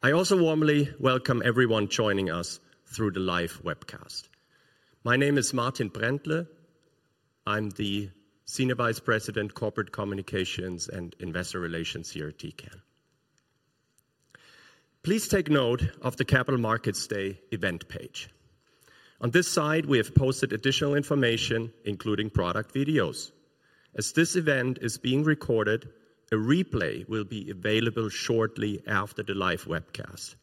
I also warmly welcome everyone joining us through the live webcast. My name is Martin Brändle. I'm the Senior Vice President, Corporate Communications and Investor Relations here at Tecan. Please take note of the Capital Markets Day event page on this site. We have posted additional information including product videos as this event is being recorded. A replay will be available shortly after the live webcast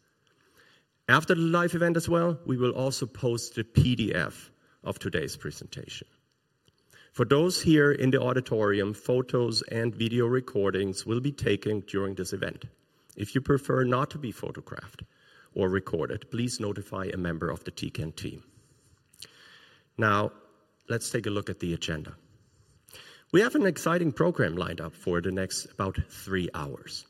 after the live event as well, we will also post the PDF of today's presentation for those here in the auditorium. Photos and video recordings will be taken during this event. If you prefer not to be photographed or recorded, please notify a member of the Tecan team. Now let's take a look at the agenda. We have an exciting program lined up for the next about three hours.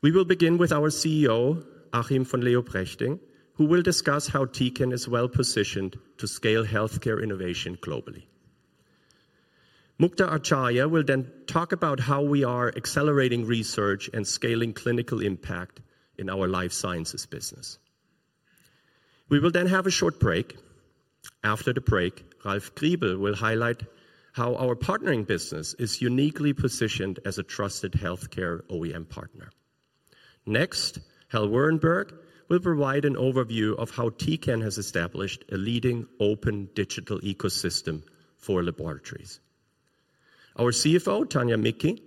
We will begin with our CEO Achim von Leoprechting, who will discuss how Tecan is well positioned to scale healthcare innovation globally. Mukta Acharya will then talk about how we are accelerating research and scaling clinical impact in our life sciences business. We will then have a short break. After the break, Ralf Griebel will highlight how our partnering business is uniquely positioned as a trusted healthcare OEM partner. Next, Hal Wehrenberg will provide an overview of how Tecan has established a leading open digital ecosystem for laboratories. Our CFO Tania Micki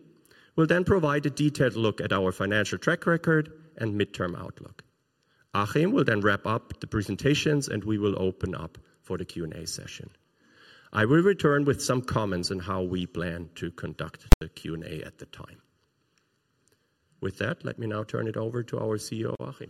will then provide a detailed look at our financial track record and midterm outlook. Achim will then wrap up the presentations and we will open up for the Q and A session. I will return with some comments on how we plan to conduct the Q and A at the time. With that, let me now turn it over to our CEO Achim.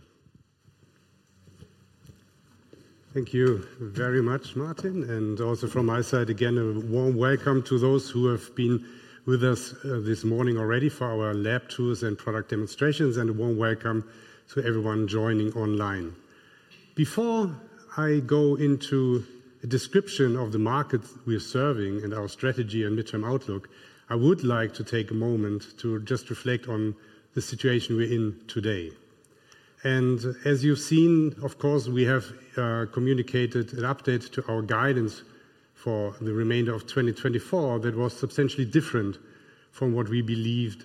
Thank you very much, Martin, and also from my side again, a warm welcome to those who have been with us this morning already for our lab tours and product demonstrations and a warm welcome to everyone joining online. Before I go into a description of the market we are serving and our strategy and midterm outlook, I would like to take a moment to just reflect on the situation we're in today, and as you've seen, of course we have communicated an update to our guidance for the remainder of 2024 that was substantially different from what we believed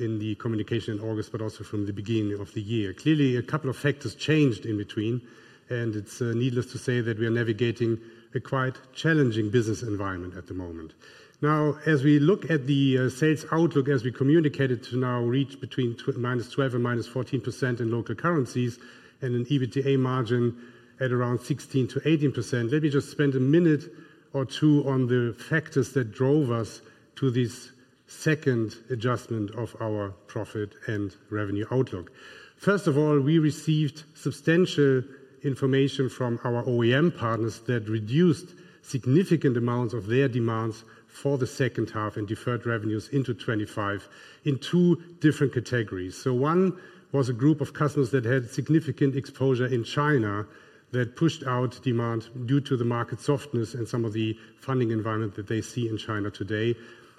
in the communication in August, but also from the beginning of the year. Clearly a couple of factors changed in between and it's needless to say that we are navigating a quite challenging business environment at the moment. Now as we look at the sales outlook as we communicated to now reach between -12% and -14% in local currencies and an EBITDA margin at around 16%-18%. Let me just spend a minute or two on the factors that drove us to this second adjustment of our profit and revenue outlook. First of all, we received substantial information from our OEM partners that reduced significant amounts of their demands for the second half and deferred revenues into 2025 in two different categories. So one was a group of customers that had significant exposure in China that pushed out demand due to the market softness and some of the funding environment that they see in China today.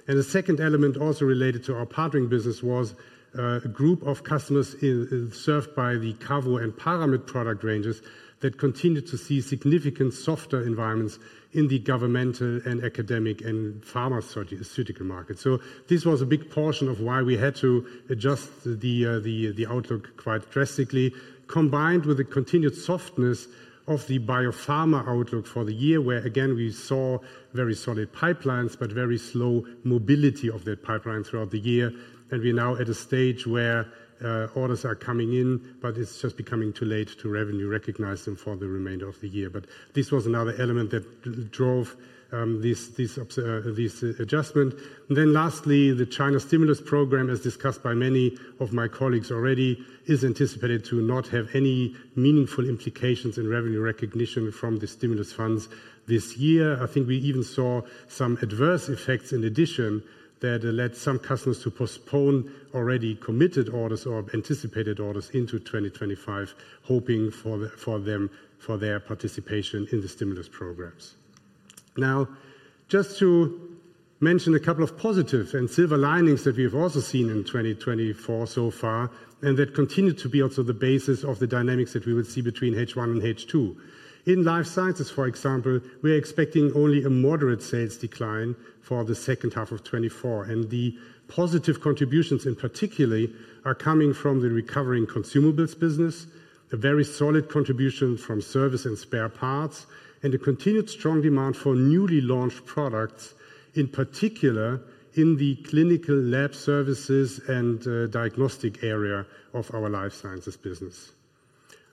The second element, also related to our partnering business, was a group of customers served by the Cavro and Paramit product ranges that continued to see significant softer environments in the governmental and academic and pharmaceutical market. This was a big portion of why we had to adjust the outlook quite drastically, combined with the continued softness of the biopharma outlook for the year, where again we saw very solid pipelines but very slow mobility of that pipeline throughout the year. We're now at a stage where orders are coming in but it's just becoming too late to revenue recognize them for the remainder of the year. This was another element that drove this adjustment. Lastly, the China stimulus program as discussed by many of my colleagues already is anticipated to not have any meaningful implications in revenue recognition from the stimulus funds this year. I think we even saw some adverse effects in addition that led some customers to postpone already committed orders or anticipated orders into 2025, hoping for their participation in the stimulus programs. Now just to mention a couple of positive and silver linings that we have also seen in 2024 so far and that continue to be also the basis of the dynamics that we will see between H1 and H2 in life sciences. For example, we are expecting only a moderate sales decline for 2H24 and the positive contributions in particular are coming from the recovering consumables business, a very solid contribution from service and spare parts and a continued strong demand for newly launched products, in particular in the clinical lab services and diagnostic area of our life sciences business.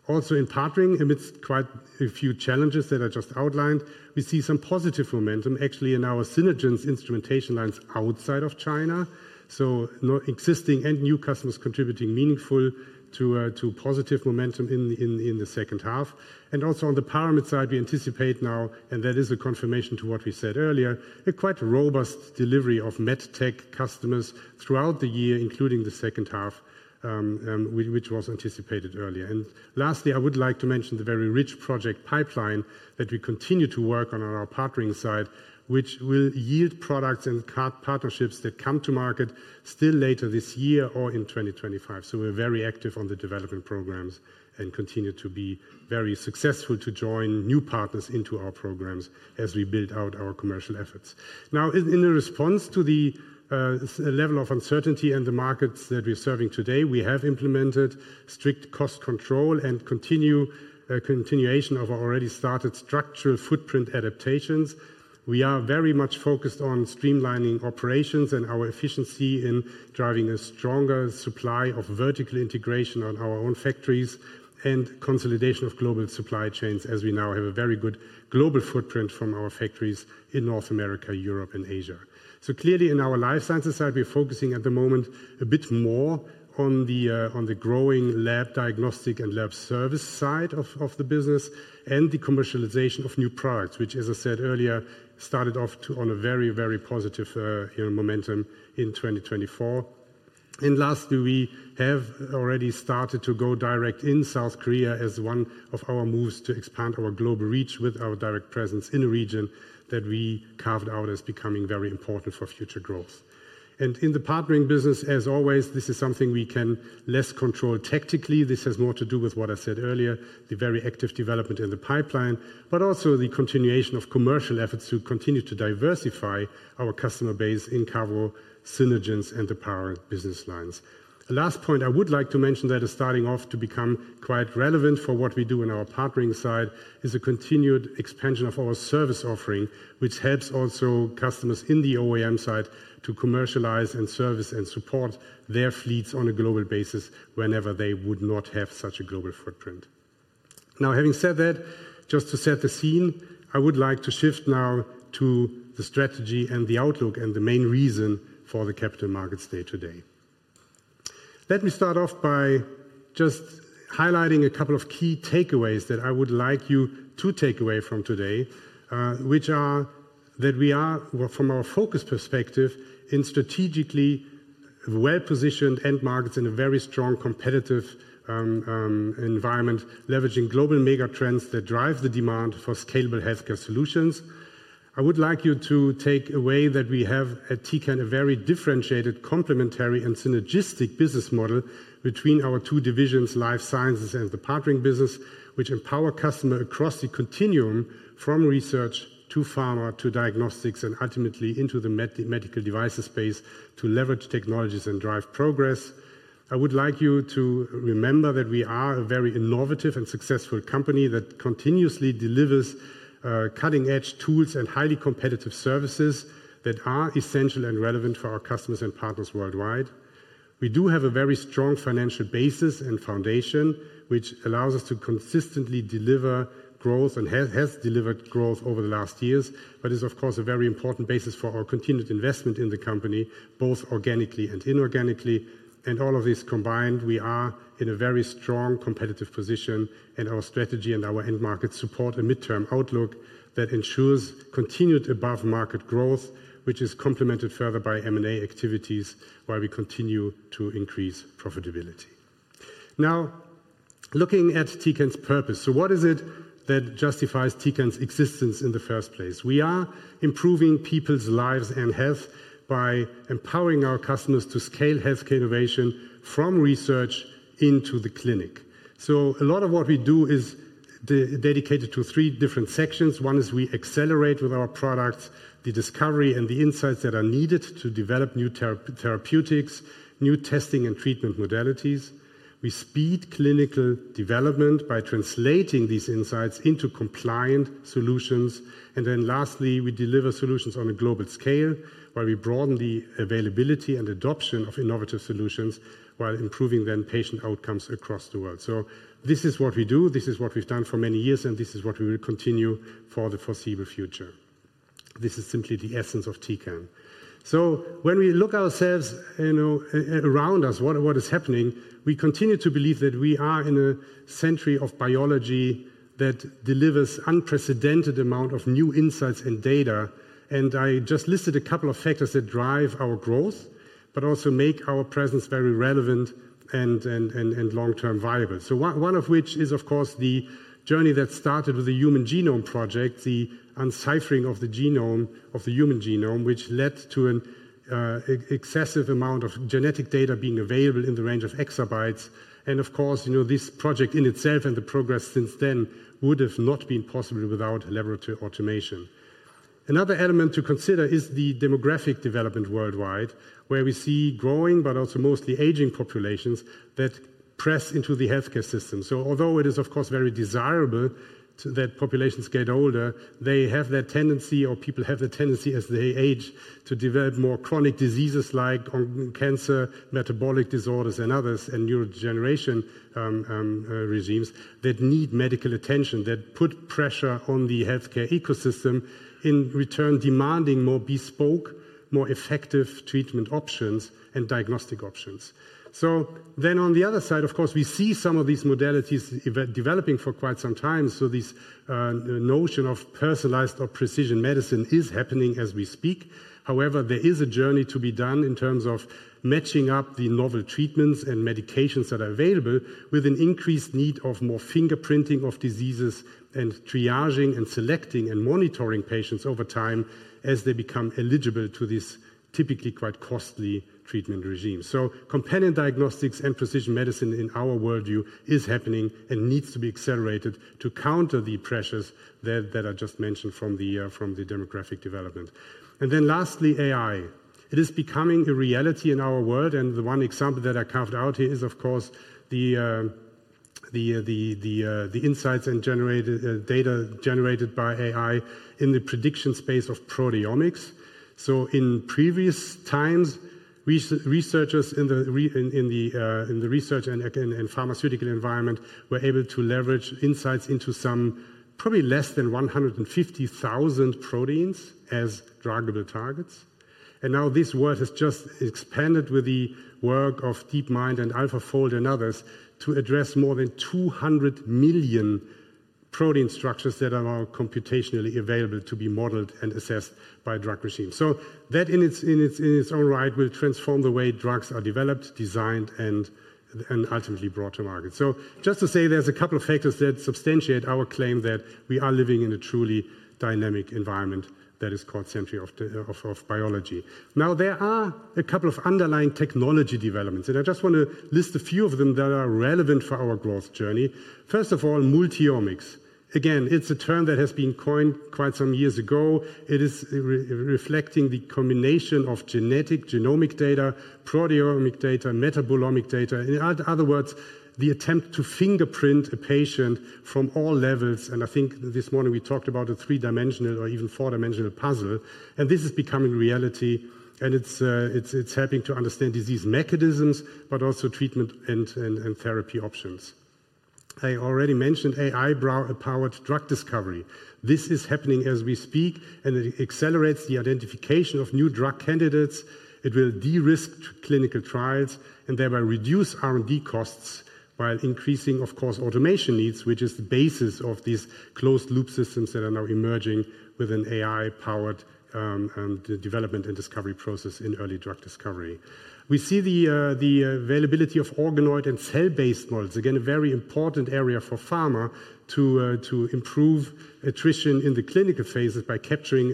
Also, in partnering, amidst quite a few challenges that I just outlined, we see some positive momentum actually in our Synergence instrumentation lines outside of China. So existing and new customers contributing meaningfully to positive momentum in the second half. And also on the Paramit side we anticipate now, and that is a confirmation to what we said earlier, a quite robust delivery of MedTech customers throughout the year, including the second half which was anticipated earlier. And lastly I would like to mention the very rich project pipeline that we continue to work on in our partnering side which will yield products and core partnerships that come to market still later this year or in 2025. So we're very active on the development programs and continue to be very successful in joining new partners into our programs as we build out our commercial efforts. Now in response to the level of uncertainty in the markets that we're serving today, we have implemented strict cost control and continuation of already started structural footprint adaptations. We are very much focused on streamlining operations and our efficiency in driving a stronger supply of vertical integration on our own factories and consolidation of global supply chains as we now have a very good global footprint from our factories in North America, Europe and Asia. So clearly in our life sciences side we're focusing at the moment a bit more on the growing lab diagnostic and lab service side of the business and the commercialization of new products which as I said earlier, started off on a very, very positive momentum in 2024. And lastly, we have already started to go direct in South Korea as one of our moves to expand our global reach with our direct presence in a region that we carved out as becoming very important for future growth and in the Partnering Business. As always, this is something we can less control. Tactically this has more to do with what I said earlier, the very active development in the pipeline, but also the continuation of commercial efforts to continue to diversify our customer base in Cavro, Synergence, and the Paramit business lines. The last point I would like to mention that is starting off to become quite relevant for what we do in our partnering side is a continued expansion of our service offering, which helps also customers in the OEM side to commercialize and service and support their fleets on a global basis whenever they would not have such a global footprint. Now having said that, just to set the scene, I would like to shift now to the strategy and the outlook and the main reason for the capital markets day today. Let me start off by just highlighting a couple of key takeaways that I would like you to take away from today, which are that we are, from our focus perspective, in strategically well positioned end markets in a very strong competitive environment, leveraging global megatrends that drive the demand for scalable healthcare solutions. I would like you to take away that we have at Tecan a very differentiated complementary and synergistic business model between our two divisions, Life Sciences and the partnering business which empower customer across the continuum from research to pharma to diagnostics and ultimately into the medical devices space to leverage technologies and drive progress. I would like you to remember that we are a very innovative and successful company that continuously delivers cutting edge tools and highly competitive services that are essential and relevant for our customers and partners worldwide. We do have a very strong financial basis and foundation which allows us to consistently deliver growth and has delivered growth over the last years, but is of course a very important basis for our continued investment in the company both organically and inorganically. All of this combined, we are in a very strong competitive position, and our strategy and our end market support a mid-term outlook that ensures continued above-market growth, which is complemented further by M and A activities while we continue to increase profitability. Now, looking at Tecan's purpose, so what is it that justifies Tecan's existence in the first place? We are exactly improving people's lives and health by empowering our customers to scale healthcare innovation from research into the clinic. A lot of what we do is dedicated to three different sections. One is we accelerate with our products the discovery and the insights that are needed to develop new therapeutics, new testing and treatment modalities. We speed clinical development by translating these insights into compliant scientific solutions. Then lastly we deliver solutions on a global scale where we broaden the availability and adoption of innovative solutions while improving the patient outcomes across the world. This is what we do, this is what we've done for many years and this is what we will continue for the foreseeable future. This is simply the essence of Tecan. When we look around ourselves, you know, around us, what is happening, we continue to believe that we are in a century of biology that delivers unprecedented amount of new insights and data. I just listed a couple of factors that drive our growth but also make our presence very relevant and long term viable. So one of which is of course the journey that started with the Human Genome Project, the deciphering of the human genome, which led to an excessive amount of genetic data being available in the range of exabytes. And of course this project in itself and the progress since then would have not been possible without laboratory automation. Another element to consider is the demographic development worldwide where we see growing but also mostly aging populations that press into the healthcare system. So although it is of course very desirable that populations get older, they have that tendency or people have the tendency as they age to develop more chronic diseases like cancer, metabolic disorders and others, and neurodegenerative diseases that need medical attention that put pressure on the healthcare ecosystem in return, demanding more bespoke, more effective treatment options and diagnostic options. So then on the other side of course we see some of these modalities developing for quite some time. This notion of personalized or precision medicine is happening as we speak. However, there is a journey to be done in terms of matching up the novel treatments and medications that are available, with an increased need of more fingerprinting of diseases and triaging and selecting and monitoring patients over time as they become eligible to this typically quite costly treatment regime. Companion diagnostics and precision medicine in our worldview is happening and needs to be accelerated to counter the pressures that I just mentioned from the demographic development. Then lastly AI, it is becoming a reality in our world. The one example that I carved out here is of course the insights and generated data generated by AI in the prediction space of proteomics. So in previous times, researchers in the research and pharmaceutical environment were able to leverage insights into some, probably less than 150,000 proteins as druggable targets. And now this world has just expanded with the work of DeepMind and AlphaFold and others to address more than 200 million protein structures that are computationally available to be modeled and assessed by drug regimes. So that in its own right will transform the way drugs are developed to, designed and ultimately brought to market. So, just to say, there's a couple of factors that substantiate our claim that we are living in a truly dynamic environment that is called century of Biology. Now, there are a couple of underlying technology developments and I just want to list a few of them that are relevant for our growth journey. First of all, multiomics. Again, it's a term that has been coined quite some years ago. It is reflecting the combination of genetic genomic data, proteomic data, metabolomic data, in other words, the attempt to fingerprint a patient from all levels. And I think this morning we talked about a three-dimensional or even four-dimensional puzzle and this is becoming reality and it's helping to understand disease mechanisms, but also treatment and therapy options. I already mentioned AI-powered drug discovery. This is happening as we speak and it accelerates the identification of new drug candidates. It will de-risk clinical trials and thereby reduce R and D costs, while increasing of course automation needs, which is the basis of these closed-loop systems that are now emerging with an AI-powered development and discovery process. In early drug discovery we see the availability of organoid and cell based models, again a very important area for pharma to improve attrition in the clinical phases by capturing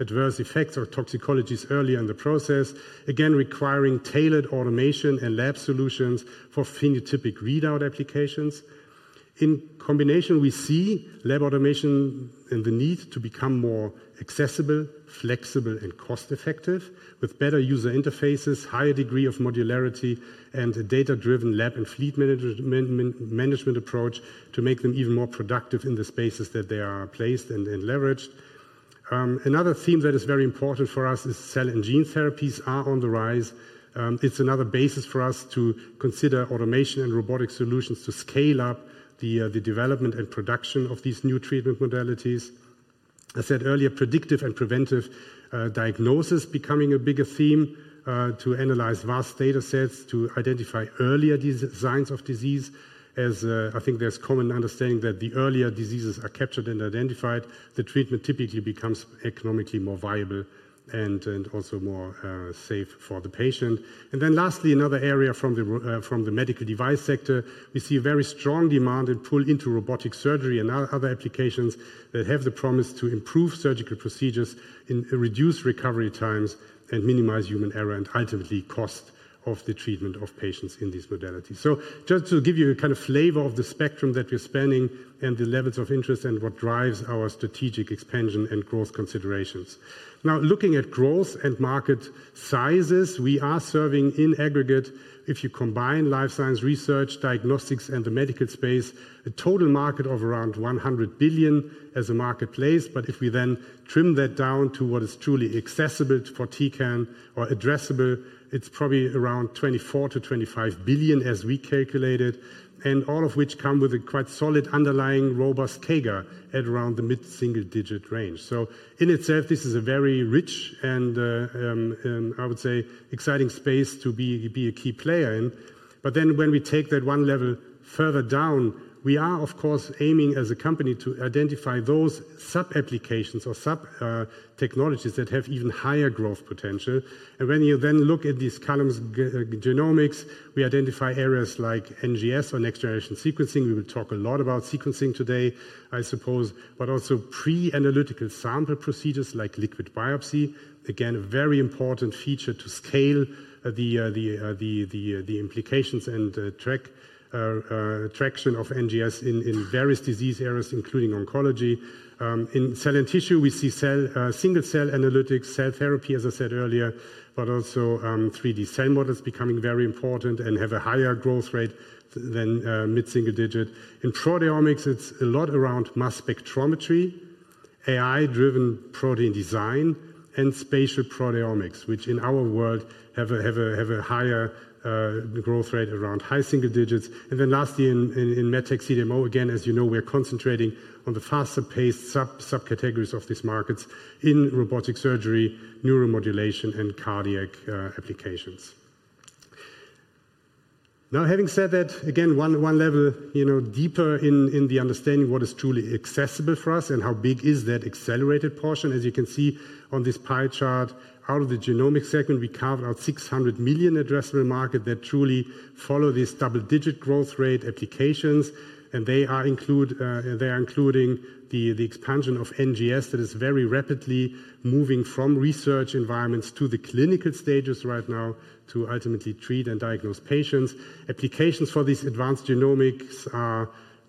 adverse effects or toxicologies earlier in the process, again requiring tailored automation and lab solutions for phenotypic readout applications. In combination, we see lab automation and the need to become more accessible, flexible and cost effective with better user interfaces, higher degree of modularity and data driven lab and fleet management approach to make them even more productive in the spaces that they are placed and leveraged. Another theme that is very important for us is cell and gene therapies are on the rise. It's another basis for us to consider automation and robotic solutions to scale up the development and production of these new treatment modalities. I said earlier, predictive and preventive diagnosis becoming a bigger theme to analyze vast data sets to identify earlier signs of disease. As I think there's common understanding that the earlier diseases are captured and identified, the treatment typically becomes economically more viable and also more safe for the patient. And then lastly another area from the medical device sector, we see a very strong demand and pull into robotic surgery and other applications that have the promise to improve surgical procedures in reduced recovery times and minimize human error and ultimately cost of the treatment of patients in these modalities. So just to give you a kind of flavor of the spectrum that we're spending and the levels of interest and what drives our strategic expansion and growth considerations, now looking at growth and market sizes, we are serving in aggregate if you combine life science research, diagnostics and the medical space, a total market of around 100 billion as a marketplace. But if we then trim that down to what is truly accessible for Tecan or addressable, it's probably around 24-25 billion as we calculated and all of which come with a quite solid underlying robust CAGR at around the mid single digit range. So in itself this is a very rich and I would say exciting space to be a key player in. But then when we take that one level further down, we are of course aiming as a company to identify those sub applications or sub technologies that have even higher growth potential. And when you then look at these columns, genomics, we identify areas like NGS or next generation sequencing. We will talk a lot about sequencing today I suppose, but also pre-analytical sample procedures like liquid biopsy. Again a very important feature to scale. This implies indications and traction of NGS in various disease areas including oncology. In cell and tissue we see single cell analytics, cell therapy as I said earlier, but also 3D cell models becoming very important and have a higher growth rate than mid single digit. In proteomics it's a lot around mass spectrometry, AI-driven protein design and spatial proteomics which in our world have a higher growth rate around high single digits. Then lastly in medtech, CDMO. Again as you know we are concentrating on the faster paced subcategories of these markets in robotic surgery, neuromodulation and cardiac applications. Now having said that, again one level deeper in the understanding what is truly accessible for us and how big is that accessible accelerated portion. As you can see on this pie chart, out of the genomic segment we carved out 600 million addressable market that truly follow these double digit growth rate applications and they are including the expansion of NGS that is very rapidly moving from research environments to the clinical stages right now to ultimately treat and diagnose patients. Applications for these advanced genomics,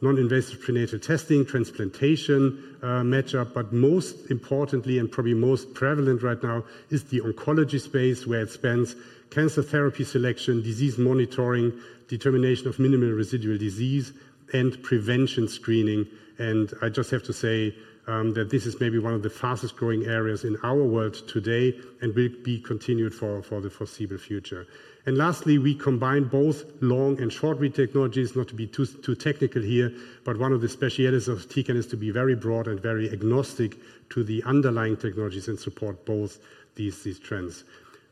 noninvasive prenatal testing, transplantation match up. But most importantly and probably most prevalent right now is the oncology space where it spans cancer therapy selection, disease monitoring, determination of minimal residual disease and prevention screening. And I just have to say that this is maybe one of the fastest growing areas in our world today and will be continued for the foreseeable future. And lastly we combine both long and short read technologies. Not to be too technical here, but one of the specialties of Tecan is to be very broad and very agnostic to the underlying technologies and support both these trends.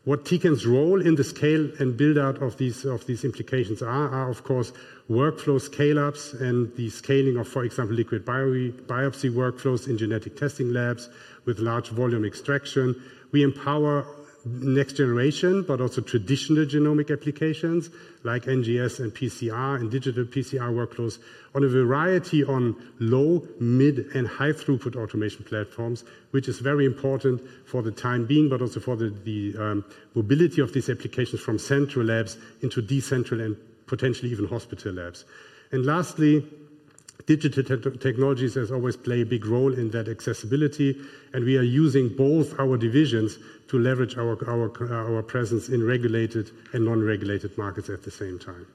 What Tecan's role in the scale and build out of these implications are of course workflow scale ups and the scaling of e.g. liquid biopsy workflows in genetic testing labs with large volume extraction. We empower next-generation but also traditional genomic applications like NGS and PCR and digital PCR workflows on a variety of low-, mid-, and high-throughput automation platforms, which is very important for the time being but also for the mobility of these applications from central labs into decentralized and potentially even hospital labs. Lastly, digital technologies as always play a big role in that accessibility, and we are using both our divisions to leverage our presence in regulated and non-regulated markets. At the same time,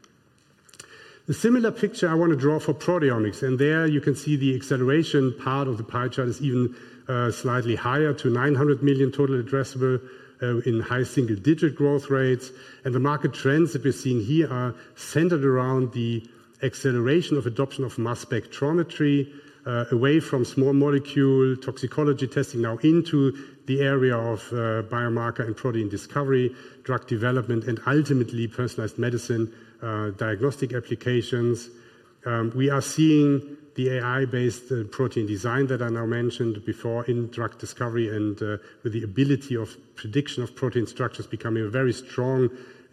the similar picture I want to draw for proteomics, and there you can see the acceleration part of the pie chart is even slightly higher to 900 million total addressable in high single-digit growth rates. The market trends that we're seeing here are centered around the acceleration of adoption of mass spectrometry away from small molecule toxicology testing. Now into the area of biomarker and protein discovery, drug development and ultimately personalized medicine diagnostic applications. We are seeing the AI-based protein design that I now mentioned before in drug discovery and with the ability of prediction of protein structures becoming a very strong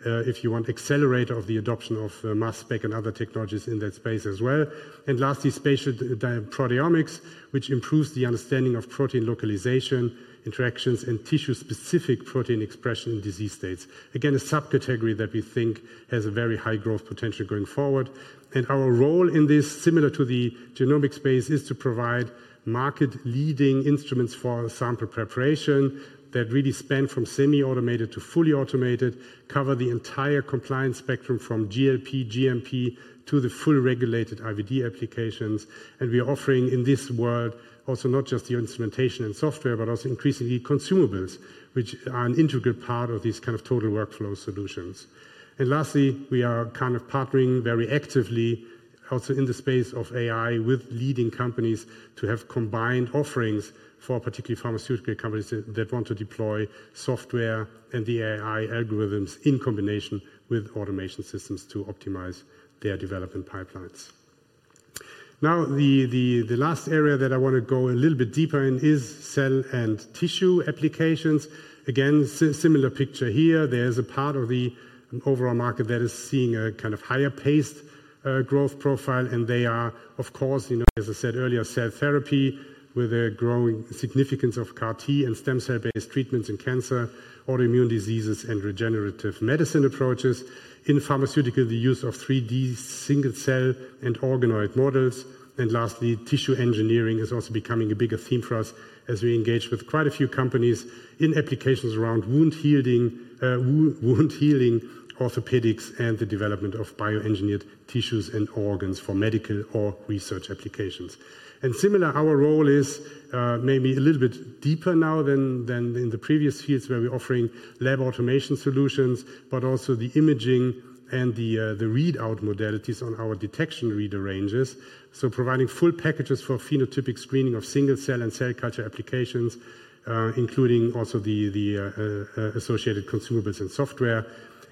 if you want accelerator of the adoption of mass spec and other technologies in that space as well, and lastly, spatial proteomics which improves the understanding of protein localization interactions and tissue-specific protein expression in disease states. Again a subcategory that we think has a very high growth potential going forward, and our role in this, similar to the genomic space, is to provide market-leading instruments for sample preparation that really span from semi-automated to fully automated, cover the entire compliance spectrum from GLP, GMP to the full regulated IVD applications. We are offering in this world also not just the instrumentation and software, but also increasingly consumables which are an integral part of these kind of total workflow solutions. Lastly we are kind of partnering very actively also in the space of AI with leading companies to have combined offerings for particularly pharmaceutical companies that want to deploy software and the AI algorithms in combination with automation systems to optimize their development pipelines. Now the last area that I want to go a little bit deeper in is cell and tissue applications. Again similar picture here. There's a part of the overall market that is seeing a kind of higher paced growth profile and they are of course, you know, as I said earlier, cell therapy with a growing significance of CAR T and stem cell based treatments in cancer, autoimmune diseases and regenerative medicine approaches in pharmaceutical, the use of 3D, single cell and organoid models, and lastly, tissue engineering is also becoming a bigger theme for us as we engage with quite a few companies in applications around wound healing, orthopedics and the development of bioengineered tissues and organs for medical or research applications and similar. Our role is maybe a little bit deeper now than in the previous fields where we're offering lab automation solutions, but also the imaging and the readout modalities on our detection reader ranges. Providing full packages for phenotypic screening of single cell and cell culture applications, including also the associated consumables and software.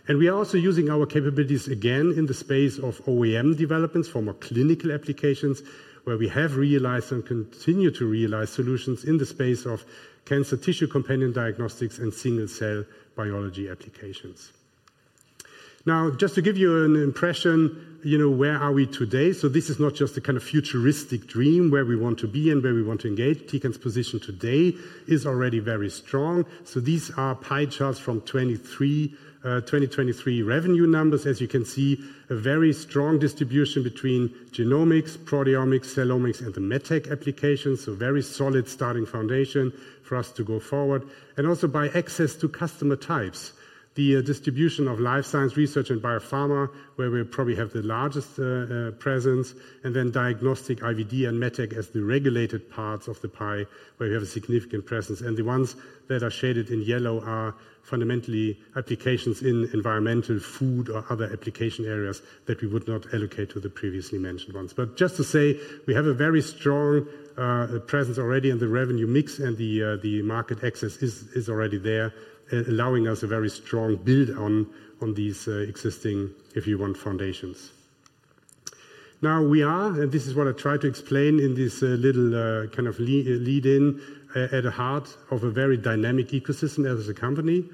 And we are also using our capabilities again in the space of OEM developments for more clinical applications where we have realized and continue to realize solutions in the space of cancer tissue companion diagnostics and single cell biology applications. Now, just to give you an impression, you know, where are we today? This is not just a kind of futuristic dream where we want to be and where we want to engage. Tecan's position today is already very strong. These are pie charts from 2023 revenue numbers. As you can see, a very strong distribution between genomics, proteomics, cellomics and the medtech applications. So, very solid starting foundation for us to go forward and also by access to customer types, the distribution of life science research and biopharma where we probably have the largest presence. And then diagnostic IVD and MedTech as the regulated parts of the pie where you have a significant presence, and the ones that are shaded in yellow are fundamentally applications in environmental, food or other application areas that we would not allocate to the previously mentioned ones. But just to say we have a very strong presence already in the revenue mix, and the market access is already there allowing us a very strong build on these existing key foundations. Now we are, and this is what I try to explain in this little kind of lead in at the heart of a very dynamic ecosystem. As a company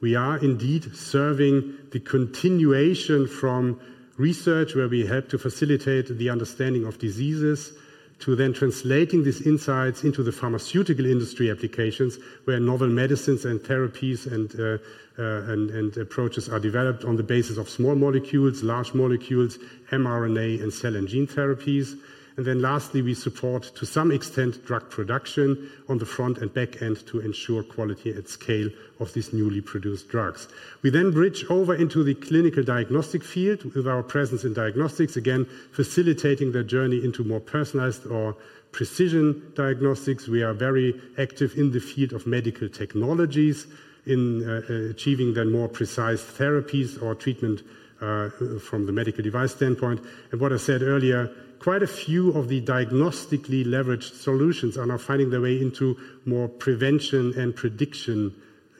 we are indeed serving the continuation from research where we have to facilitate the understanding of diseases to then translating these insights into the pharmaceutical industry applications where novel medicines and therapies and approaches are developed on the basis of small molecules, large molecules mRNA and cell and gene therapies. And then lastly we support to some extent drug production on the front and back end to ensure quality at scale of these newly produced drugs. We then bridge over into the clinical diagnostic field with our presence in diagnostics again facilitating the journey into more personalized or precision diagnostics. We are very active in the field of medical technologies in achieving them more precise the therapies or treatment from the medical device standpoint, and what I said earlier, quite a few of the diagnostically leveraged solutions are now finding their way into more prevention and prediction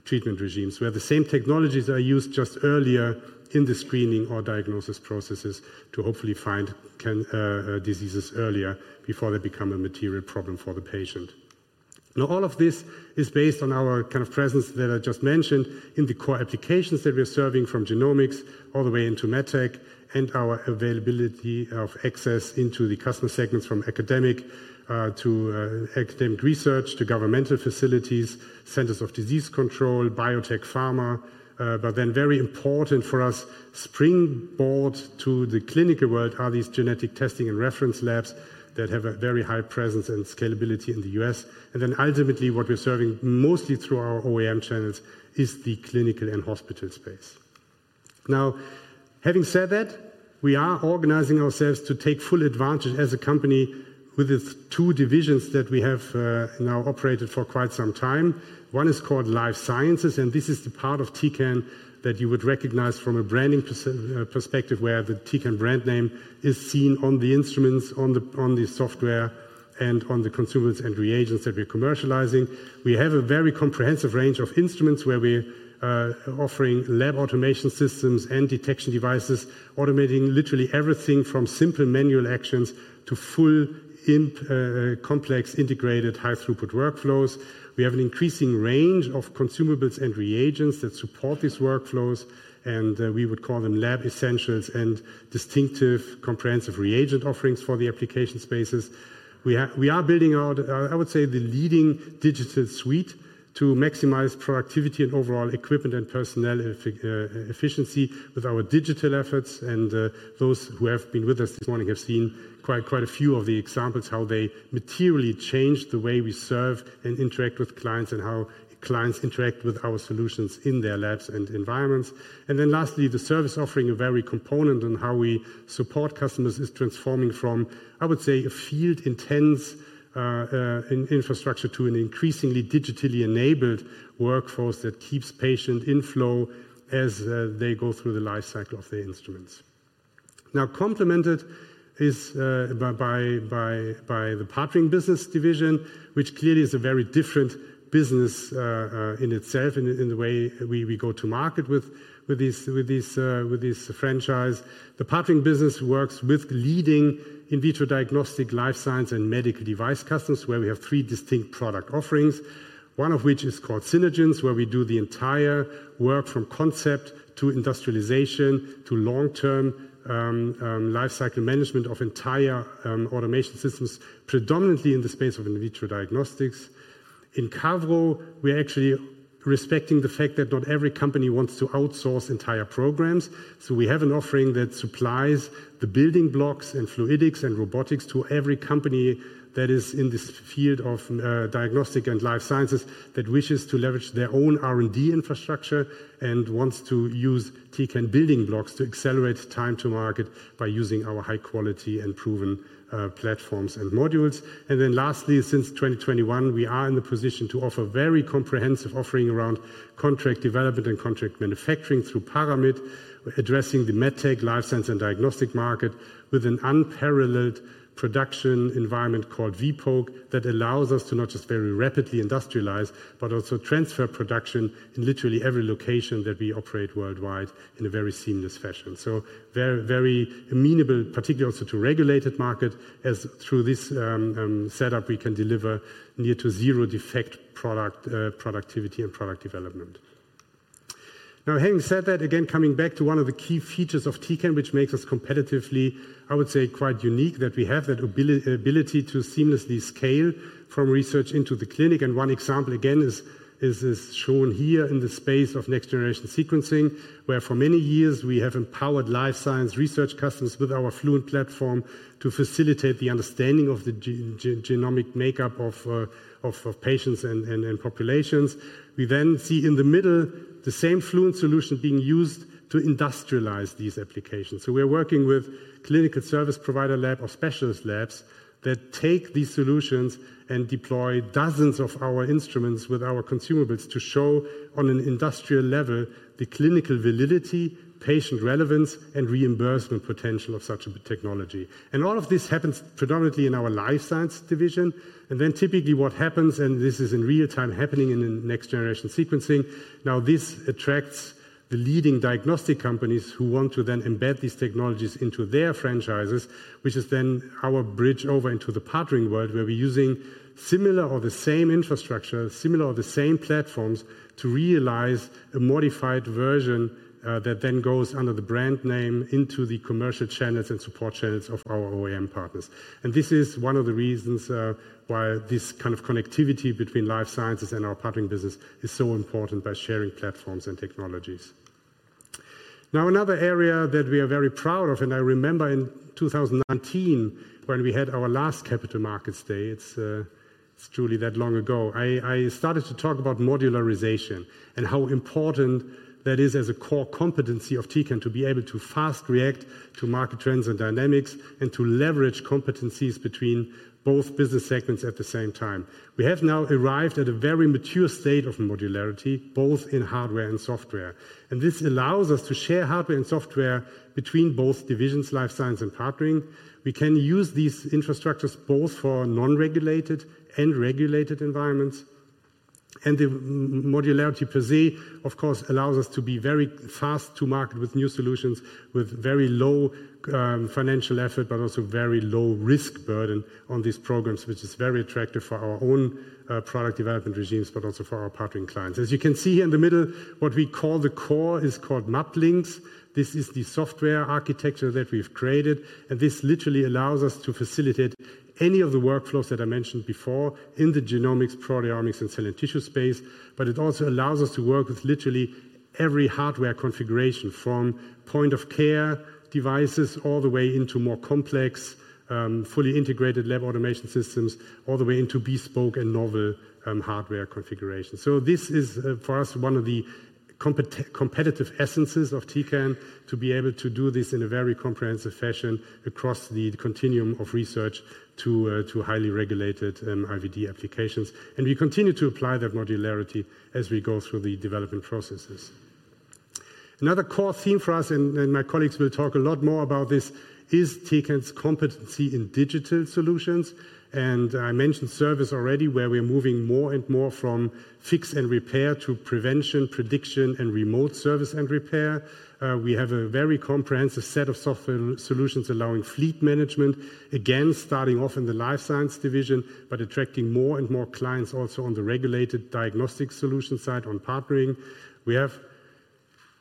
treatment regimes where the same technologies are used just earlier in the screening or diagnosis processes to hopefully find diseases earlier before they become a material problem for the patient. Now all of this is based on our kind of presence that I just mentioned in the core applications that we are serving from genomics all the way into medtech and our availability of access into the customer segments from academia to academic research to governmental facilities, Centers for Disease Control, biotech, pharma. But then very important for us springboard to the clinical world are these genetic testing and reference labs that have a very high presence and scalability in the U.S. And then ultimately what we're serving mostly through our OEM channels is the clinical and hospital space. Now having said that, we are organizing ourselves to take full advantage as a company with its two divisions that we have now operated for quite some time. One is called Life Sciences and this is the part of Tecan that you would recognize from a branding perspective where the Tecan brand name is seen on the instruments, on the, on the software and on the consumables and reagents that we're commercializing. We have a very comprehensive range of instruments where we're offering lab automation systems and detection devices, automating literally everything from simple manual actions to fully integrated complex high-throughput workflows. We have an increasing range of consumables and reagents that support these workflows and we would call them lab essentials and distinctive comprehensive reagent offerings for the application spaces. We are building out, I would say, the leading digital suite to maximize productivity and overall equipment and personnel efficiency with our digital efforts and those who have been with us this morning have seen quite a few of the examples of how they materially change the way we serve and interact with clients and how clients interact with our solutions in their labs and environments. Then lastly, the service offering, a very important component of how we support customers, is transforming from, I would say, a field-intensive infrastructure to an increasingly digitally enabled workforce that keeps patients in flow as they go through the life cycle of the instruments. Now complemented by the Partnering Business division, which clearly is a very different business in itself in the way we go to market with this franchise. The Partnering Business works with leading in vitro diagnostic, life science, and medical device customers, where we have three distinct product offerings, one of which is called Synergence, where we do the entire work from concept to industrialization to long-term life cycle management of entire automation systems predominantly in the space of in vitro diagnostics. In Cavro, we are actually respecting the fact that not every company wants to outsource entire programs. So we have an offering that supplies the building blocks and fluidics and robotics to every company that is in this field of diagnostic and life sciences that wishes to leverage their own R and D infrastructure and wants to use Tecan building blocks to accelerate time to market by using our high quality and proven platforms and modules. And then lastly, since 2021 we are in the position to offer very comprehensive offering around contract development and contract manufacturing through Paramit addressing the medtech life sciences and diagnostic market with an unparalleled production environment called vPoke that allows us to not just very rapidly industrialize but also transfer production in literally every location that we operate worldwide in a very seamless fashion. So very very amenable, particularly also to regulated market as through this setup we can deliver near to zero defect productivity and product development. Now having said that, again coming back to one of the key features of Tecan which makes us competitively I would say quite unique that we have that ability to seamlessly scale from research into the clinic. And one example again is shown here in the space of next generation sequencing, where for many years we have empowered life science research customers with our Fluent platform to facilitate the understanding of the genomic makeup of patients and populations. We then see in the middle the same Fluent solution being used to industrialize these applications. So we are working with clinical service provider, lab or specialist labs that take these solutions and deploy dozens of our instruments with our consumables to show on an industrial level the clinical validity, patient relevance and reimbursement potential of such a technology. And all of this happens predominantly in our life science division. And then typically what happens, and this is in real time happening in next generation sequencing. Now this attracts the leading diagnostic companies who want to then embed these technologies into their franchises and which is then our bridge over into the partnering world where we're using similar or the same infrastructure, similar or the same platforms to realize a modified version that then goes under the brand name into the commercial channels and support channels of our OEM partners. And this is one of the reasons why this kind of connectivity between life sciences and our partnering business is so important by sharing platforms and technologies now, another area that we are very proud of. And I remember in 2019 when we had our last Capital Markets Day. It's truly that long ago. I started to talk about modularization and how important that is as a core competency of Tecan to be able to fast react to market trends and dynamics and to leverage competencies between both business segments at the same time. We have now arrived at a very mature state of modularity, both in hardware and software. And this allows us to share hardware and software between both divisions, life science and partnering. We can use these infrastructures both for non-regulated and regulated environments. And the modularity per se of course allows us to be very fast to market with new solutions with very low financial effort, but also very low risk burden on these programs, which is very attractive for our own product development regimes, but also for our partnering clients. As you can see in the middle, what we call the core is called MAPlinx. This is the software architecture that we've created. And this literally allows us to facilitate any of the workflows that I mentioned before in the genomics, proteomics and cell and tissue space. But it also allows us to work with literally every hardware configuration from point of care devices all the way into more complex fully integrated lab automation systems, all the way into bespoke and novel hardware configuration. So this is for us one of the competitive essences of Tecan to be able to do this in a very comprehensive fashion across the continuum of research to highly regulated IVD applications. And we continue to apply that modularity as we go through the development processes. Another core theme for us and my colleagues will talk a lot more about this is Tecan's competency in digital solutions. And I mentioned service already where we are moving more and more from fix and repair to prevention, prediction and remote service and repair. We have a very comprehensive set of software solutions allowing fleet management again starting off in the life science division but attracting more and more clients. Also on the regulated diagnostic solution side, on partnering, we have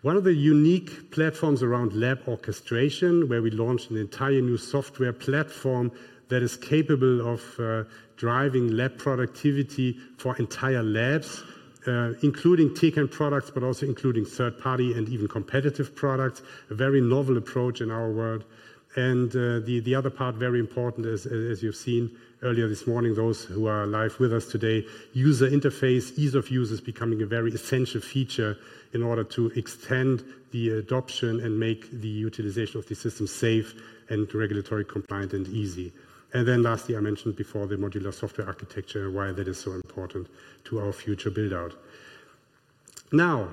one of the unique platforms around Lab Orchestration where we launched an entire new software platform that is capable of driving lab productivity for entire labs, including Tecan and products, but also including third party and even competitive products. A very novel approach in our world, and the other part, very important, as you've seen earlier this morning, those who are live with us today, user interface ease of use is becoming a very essential feature in order to extend the adoption and make the utilization of the system safe and regulatory compliant and easy. And then lastly I mentioned before the modular software architecture why that is so important to our future build out. Now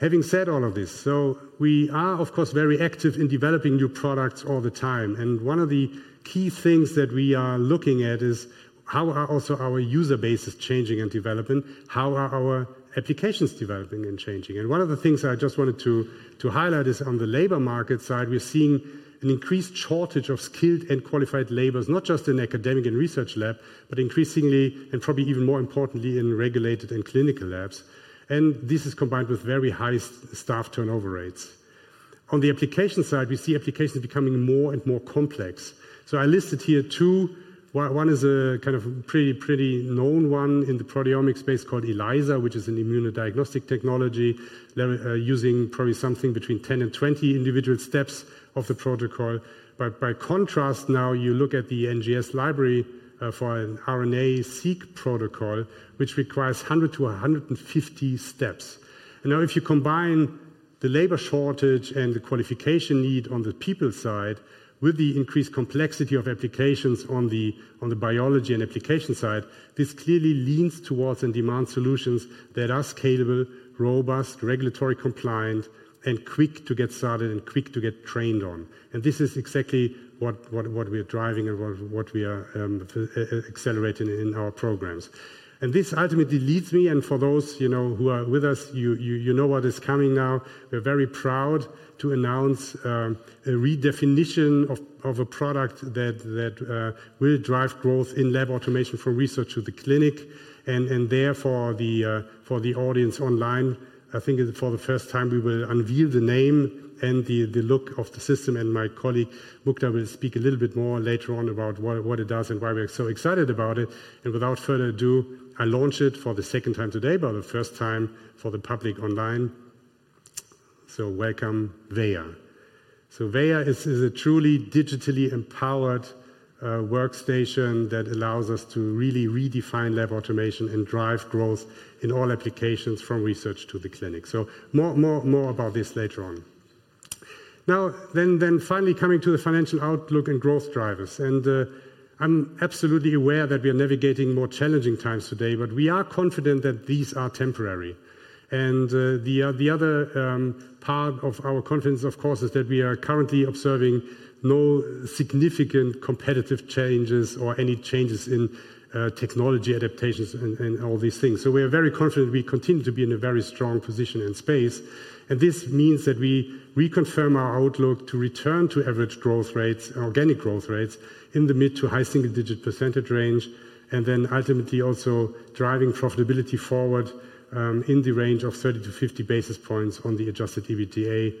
having said all of this. So we are of course very active in developing new products all the time and one of the key things that we are looking at is how are also our user bases changing and developing, how are our applications developing and changing? And one of the things I just wanted to highlight is on the labor market side we're seeing an increased shortage of skilled and qualified labors not just in academic and research lab, but increasingly and probably even more importantly in regulated and clinical labs. And this is combined with very high staff turnover rates. On the application side we see applications becoming more and more complex. So I listed here two, one is a kind of pretty, pretty known one in the proteomics space called ELISA, which is an immunodiagnostic technology using probably something between 10 and 20 individual steps of the protocol. But by contrast, now you look at the NGS library for an RNA-seq protocol which requires 100-150. Now if you combine the labor shortage and the qualification need on the people side with the increased complexity of applications on the biology and application side, this clearly leans towards a demand for solutions that are scalable, robust, regulatory compliant, and quick to get started and quick to get trained on. And this is exactly what we are driving and what we are experiencing accelerated in our programs. And this ultimately leads me, and for those you know who are with us, you, you know what is coming now. We're very proud to announce a redefinition of a product that will drive growth in lab automation for research to the clinic and therefore for the audience online. I think for the first time we will unveil the name and the look of the system, and my colleague Mukta will speak a little bit more later on about what it does and why we are so excited about it. And without further ado, I launch it for the second time today, but the first time for the public online. So welcome Veya. So Veya is a truly digitally empowered workstation that allows us to really redefine lab automation and drive growth in all applications from research to the clinic. So more about this later on. Now then finally coming to the financial outlook and growth drivers. And I'm absolutely aware that we are navigating more challenging times today, but we are confident that these are temporary. And the other part of our confidence of course is that we are currently observing no significant competitive changes or any changes in technology adaptations and all these things. So we are very confident we continue to be in a very strong, strong position in space. And this means that we reconfirm our outlook to return to average growth rates, organic growth rates in the mid- to high-single-digit % range and then ultimately also driving profitability forward in the range of 30-50 basis points on the adjusted EBITDA,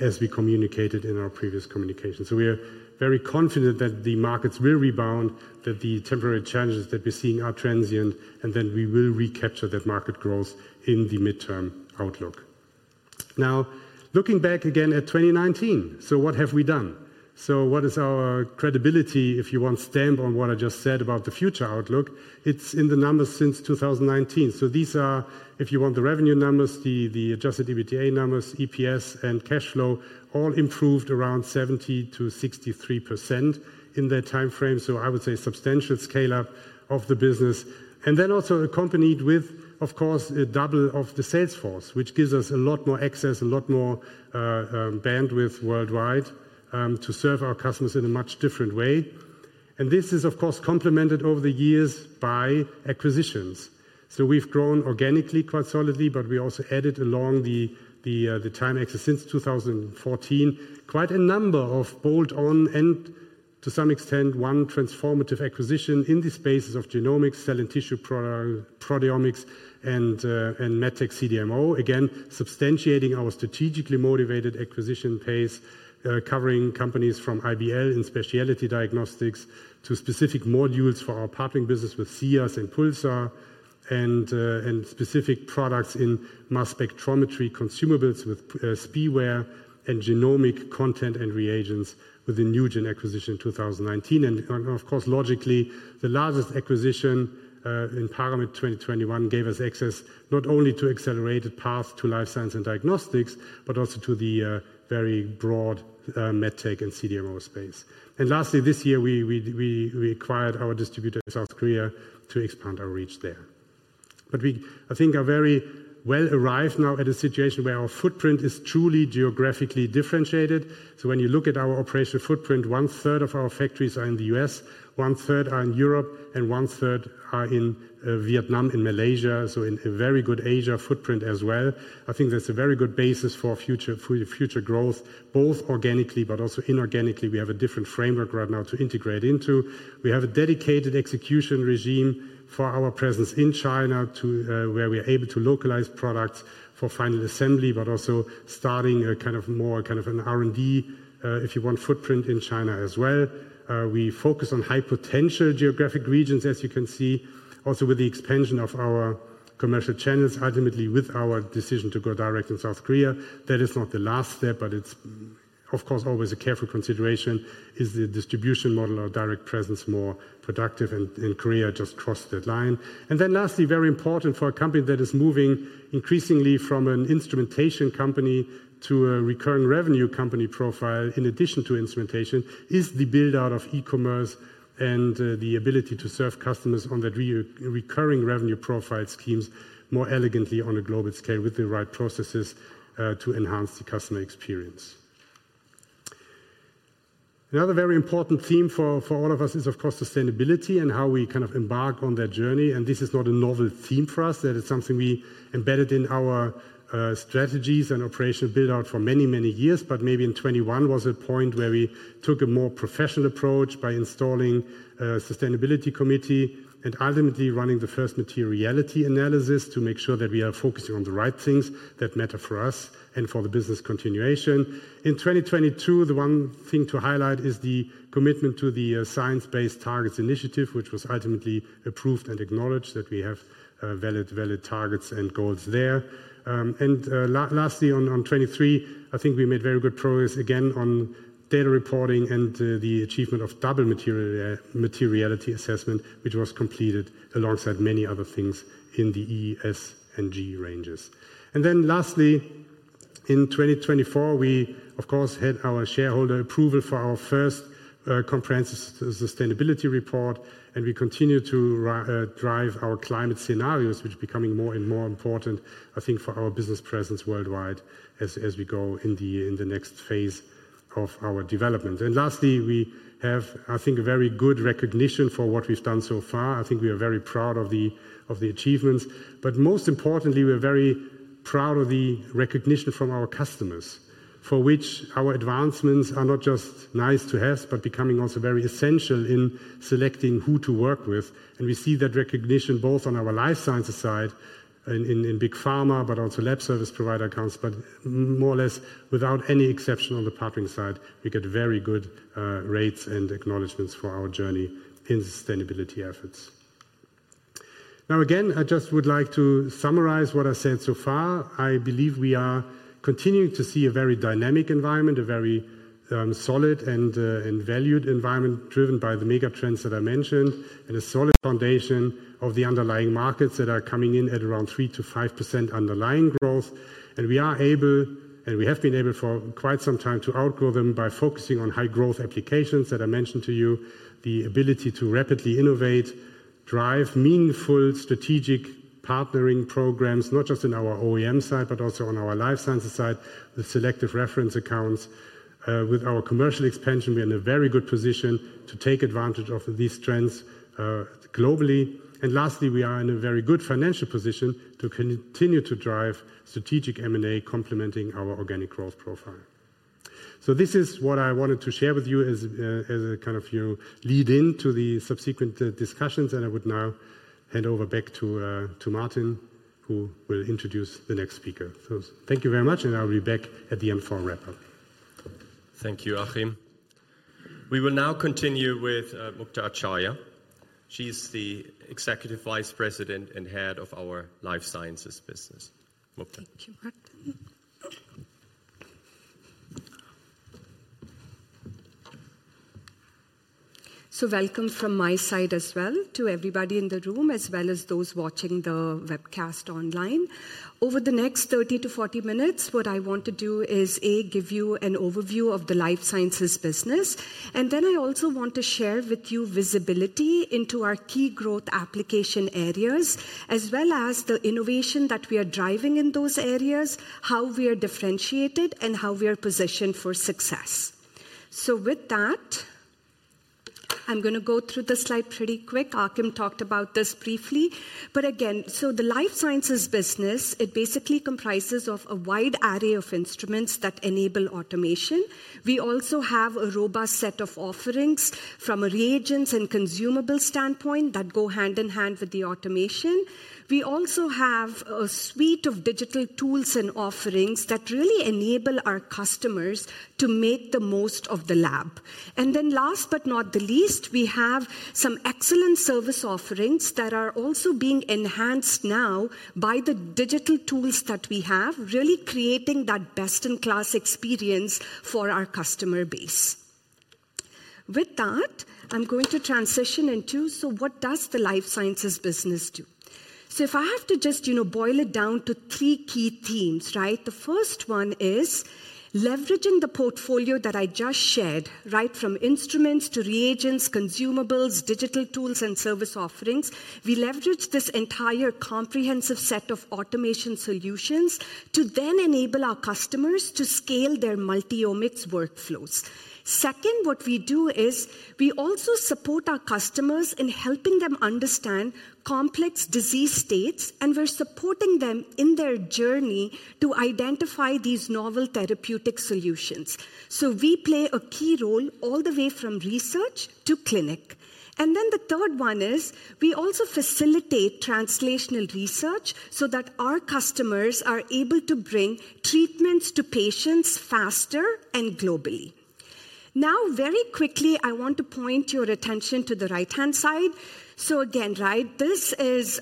as we communicated in our previous communication. So we are very confident that the markets will rebound, that the temporary challenges that we're seeing are transient and then we will recapture that market growth in the midterm outlook. Now, looking back again at 2019, so what have we done? So what is our credibility? If you want a stamp on what I just said about the future outlook, it's in the numbers since 2019. So these are if you want the revenue numbers, the adjusted EBITDA numbers, EPS and cash flow all improved around 70%-63% in that time frame. So I would say substantial scale up of the business and then also accompanied with of course double of the sales force, which gives us a lot more access, a lot more bandwidth worldwide to serve our customers in a much different way. And this is of course complemented over the years by acquisitions. So we've grown organically quite solidly, but we also added along the time axis since 2004 quite a number of bolt-on and to some extent one transformative acquisition in the spaces of genomics, cell and tissue, proteomics and MedTech CDMO. Again substantiating our strategically motivated acquisition pace, covering companies from IBL in specialty diagnostics to specific modules for our partnering business with Sias and Pulsar and specific products in mass spectrometry, consumables with SPEware and genomic content and reagents. With the NuGEN acquisition in 2019 and of course logically the largest acquisition, Paramit in 2021, gave us access not only to accelerated path to life science and diagnostics, but also to the very broad medtech and CDMO space. And lastly this year we acquired our distributor in South Korea to expand our reach there. But we, I think, are very well arrived now at a situation where our footprint is truly geographically differentiated. So when you look at our operational footprint, one-third of our factories are in the U.S., one-third are in Europe and one-third are in Vietnam, in Malaysia. In a very good Asia footprint as well, I think that's a very good basis for the future growth both organically but also inorganically. We have a different framework right now to increasingly integrate into. We have a dedicated execution regime for our presence in China to where we are able to localize products for final assembly but also starting a kind of an R&D if you want footprint in China as well. We focus on high potential geographic regions as you can see. Also with the expansion of our commercial channels, ultimately with our decision to go direct in South Korea, that is not the last step but it's of course always a careful consideration. Is the distribution model or direct presence more productive and in Korea just crossed that line. Then, lastly, very important for a company that is moving increasingly from an instrumentation company to a recurring revenue company profile. In addition to instrumentation is the build out of e-commerce and the ability to serve customers on that recurring revenue profile schemes more elegantly on a global scale with the right processes to enhance the customer experience. Another very important theme for all of us is, of course, sustainability and how we kind of embark on that journey. This is not a novel theme for us. That is something we embedded in our strategies and operational build out for many many years. But maybe in 2021 was a point where we took a more professional approach by installing a sustainability committee and ultimately running the first materiality analysis to make sure that we are focusing on the right things that matter for us and for the business. Continuation in 2022, the one thing to highlight is the commitment to the Science Based Targets initiative, which was ultimately approved and acknowledged that we have valid targets and goals there. And lastly on 2023, I think we made very good progress again on data reporting and the achievement of double materiality assessment, which was completed alongside many other things in the E, S and G ranges. And then lastly in 2024, we of course had our shareholder approval for our first comprehensive sustainability report. We continue to drive our climate scenarios which are becoming more and more important, I think, for our business presence worldwide as we go in the next phase of our development. Lastly we have, I think, a very good recognition for what we've done so far. I think we are very proud of the achievements but most importantly we're very proud of the recognition from our customers for which our advancements are not just nice to have but becoming also very essential in selecting who to work with. We see that recognition both on our life sciences side in Big Pharma, but also lab service provider accounts. More or less without any exception on the partnering side, we get very good ratings and acknowledgments for our journey in sustainability efforts. Now again, I just would like to summarize what I said so far. I believe we are continuing to see a very dynamic environment, a very solid and valued environment driven by the megatrends that I mentioned and a solid foundation of the underlying markets that are coming in at around 3%-5% underlying growth. And we are able, and we have been able for quite some time to outgrow them by focusing on high growth applications that I mentioned to you. The ability to rapidly innovate, drive meaningful strategic partnering programs not just in our OEM side but also on our life sciences side, the selective reference accounts. With our commercial expansion we are in a very good position to take advantage of these trends globally. And lastly we are in a very good financial position to continue to drive strategic M&A complementing our organic growth profile. This is what I wanted to share with you as a kind of lead in to the subsequent discussions. I would now hand over back to Martin who will introduce the next speaker. Thank you very much and I'll be back at the M4 wrap up. Thank you, Achim. We will now continue with Mukta Acharya. She's the Executive Vice President and head of our Life Sciences Business. Thank you, Martin. So welcome from my side as well to everybody in the room as well as those watching the webcast online over the next 30 to 40 minutes. What I want to do is to give you an overview of the life sciences business and then I also want to share with you visibility into our key growth application areas as well as the innovation that we are driving in those areas, how we are differentiated and how we are positioned for success. So with that I'm going to go through the slide pretty quick. Achim talked about this briefly. But again, so the life sciences business, it basically comprises of a wide array of instruments that enable automation. We also have a robust set of offerings from a reagents and consumables standpoint that go hand in hand with the automation. We also have a suite of digital tools and offerings that really enable our customers to make the most of the lab. And then last but not the least, we have some excellent service offerings that are also being enhanced now by the digital tools that we have, really creating that best in class experience for our customer base. With that, I'm going to transition into so what does the life sciences business do? So if I have to just boil it down to three key themes, the first one is leveraging the portfolio that I just shared. From instruments to reagents, consumables, digital tools and service offerings. We leverage this entire comprehensive set of automation solutions to then enable our customers to scale their multiomics workflows. Second, what we do is we also support our customers in helping them understand complex disease states and we're supporting them in their journey to identify these novel therapeutic solutions. So we play a key role all the way from research to clinic. And then the third one is we also facilitate translational research so that our customers are able to bring treatments to patients faster and globally. Now, very quickly I want to point your attention to the right hand side. So again, right, this is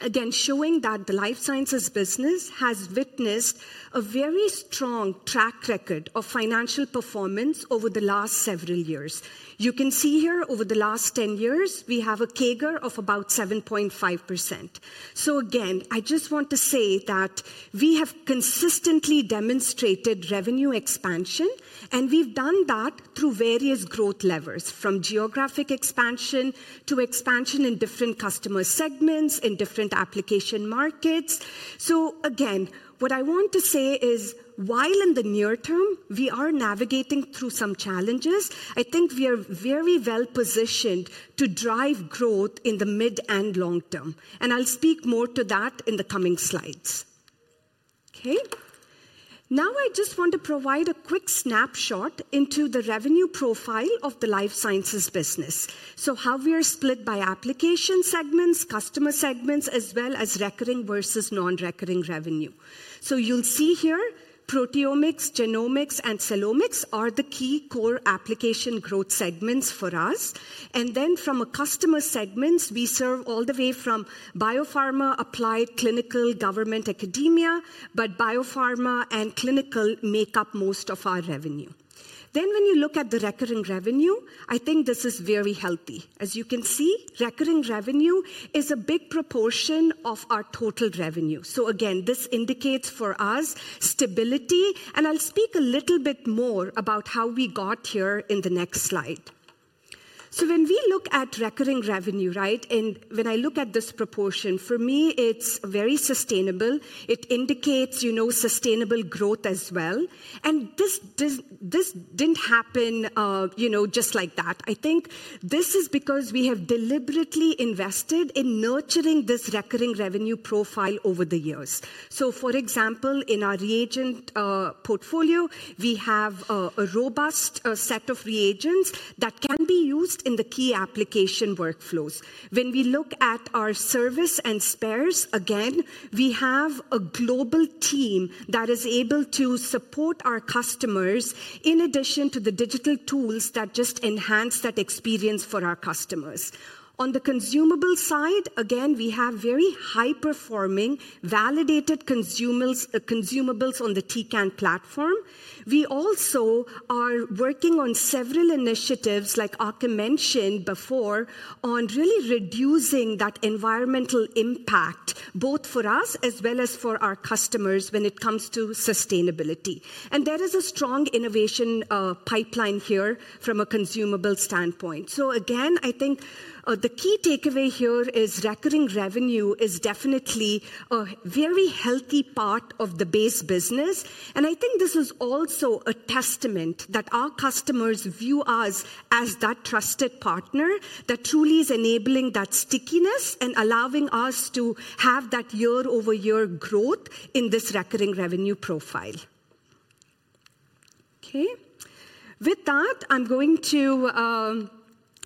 again showing that the life sciences business has witnessed a very strong track record of financial performance over the last several years. You can see here, over the last 10 years we have a CAGR of about 7.5%. So, again, I just want to say that we have consistently demonstrated revenue expansion and we've done that through various growth levers from geographic expansion to expansion in different customer segments and in different application markets. So, again, what I want to say is while in the near term we are navigating through some challenges, I think we are very well positioned to drive growth in the mid- and long-term. And I'll speak more to that in the coming slides. Okay, now I just want to provide a quick snapshot into the revenue profile of the life sciences business. So how we are split by application segments, customer segments, as well as recurring versus non-recurring revenue. So you'll see here proteomics, genomics and cellomics are the key core application growth segments for us. And then from a customer segments we serve all the way from biopharma, applied clinical, government, academia, but biopharma and clinical make up most of our revenue. Then when you look at the recurring revenue, I think this is very healthy. As you can see, recurring revenue is a big proportion of our total revenue. So again, this indicates for us stability. And I'll speak a little bit more about how we got here in the next slide. So when we look at recurring revenue, right, and when I look at this proportion, for me it's very sustainable. It indicates sustainable growth as well. Well, and this didn't happen, you know, just like that. I think this is because we have deliberately invested in nurturing this recurring revenue profile over the years. So for example, in our reagent portfolio, we have a robust set of reagents that can be used in the key application workflows. When we look at our service and spares, again, we have a global team that is able to support our customers in addition to the digital tools that just enhance that experience for our customers. On the consumable side, again, we have very high performing validated consumables on the Tecan platform. We also are working on several initiatives, like Achim mentioned before, on really reducing that environmental impact, both for us as well as for our customers when it comes to sustainability. And there is a strong innovation pipeline here from a consumable standpoint. So again, I think the key takeaway here is recurring revenue is definitely a very healthy part of the base business. I think this is also a testament that our customers view us as that trusted partner that truly is enabling that stickiness and allowing us to have that year over year growth in this recurring revenue profile. Okay, with that, I'm going to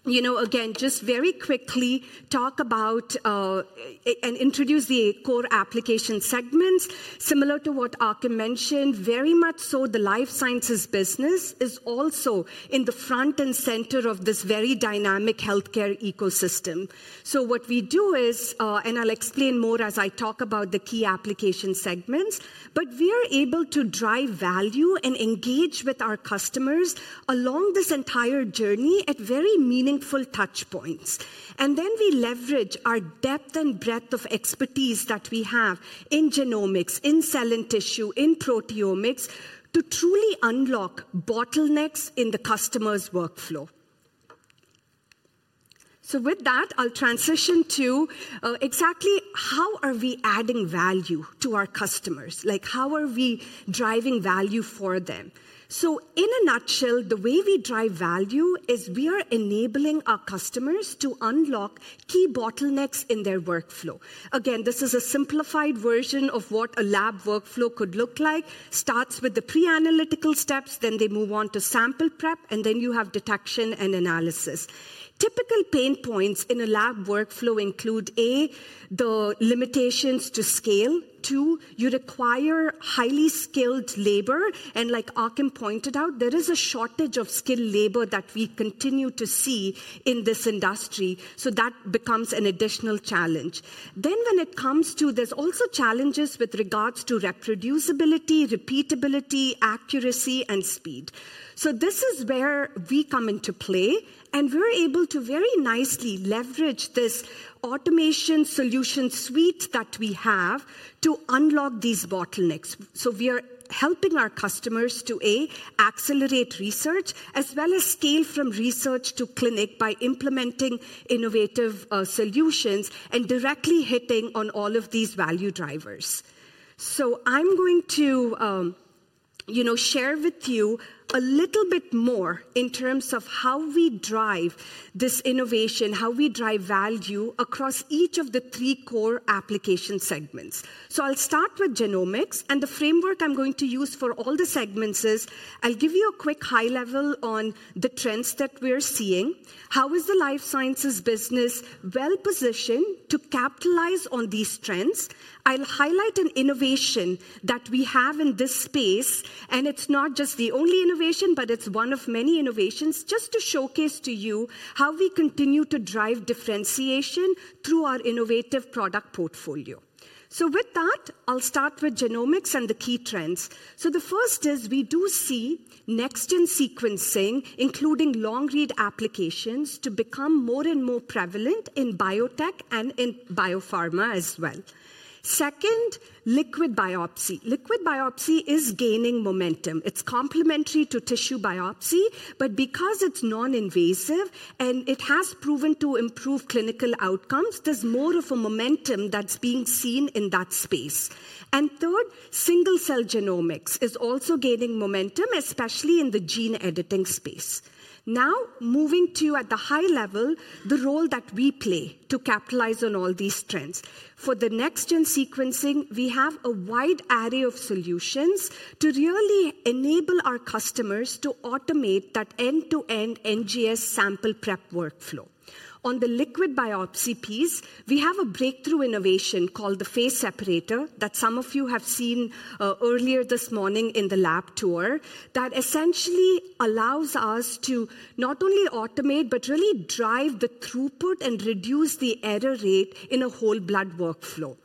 again just very quickly talk about and introduce the core application segments similar to what Achim mentioned. Very much so. The life sciences business is also in the front and center of this very dynamic healthcare ecosystem. So what we do is, and I'll explain more as I talk about the key application segments, but we are able to drive value and engage with our customers along this entire journey at very meaningful touch points. And then we leverage our depth and breadth of expertise that we have in genomics, in cell and tissue, in proteomics, to truly unlock bottlenecks in the customer's workflow. So with that, I'll transition to exactly how are we adding value to our customers? Like how are we driving value for them? So in a nutshell, the way we drive value is we are enabling our customers to unlock key bottlenecks in their workflow. Again, this is a simplified version of what a lab workflow could look like. It starts with the pre-analytical steps. Then they move on to sample prep and then you have detection and analysis. Typical pain points in a lab workflow include: a, the limitations to scale; two, you require highly skilled labor and like Achim pointed out, there is a shortage of skilled labor that we continue to see in this industry. So that becomes an additional challenge. Then when it comes to, there's also challenges with regards to reproducibility, repeatability, accuracy and speed. So this is where we come into play and we're able to very nicely leverage this automation solution suite that we have to unlock these bottlenecks. So we are helping our customers to accelerate research as well as scale from research to clinic by implementing innovative solutions and directly hitting on all of these value drivers. So I'm going to share with you a little bit more in terms of how we drive this innovation, how we drive value across each of the three core application segments. So I'll start with genomics and the framework I'm going to use for all the segments is I'll give you a quick high level on the trends that we're seeing. How is the life sciences business well positioned to capitalize on these trends? I'll highlight an innovation that we have in this space, and it's not just the only innovation, but it's one of many innovations just to showcase to you how we continue to drive differentiation through our innovative product portfolio. So with that, I'll start with genomics and the key trends. So the first is we do see next-gen sequencing, including long read applications, to become more and more prevalent in biotech and in biopharma as well. Second, liquid biopsy. Liquid biopsy is gaining momentum. It's complementary to tissue biopsy, but because it's non-invasive and it has proven to improve clinical outcomes, there's more of a momentum that's being seen in that space. And third, single-cell genomics is also gaining momentum, especially in the gene editing space. Now, moving to, at the high level, the role that we play to capitalize on all these trends. For the next gen sequencing, we have a wide array of solutions to really enable our customers to automate that end-to-end NGS sample prep workflow. On the liquid biopsy piece, we have a breakthrough innovation called the Phase Separator that some of you have seen earlier this morning in the lab tour that essentially allows us to not only automate but really drive the throughput and reduce the error rate in a whole blood workflow.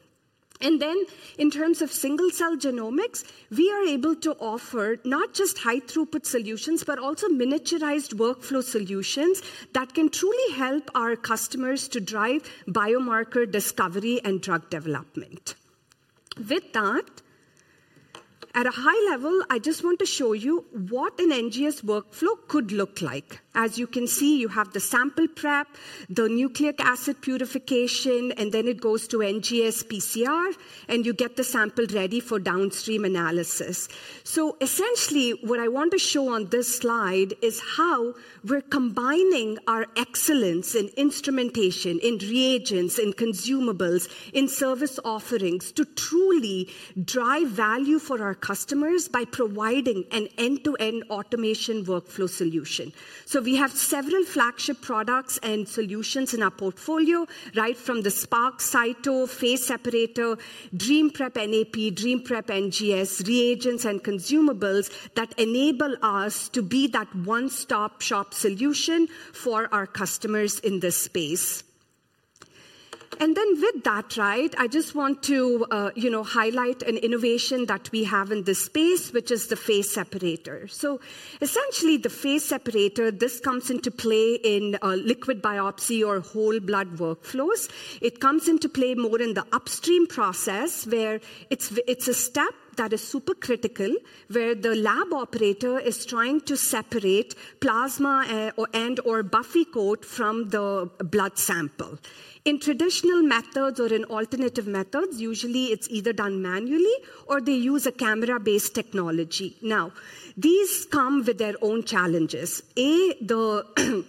And then, in terms of single cell genomics, we are able to offer not just high-throughput solutions, but also miniaturized workflow solutions that can truly help our customers to drive biomarker discovery and drug development. With that at a high level, I just want to show you what an NGS workflow could look like. As you can see, you have the sample prep, the nucleic acid purification and then it goes to NGS PCR and you get the sample ready for downstream analysis, so essentially what I want to show on this slide is how we're combining our excellence in instrumentation, in reagents, in consumables, in service offerings to truly drive value for our customers by providing an end to end automation workflow solution, so we have several flagship products and solutions in our portfolio right from the Spark Cyto phase separator, DreamPrep, NAP DreamPrep, NGS reagents and consumables that enable us to be that one stop shop solution for our customers in this space, and then with that, right, I just want to, you know, highlight an innovation that we have in this space, which is the Phase Separator. So essentially the Phase Separator, this comes into play in liquid biopsy or whole blood workflows. It comes into play more in the upstream process where it's a step that is super critical where the lab operator is trying to separate plasma and or buffy coat from the blood sample in traditional methods or in alternative methods. Usually it's either done manually or they use a camera-based technology. Now these come with their own challenges. A,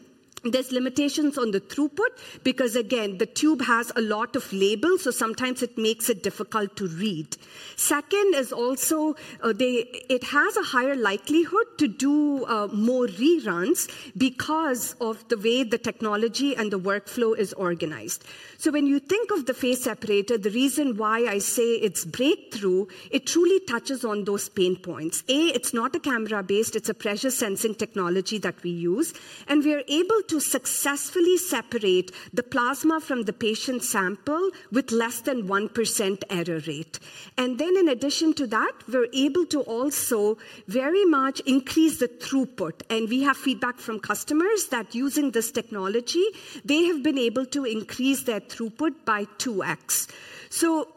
there's limitations on the throughput because again, the tube has a lot of labels so sometimes it makes it difficult to read. Second is also it has a higher likelihood to do more reruns because of the way the technology and the workflow is organized. So when you think of the Phase Separator, the reason why I say it's breakthrough, it truly touches on those pain points. A, it's not a camera based, it's a pressure sensing technology that we use and we are able to successfully separate the plasma from the patient sample with less than 1% error rate. And then in addition to that, we're able to also very much increase the throughput. And we have feedback from customers that using this technology, they have been able to increase their throughput by 2x. So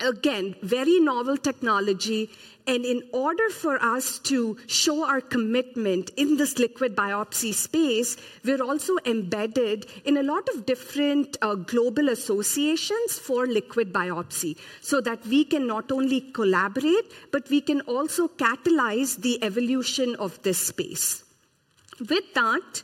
again, very novel technology. And in order for us to show our commitment in this liquid biopsy space, we're also embedded in a lot of different global associations for liquid biopsy so that we can not only collaborate, but we can also catalyze the evolution of this space. With that,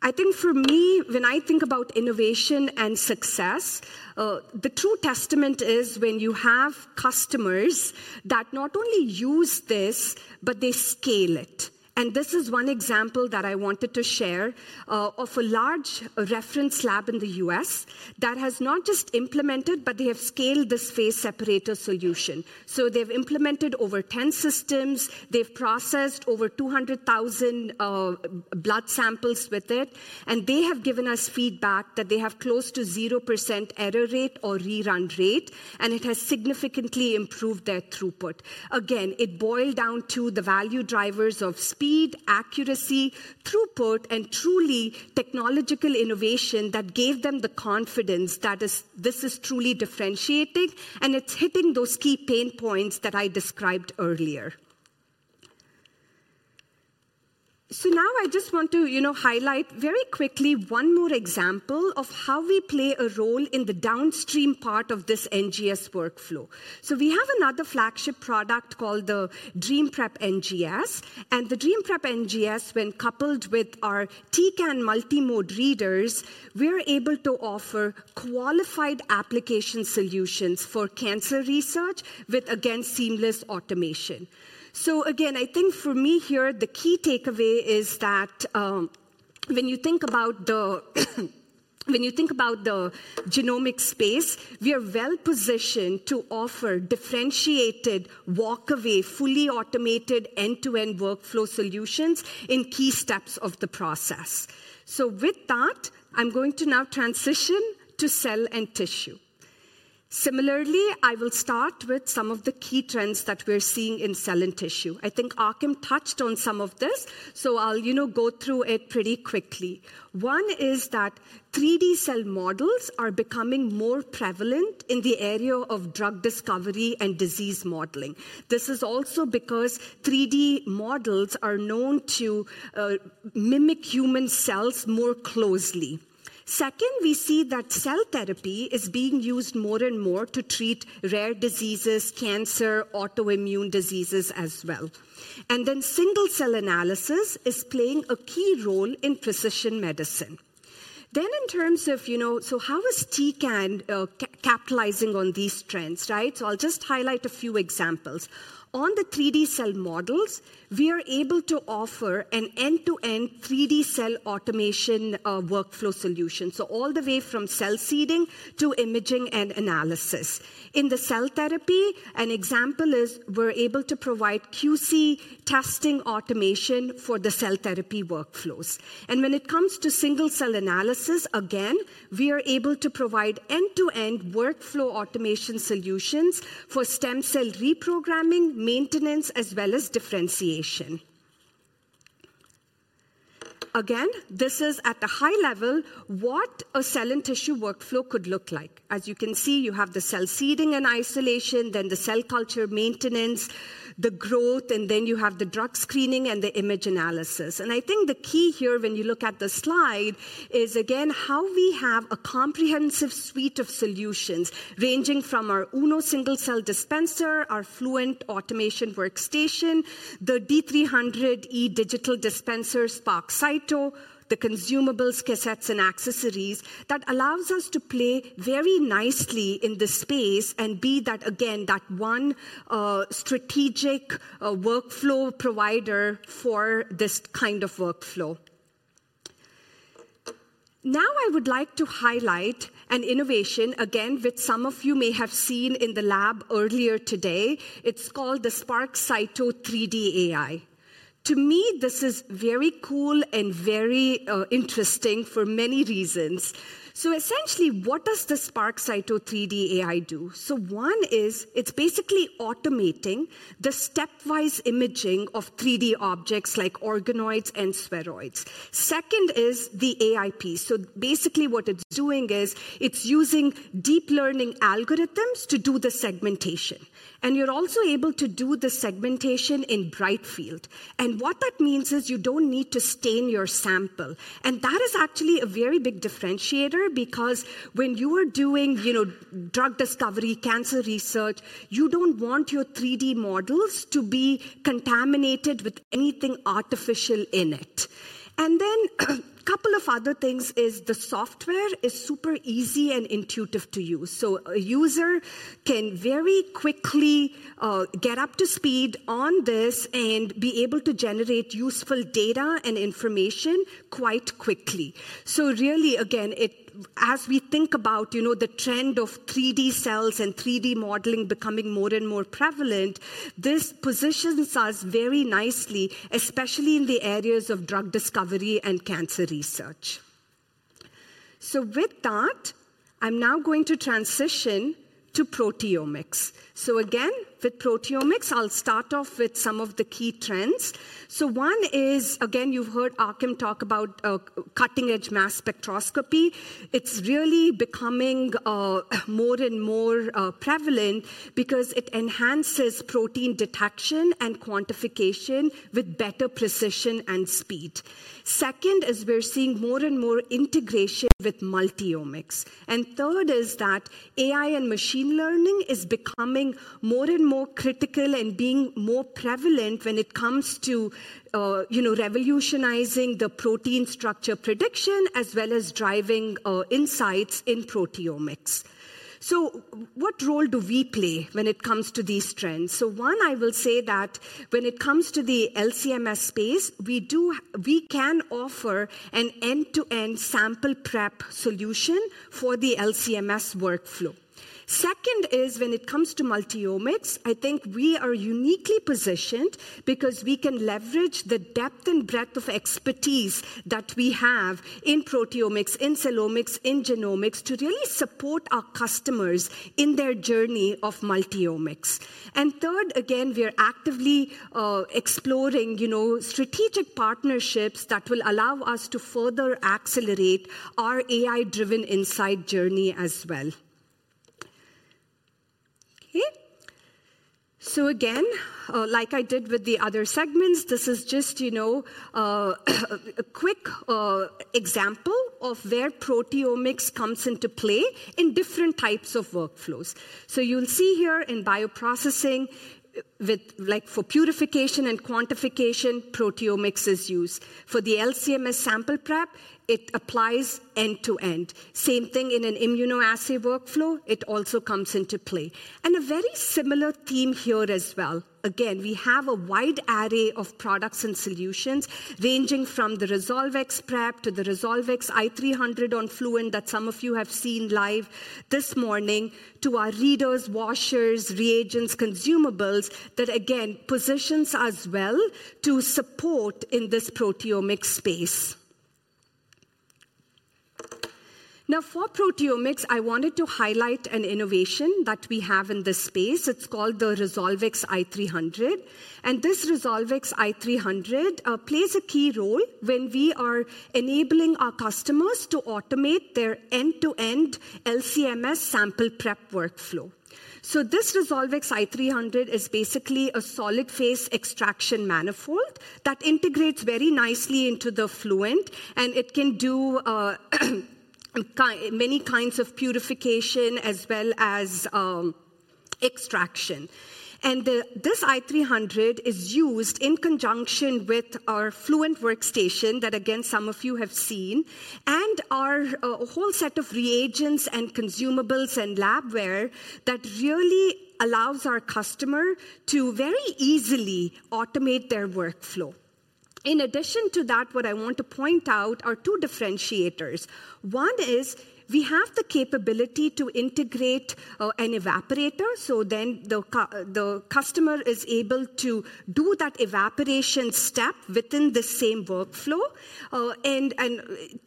I think for me, when I think about innovation and success. The true testament is when you have customers that not only use this, but they scale it. This is one example that I wanted to share of a large reference lab in the U.S. that has not just implemented but they have scaled this Phase Separator solution. They've implemented over 10 systems, they've processed over 200,000 blood samples with it and they have given us feedback that they have close to 0% error rate or rerun rate and it has significantly improved their throughput. Again, it boiled down to the value drivers of speed, accuracy, throughput and truly technological innovation that gave them the confidence that this is truly differentiating and it's hitting those key pain points that I described earlier. Now I just want to highlight very quickly one more example of how we play a role in the downstream part of this NGS workflow. We have another flagship product called the DreamPrep NGS and the DreamPrep NGS. When coupled with our Tecan multimode readers, we are able to offer qualified application solutions for cancer research with again, seamless automation. Again, I think for me here the key takeaway is that when you think about the genomic space, we are well positioned to offer differentiated walk away fully automated end to end workflow solutions in key steps of the process. So with that I'm going to now transition to cell and tissue. Similarly, I will start with some of the key trends that we're seeing in cell and tissue. I think Achim touched on some of this, so I'll go through it pretty quickly. One is that 3D cell models are becoming more prevalent in the area of drug discovery and disease modeling. This is also because 3D models are known to mimic human cells more closely. Second, we see that cell therapy is being used more and more to treat rare diseases, cancer, autoimmune diseases as well, and then single cell analysis is playing a key role in precision medicine. Then in terms of so how is Tecan capitalizing on these trends, right? So I'll just highlight a few examples. On the 3D cell models we are able to offer an end to end 3D cell automation workflow solution. So all the way from cell seeding to imaging and analysis in the cell therapy, an example is we're able to provide QC testing automation for the cell therapy workflows, and when it comes to single cell analysis, again we are able to provide end to end workflow automation solutions for stem cell reprogramming, maintenance as well as differentiation. Again, this is at the high level what a cell and tissue workflow could look like, as you can see. You have the cell seeding and isolation, then the cell culture maintenance, the growth, and then you have the drug screening and the image analysis. And I think the key here, when you look at the slide, is again how we have a comprehensive suite of solutions ranging from our Uno Single Cell Dispenser, our Fluent automation workstation, the D300E digital dispenser, Spark Cyto, the consumables, cassettes and accessories that allows us to play very nicely in this space and be that again, that one-stop strategic workflow provider for this kind of workflow. Now I would like to highlight an innovation again which some of you may have seen in the lab earlier today. It's called the Spark Cyto 3D AI. To me, this is very cool and very interesting for many reasons. So essentially what does the Spark Cyto 3D AI do? So one is it's basically automating the stepwise imaging of 3D objects like organoids and spheroids. Second is the AI. So basically what it's doing is it's using deep learning algorithms to do the segmentation. And you're also able to do the segmentation in brightfield. And what that means is you don't need to stain your sample. And that is actually a very big differentiation because when you are doing drug discovery, cancer research, you don't want your 3D models to be contaminated with anything artificial in it. And then couple of other things is the software is super easy and intuitive to use, so a user can very quickly get up to speed on this and be able to generate useful data and information quite quickly. So really again, as we think about the trend of 3D cells and 3D modeling becoming more and more prevalent, this positions us very nicely, especially in the areas of drug discovery and cancer research. So with that, I'm now going to transition to proteomics. So again with proteomics, I'll start off with some of the key trends. So one is again, you've heard Achim talk about cutting-edge mass spectrometry. It's really becoming more and more prevalent because it enhances protein detection and quantification with better precision and speed. Second is we're seeing more and more integration with multiomics. And third is that AI and machine learning is becoming more and more critical and being more prevalent when it comes to, you know, revolutionizing the protein structure prediction as well as driving insights in proteomics. So what role do we play when it comes to these trends? So one, I will say that when it comes to the LC-MS space, we can offer an end-to-end sample prep solution for the LC-MS workflow. Second is when it comes to multiomics, I think we are uniquely positioned because we can leverage the depth and breadth of expertise that we have in proteomics, in cytomics, in genomics to really support our customers in their journey of multiomics. And third, again we are actively exploring strategic partnerships that will allow us to further accelerate our AI-driven insight journey as well. So again, like I did with the other segments, this is just a quick example of where proteomics comes into play in different types of workflows. So you'll see here in bioprocessing with like for purification and quantification, proteomics is used for the LC-MS sample prep. It applies end to end same thing in an immunoassay workflow. It also comes into play and a very similar theme here as well. Again we have a wide array of products and solutions ranging from the Resolvex Prep to the Resolvex i300 on Fluent that some of you have seen live this morning. To our readers, washers, reagents, consumables, that again positions us well to support in this proteomics space. Now for proteomics, I wanted to highlight an innovation that we have in this space. It's called the Resolvex i300 and this Resolvex i300 plays a key role when we are enabling our customers to automate their end to end LC-MS sample prep workflow. So this Resolvex i300 is basically a solid phase extraction manifold that integrates very nicely into the Fluent and it can. Do. Many kinds of purification as well as extraction, and this Resolvex i300 is used in conjunction with our Fluent workstation that again some of you have seen and our whole set of reagents and consumables and labware that really allows our customer to very easily automate their workflow. In addition to that, what I want to point out are two differentiators. One is we have the capability to integrate an evaporator, so then the customer is able to do that evaporation step within the same workflow, and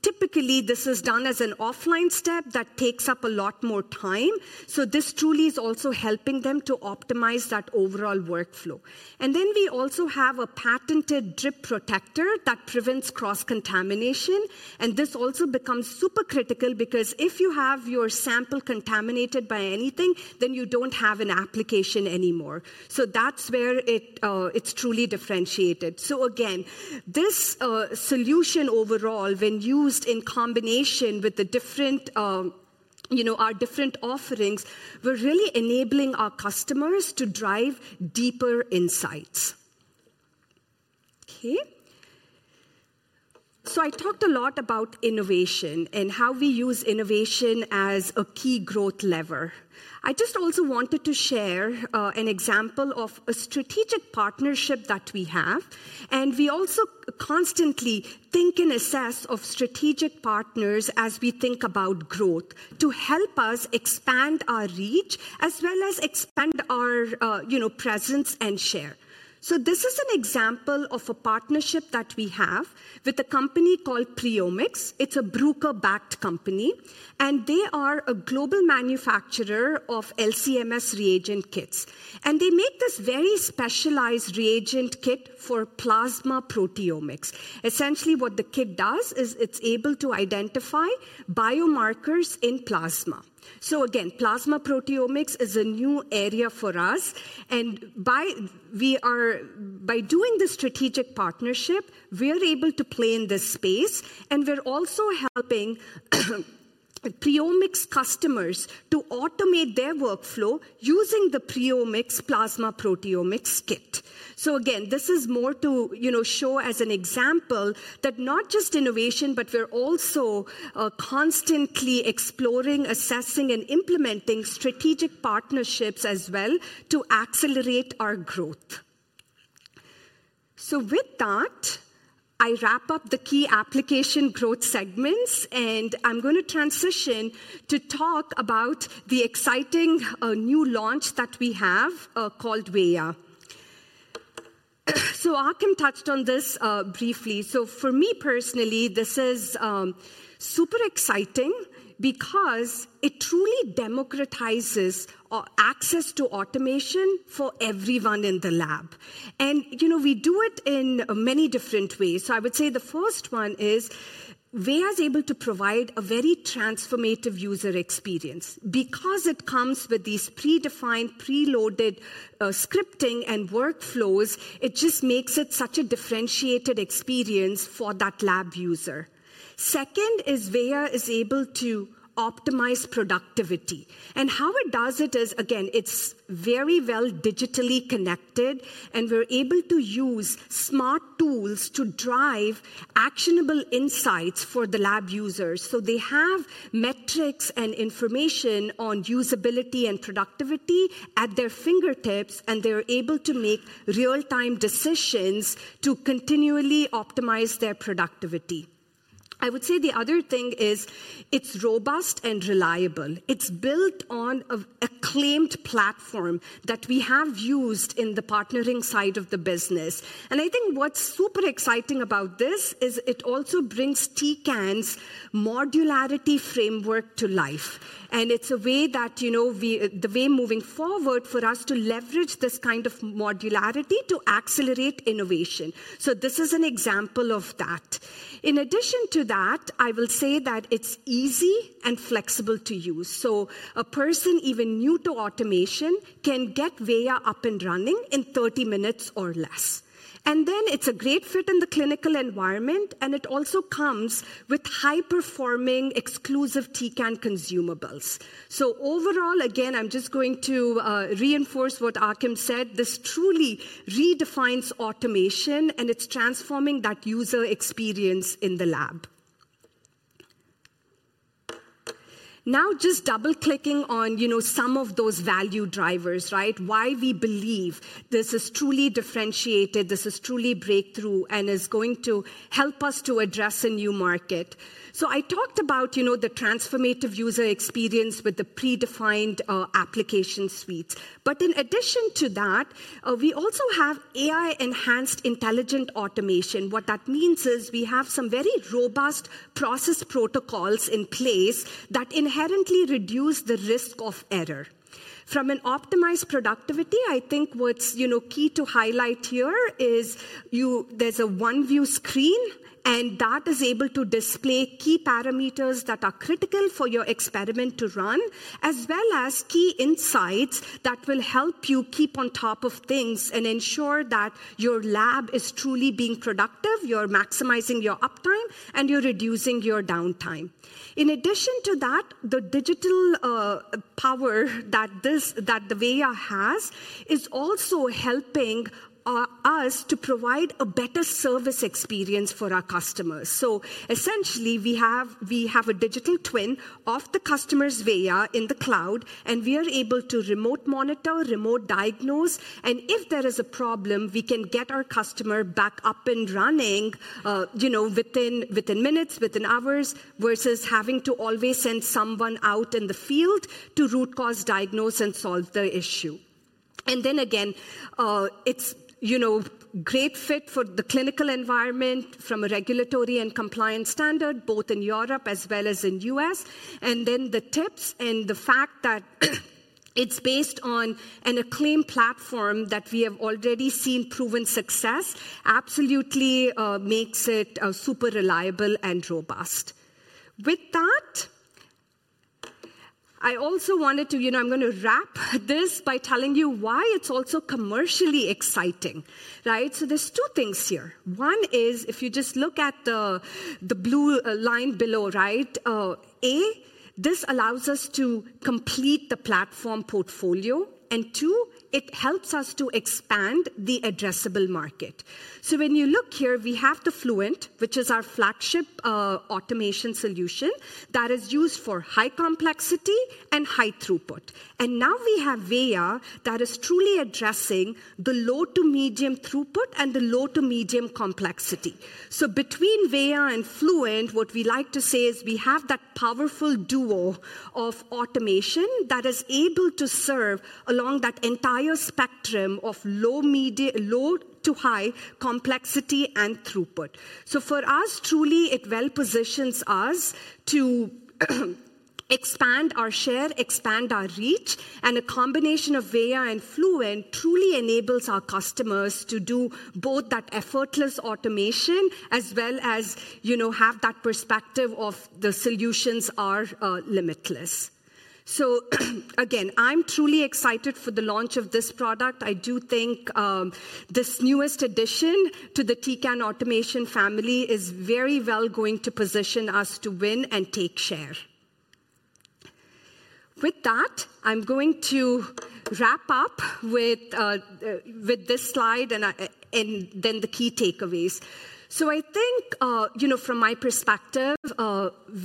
typically this is done as an offline step that takes up a lot more time, so this truly is also helping them to optimize that overall workflow, and then we also have a patented drip protector that prevents cross-contamination, and this also becomes super critical because if you have your sample contaminated by anything, then you don't have an application anymore. That's where it's truly differentiated. Again, this solution overall, when used in combination with our different offerings, we're really enabling our customers to drive deeper insights. I talked a lot about innovation and how we use innovation as a key growth lever. I just also wanted to share an example of a strategic partnership that we have and we also constantly think and assess of strategic partners as we think about growth to help us expand our reach as well as expand our presence and share. This is an example of a partnership that we have with a company called PreOmics. It's a Bruker-backed company and they are a global manufacturer of LC-MS reagent kits and they make this very specialized reagent kit for plasma proteomics. Essentially what the kit does is it's able to identify biomarkers in plasma. So again, plasma proteomics is a new area for us and by doing the strategic partnership, we are able to play in this space and we're also helping PreOmics customers to automate their workflow using the PreOmics plasma proteomics kit. So again, this is more to show as an example that not just innovation, but we're also constantly exploring, assessing and implementing strategic partnerships as well to accelerate our growth. So with that I wrap up the key application growth segments and I'm going to transition to talk about the exciting new launch that we have called Veya. So Achim touched on this briefly. So for me personally this is super exciting because it truly democratizes access to automation for everyone in the lab. We do it in many different ways. I would say the first one is Veya is able to provide a very transformative user experience because it comes with these predefined, preloaded scripting and workflows. It just makes it such a differentiated experience for that lab user. Second is Veya is able to optimize productivity and how it does it is again it's very well digitally connected and we're able to use smart tools to drive actionable insights for the lab users. So they have metrics and information on usability and productivity at their fingertips and they're able to make real time decisions to continually optimize their productivity. I would say the other thing is it's robust and reliable. It's built on acclaimed platform that we have used in the partnering side of the business. And I think what's super exciting about this is it also brings Tecan's modularity framework to life and it's a way that, you know the way moving forward for us to leverage this kind of modularity to accelerate innovation so this is an example of that. In addition to that, I will say that it's easy and flexible to use, so a person even new to automation can get Veya up and running in 30 minutes or less. And then it's a great fit in the clinical environment and it also comes with high-performing, exclusive Tecan consumables. So overall, again, I'm just going to reinforce what Achim said. This truly redefines automation and it's transforming that user experience in the lab. Now just double clicking on some of those value drivers, why we believe this is truly differentiated, this is truly breakthrough and is going to help us to address a new market. So I talked about the transformative user experience with the predefined application suites. But in addition to that we also have AI enhanced intelligent automation. What that means is we have some very robust process protocols in place that inherently reduce the risk of error from an optimized productivity. I think what's key to highlight here is there's a one view screen and that is able to display key parameters that are critical for your experiment to run as well as key insights that will help you keep on top of things and ensure that your lab is truly being productive. You're maximizing your uptime and you're reducing your downtime. In addition to that, the digital power that the Veya has is also helping us to provide a better service experience for our customers. So essentially we have a digital twin of the customer's Veya in the cloud and we are able to remote monitor, remote diagnose and if there is a problem we can get our customer back up and running within minutes, within hours versus having to always send someone out in the field to root cause diagnose and solve the issue. And then again, it's a great fit for the clinical environment from a regulatory and compliance standard both in Europe as well as in U.S. and then the tips and the fact that it's based on a Cavro platform that we have already seen proven success absolutely makes it super reliable and robust. With that I also wanted to, you know, I'm going to wrap this by telling you why it's also commercially exciting. Right? So there's two things here. One is if you just look at the blue line below, right? A, this allows us to complete the platform portfolio and two, it helps us to expand the addressable market. So when you look here, we have the Fluent, which is our flagship automation solution that is used for high complexity and high throughput. And now we have Veya that is truly addressing the low to medium throughput and the low to medium complexity. So between Veya and Fluent, what we like to say is we have that powerful duo of automation that is able to serve along that entire spectrum of low to high complexity and throughput. So, for us, it truly well positions us to expand our share, expand our reach. And a combination of Veya and Fluent truly enables our customers to do both that effortless automation as well as have that perspective of the solutions are limitless. So again, I'm truly excited for the launch of this product. I do think this newest addition to the Tecan automation family is very well going to position us to win and take share with that. I'm going to wrap up with this slide and then the key takeaways. So I think from my perspective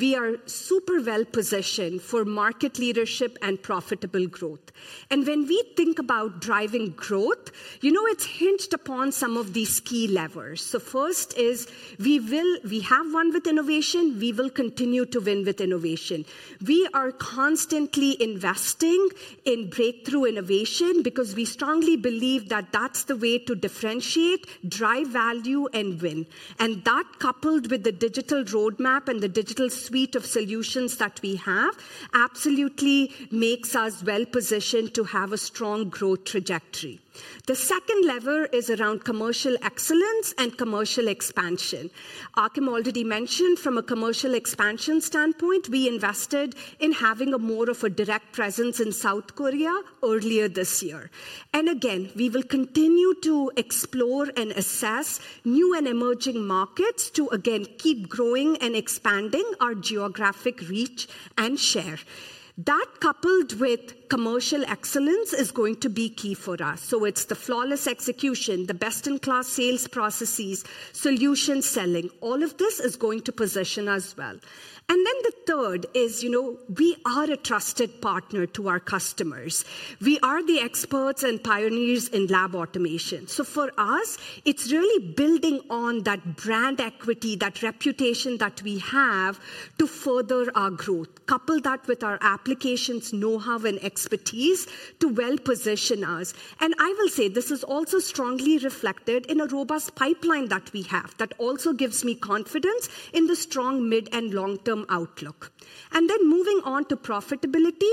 we are super well positioned for market leadership and profitable growth. And when we think about driving growth, you know it's hinged upon some of these key levers. So first is we have won with innovation, we will continue to win with innovation. We are constantly investing in breakthrough innovation because we strongly believe that that's the way to differentiate drive, value and win. And that coupled with the digital roadmap and the digital suite of success solutions that we have absolutely makes us well positioned to have a strong growth trajectory. The second lever is around commercial excellence and commercial expansion. Achim already mentioned from a commercial expansion standpoint, we invested in having a more of a direct presence in South Korea earlier this year and again we will continue to explore and assess new and emerging markets to again keep growing and expanding our geographic reach and share. That coupled with commercial excellence is going to be key for us. So it's the flawless execution, the best in class sales processes, solution selling. All of this is going to position us well. And then the third is we are a trusted partner to our customers. We are the experts and pioneers in lab automation. So for us it's really building on that brand equity, that reputation that we have to further our growth. Couple that with our applications know-how and expertise to well position us. And I will say this is also strongly reflected in a robust pipeline that we have that also gives me confidence in the strong mid- and long-term outlook and then moving on to profitability.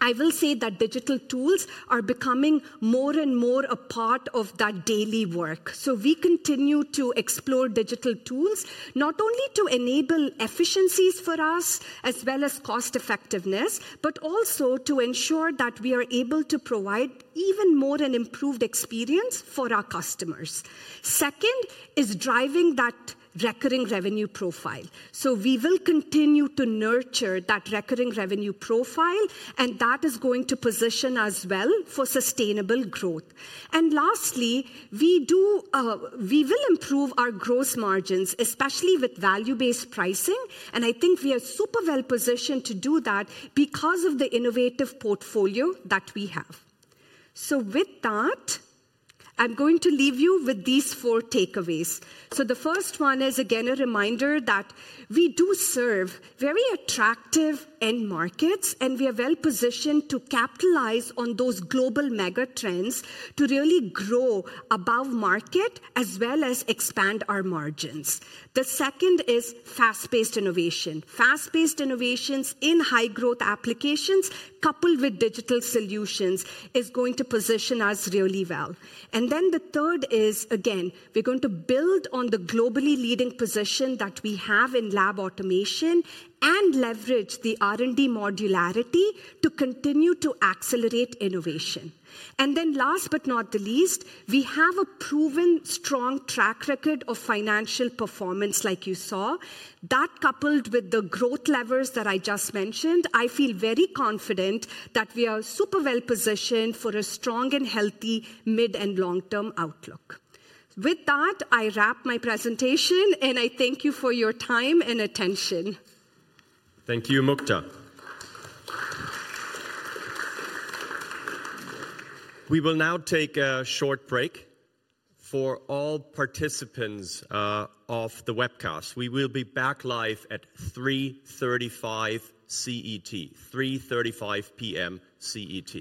I will say that digital tools are becoming more and more a part of that daily work. So we continue to explore digital tools not only to enable efficiencies for us as well as cost-effectiveness, but also to ensure that we are able to provide even more an improved experience for our customers. Second is driving that recurring revenue profile. So we will continue to nurture that recurring revenue profile and that is going to position us well for sustainable growth. Lastly, we will improve our gross margins, especially with value-based pricing. I think we are super well positioned to do that because of the innovative portfolio that we have. With that I'm going to leave you with these four takeaways. The first one is again a reminder that we do serve very attractive end markets and we are well positioned to capitalize on those global megatrends to really grow above market as well as expand our margins. The second is fast-paced innovation. Fast-paced innovations in high growth applications coupled with digital solutions is going to position us really well. Then the third is again we're going to build on the globally leading position that we have in lab automation and leverage the R and D modularity to continue to accelerate innovation. Last but not the least, we have a proven strong track record of financial performance. Like you saw that coupled with the growth levers that I just mentioned, I feel very confident that we are super well positioned for a strong and healthy mid and long term outlook. With that I wrap my presentation and I thank you for your time and attention. Thank you Mukta. We will now take a short break for all participants of the webcast. We will be back live at 3:35 P.M. CET.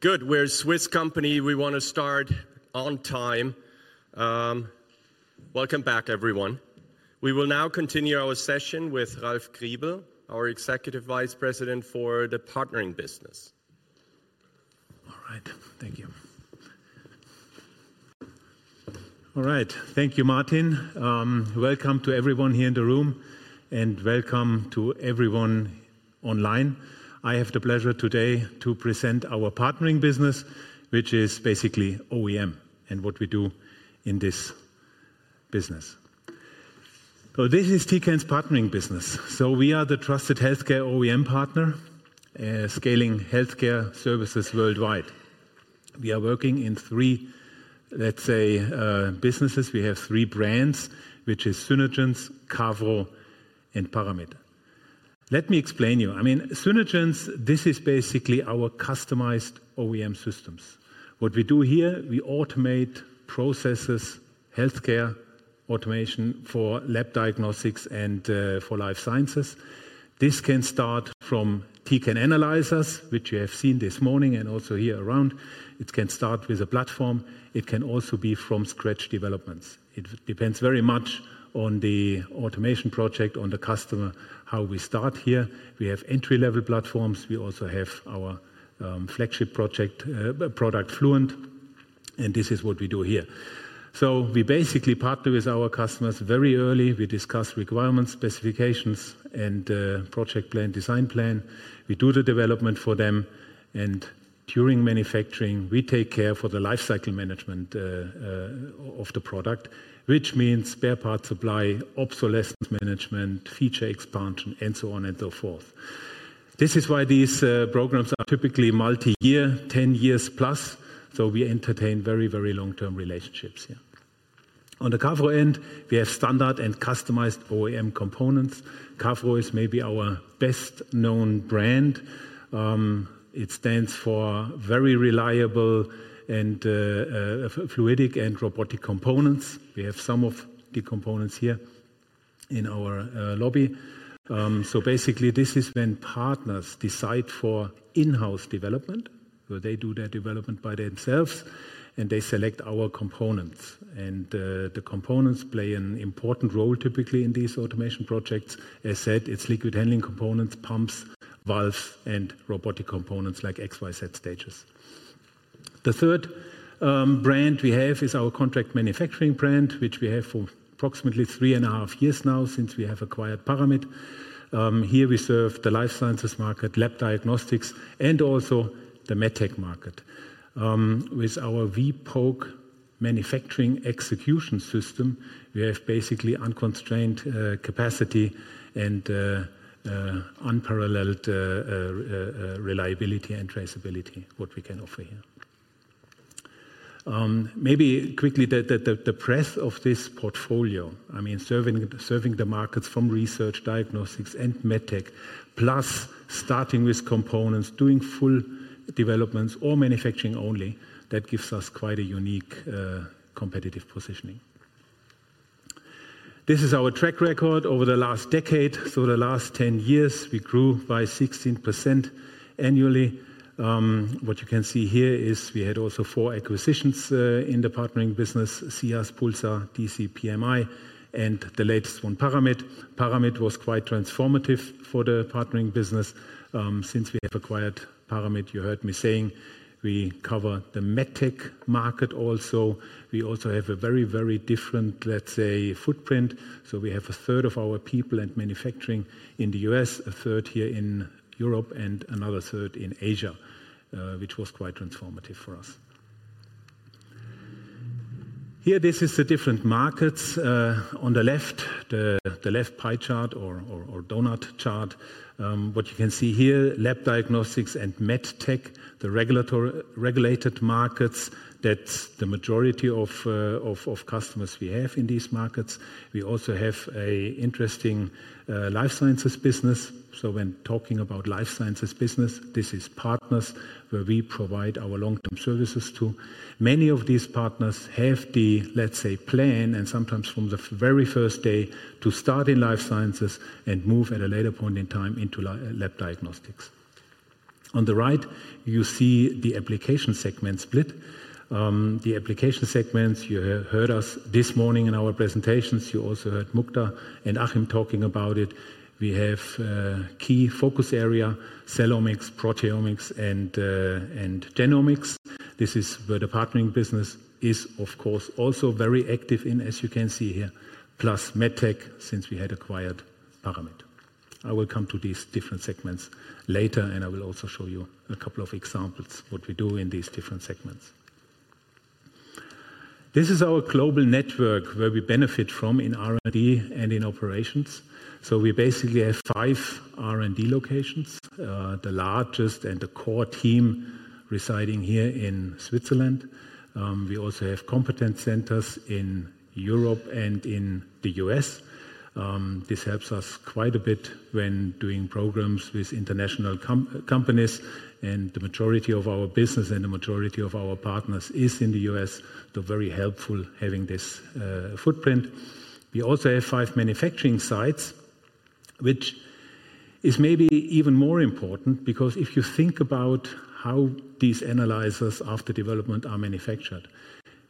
There are some refreshments. Good. We're Swiss company, we want to start on time. Welcome back everyone. We will now continue our session with Ralf Griebel, our Executive Vice President for the Partnering Business. All right, thank you. All right, thank you Martin. Welcome to everyone here in the room and welcome to everyone online. I have the pleasure today to present our partnering business which is basically OEM and what we do in this business. This is Tecan's partnering business. We are the trusted healthcare OEM partner scaling healthcare services worldwide. We are working in three, let's say businesses. We have three brands which is Synergence, Cavro and Paramit. Let me explain you. I mean Synergence, this is basically our customized OEM systems. What we do here we automate processes healthcare automation for lab diagnostics and for life sciences. This can start from Tecan analyzers which you have seen this morning and also here around it can start with a platform. It can also be from scratch developments. It depends very much on the automation project, on the customer. How we start here. We have entry-level platforms. We also have our flagship project product Fluent and this is what we do here. So we basically partner with our customers very early. We discuss requirements, specifications and project plan, design plan. We do the development for them. And during manufacturing we take care for the lifecycle management of the product which means spare parts, supply, obsolescence management, feature expansion, expansion and so on and so forth. This is why these programs are typically multi-year 10 years plus. So we entertain very, very long-term relationships here. On the Cavro end we have standard and customized OEM components. Cavro is maybe our best known brand. It stands for very reliable and fluidic and robotic components. We have some of the components here in our lobby. So basically this is when partners decide for in-house development where they do their development by themselves and they select our components and the components play an important role typically in these automation projects. As said, it's liquid handling components, pumps, valves and robotic components like XYZ stages. The third brand we have is our contract manufacturing brand which we have for approximately three and a half years now since we have acquired Paramit. Here we serve the life sciences market, lab diagnostics and also the MedTech market. With our vPoke manufacturing execution system we have basically unconstrained capacity and unparalleled reliability and traceability. What we can offer here, maybe quickly the breadth of this portfolio, I mean serving the markets from research, diagnostics and MedTech plus starting with components, doing full developments or manufacturing only that gives us quite a unique competitive positioning. This is our track record over the last decade. So the last 10 years we grew by 16% annually. What you can see here is we had also four acquisitions in the partnering business, Sias, Pulsar, DC, PMI and the latest one, Paramit. Paramit was quite transformative for the partnering business. Since we have acquired Paramit, you heard me saying we cover the medtech market also we also have a very, very different, let's say footprint. So we have a third of our people and manufacturing in the U.S., a third here in Europe and another third in Asia which was quite transformative for us. Here this is the different markets on the left, the left pie chart or donut chart. What you can see here, lab diagnostics and medtech, the regulated markets there are, that's the majority of customers we have in these markets. We also have an interesting life sciences business. So when talking about life sciences business, this is partners where we provide our long term services to many of these partners have the, let's say, plan and sometimes from the very first day to start in life sciences and move at a later point in time into lab diagnostics. On the right you see the application segment split, the application segments. You heard us this morning in our presentations. You also heard Mukta and Achim talking about it. We have key focus area, Cellomics, Proteomics and Genomics. This is where the partnering business is of course also very active in as you can see here. Plus MedTech since we had acquired. I will come to these different segments later and I will also show you a couple of examples what we do in these different segments. This is our global network where we benefit from in R&D and in operations. So we basically have five R&D locations, the largest and the core team residing here in Switzerland. We also have competence centers in Europe and in the U.S. This helps us quite a bit when doing programs with international companies. And the majority of our business and the majority of our partners is in the U.S. They're very helpful having this footprint. We also have five manufacturing sites which is maybe even more important because if you think about how these analyzers after development are manufactured,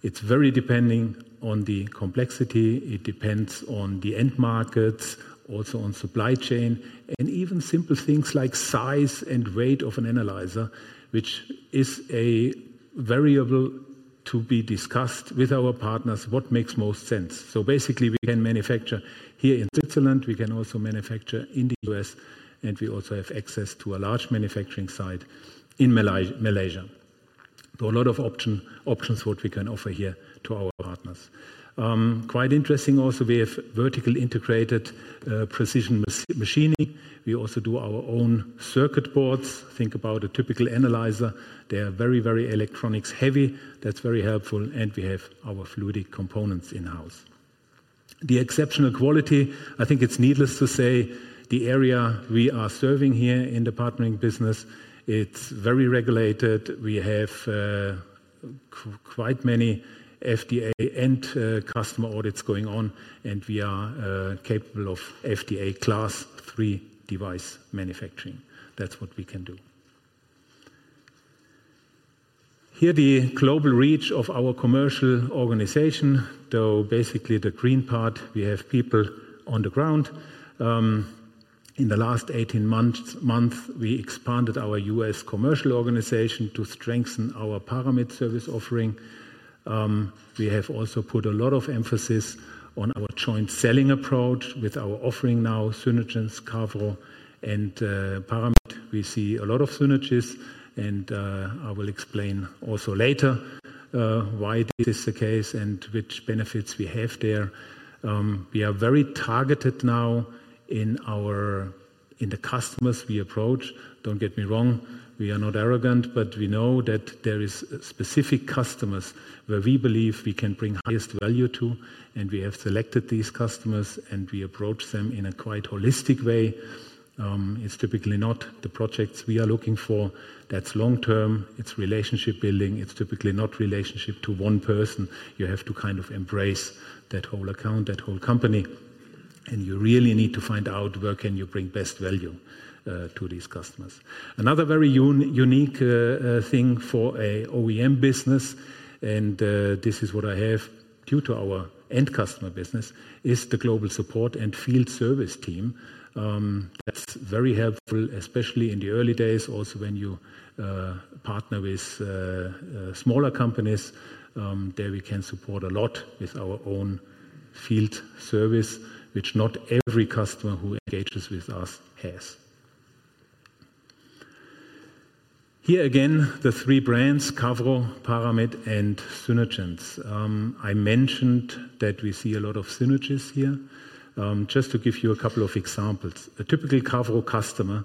it's very depending on the complexity. It depends on the end markets, also on supply chain and even simple things like size and weight of an analyzer which is a variable to be discussed with our partners. What makes most sense. So basically we can manufacture here in Switzerland. We can also manufacture in the U.S. and we also have access to a large manufacturing site in Malaysia. There are a lot of options what we can offer here to our partners. Quite interesting. Also we have vertically integrated precision machining. We also do our own circuit boards. Think about a typical analyzer. They are very, very electronics heavy. That's very helpful. And we have our fluidic components in-house. The exceptional quality. I think it's needless to say the area we are serving here in the Partnering Business, it's very regulated. We have quite many FDA and customer audits going on and we are capable of FDA Class III device manufacturing. That's what we can do here. The global reach of our commercial organization though basically the green part, we have people on the ground. In the last 18 months we expanded our US commercial organization to strengthen our Paramit service offering. We have also put a lot of emphasis on our joint selling approach with our offering now Synergence, Cavro and Paramit. We see a lot of synergies and I will explain also later why this is the case and which benefits we have there. We are very targeted now in the customers we approach. Don't get me wrong, we are not arrogant but we know that there is specific customers where we believe we can bring highest value to and we have selected these customers and we approach them in a quite holistic way. It's typically not the projects we are looking for. That's long term, it's relationship building. It's typically not relationship to one person. You have to kind of embrace that whole account, that whole company. You really need to find out where can you bring best value to these customers. Another very unique thing for an OEM business and this is what I have due to our end customer business is the global support and field service team. That's very helpful especially in the early days. Also when you partner with smaller companies there we can support a lot with our own field service, which not every customer who engages with us has. Here again, the three brands, Cavro, Paramit and Synergence. I mentioned that we see a lot of synergies here. Just to give you a couple of examples. A typical customer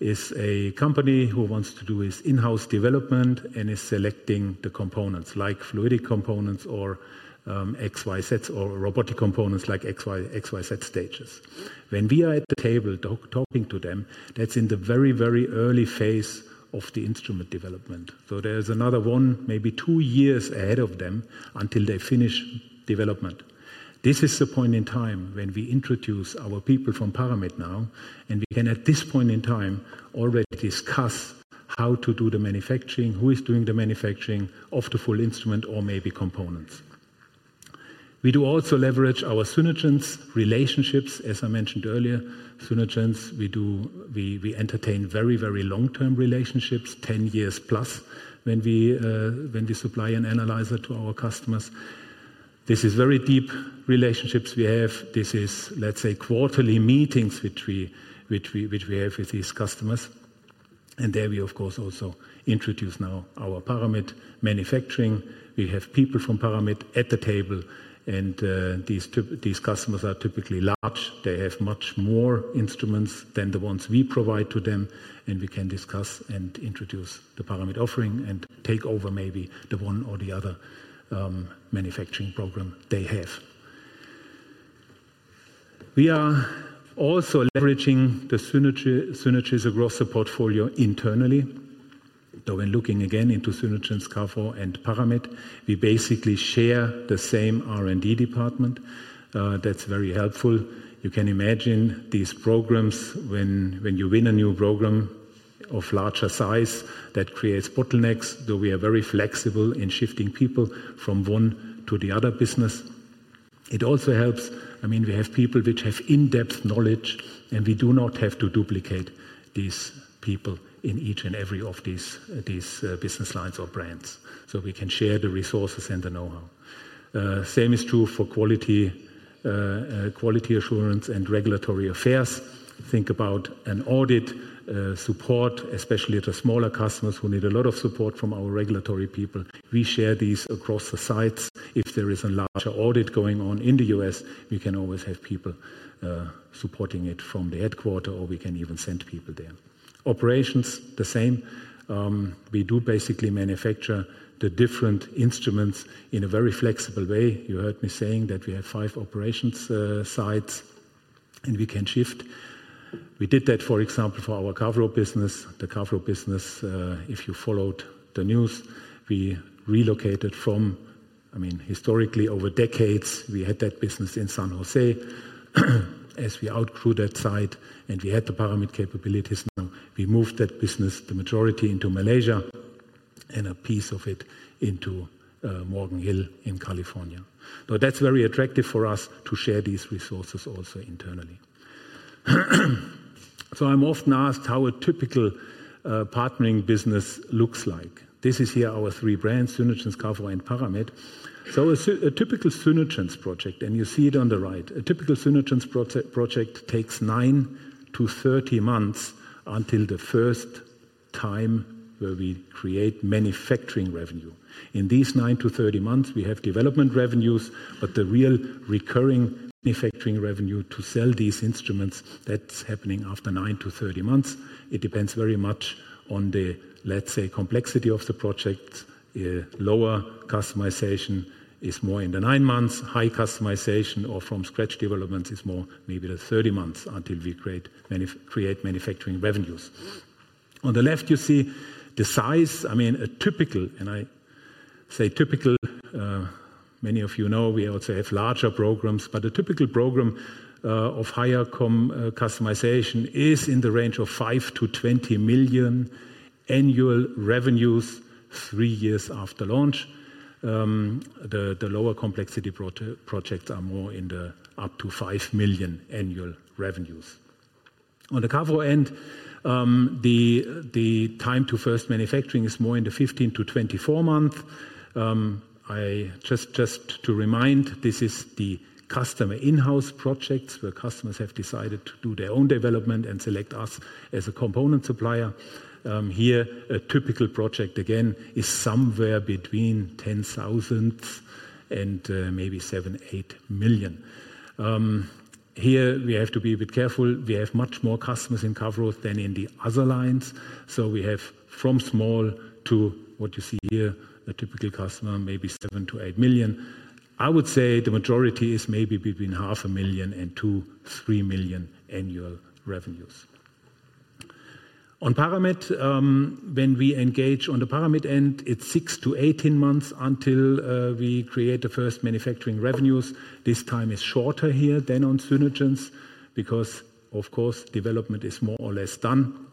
is a company who wants to do his in house development and is selecting the components like fluidic components or XYZ or robotic components like XYZ stages when we are at the table talking to them. That's in the very, very early phase of the instrument development. So there's another one maybe two years ahead of them until they finish development. This is the point in time when we introduce our people from Paramit now and we can at this point in time already discuss how to do the manufacturing, who is doing the manufacturing of the full instrument or maybe components. We do also leverage our Synergence relationships. As I mentioned earlier, we entertain very, very long term relationships. 10 years plus when we supply an analyzer to our customers. This is very deep relationships we have. This is let's say quarterly meetings which we have with these customers. And there we of course also introduce now our Paramit manufacturing. We have people from Paramit at the table, and these customers are typically large. They have much more instruments than the ones we provide to them, and we can discuss and introduce the Paramit offering and take over maybe the one or the other manufacturing program they have. We are also leveraging the synergies across the portfolio. Internally though, when looking again into Synergence, Scaffold and Paramit, we basically share the same R&D department. That's very helpful. You can imagine these programs. When you win a new program of larger size that creates bottlenecks though we are very flexible in shifting people from one to the other business. It also helps. I mean we have people which have in depth knowledge and we do not have to duplicate these people in each and every of these business lines or brands. So we can share the resources and the know-how. Same is true for quality, quality assurance and regulatory affairs. Think about an audit support, especially to smaller customers who need a lot of support from our regulatory people. We share these across the sites. If there is a larger audit going on in the U.S. we can always have people supporting it from the headquarters or we can even send people there. Operations the same. We do basically manufacture the different instruments in a very flexible way. You heard me saying that we have five operations sites and we can shift. We did that for example for our Cavro business. The Cavro business, if you followed the news, we relocated from. I mean historically over decades we had that business in San Jose as we outgrew that site and we had the Paramit capabilities. Now we moved that business, the majority into Malaysia and a piece of it into Morgan Hill in California. But that's very attractive for us to share these resources also internally. So I'm often asked how a typical partnering business looks like. This is here our three brands, Synergence, Cavro and Paramit. So a typical Synergence project and you see it on the right. A typical Synergence project takes nine to 30 months until the first time where we create manufacturing revenue. In these nine to 30 months we have development revenues. But the real recurring manufacturing revenue to sell these instruments, that's happening after nine to 30 months. It depends very much on the, let's say, complexity of the project. Lower customization is more in the nine months. High customization or from scratch development is more maybe the 30 months until we create manufacturing revenues. On the left you see the size. I mean a typical and I say typical. Many of you know we also have larger programs but a typical program of higher customization is in the range of 5 million-20 million annual revenues three years after launch. The lower complexity projects are more in the up to 5 million annual revenues. On the Cavro end. The time to first manufacturing is more in the 15 to 24 month. I just to remind this is the customer in house projects where customers have decided to do their own development and select us as a component supplier. Here a typical project again is somewhere between 10,000 and maybe 7-8 million. Here we have to be a bit careful. We have much more customers in Cavro than in the other lines. So we have from small to what you see here, a typical customer, maybe 7-8 million. I would say the majority is maybe between 500,000 and 2.3 million annual revenues on Paramit. When we engage on the Paramit end it's six to 18 months until we create the first manufacturing revenues. This time is shorter here than on Synergence because of course development is more or less done.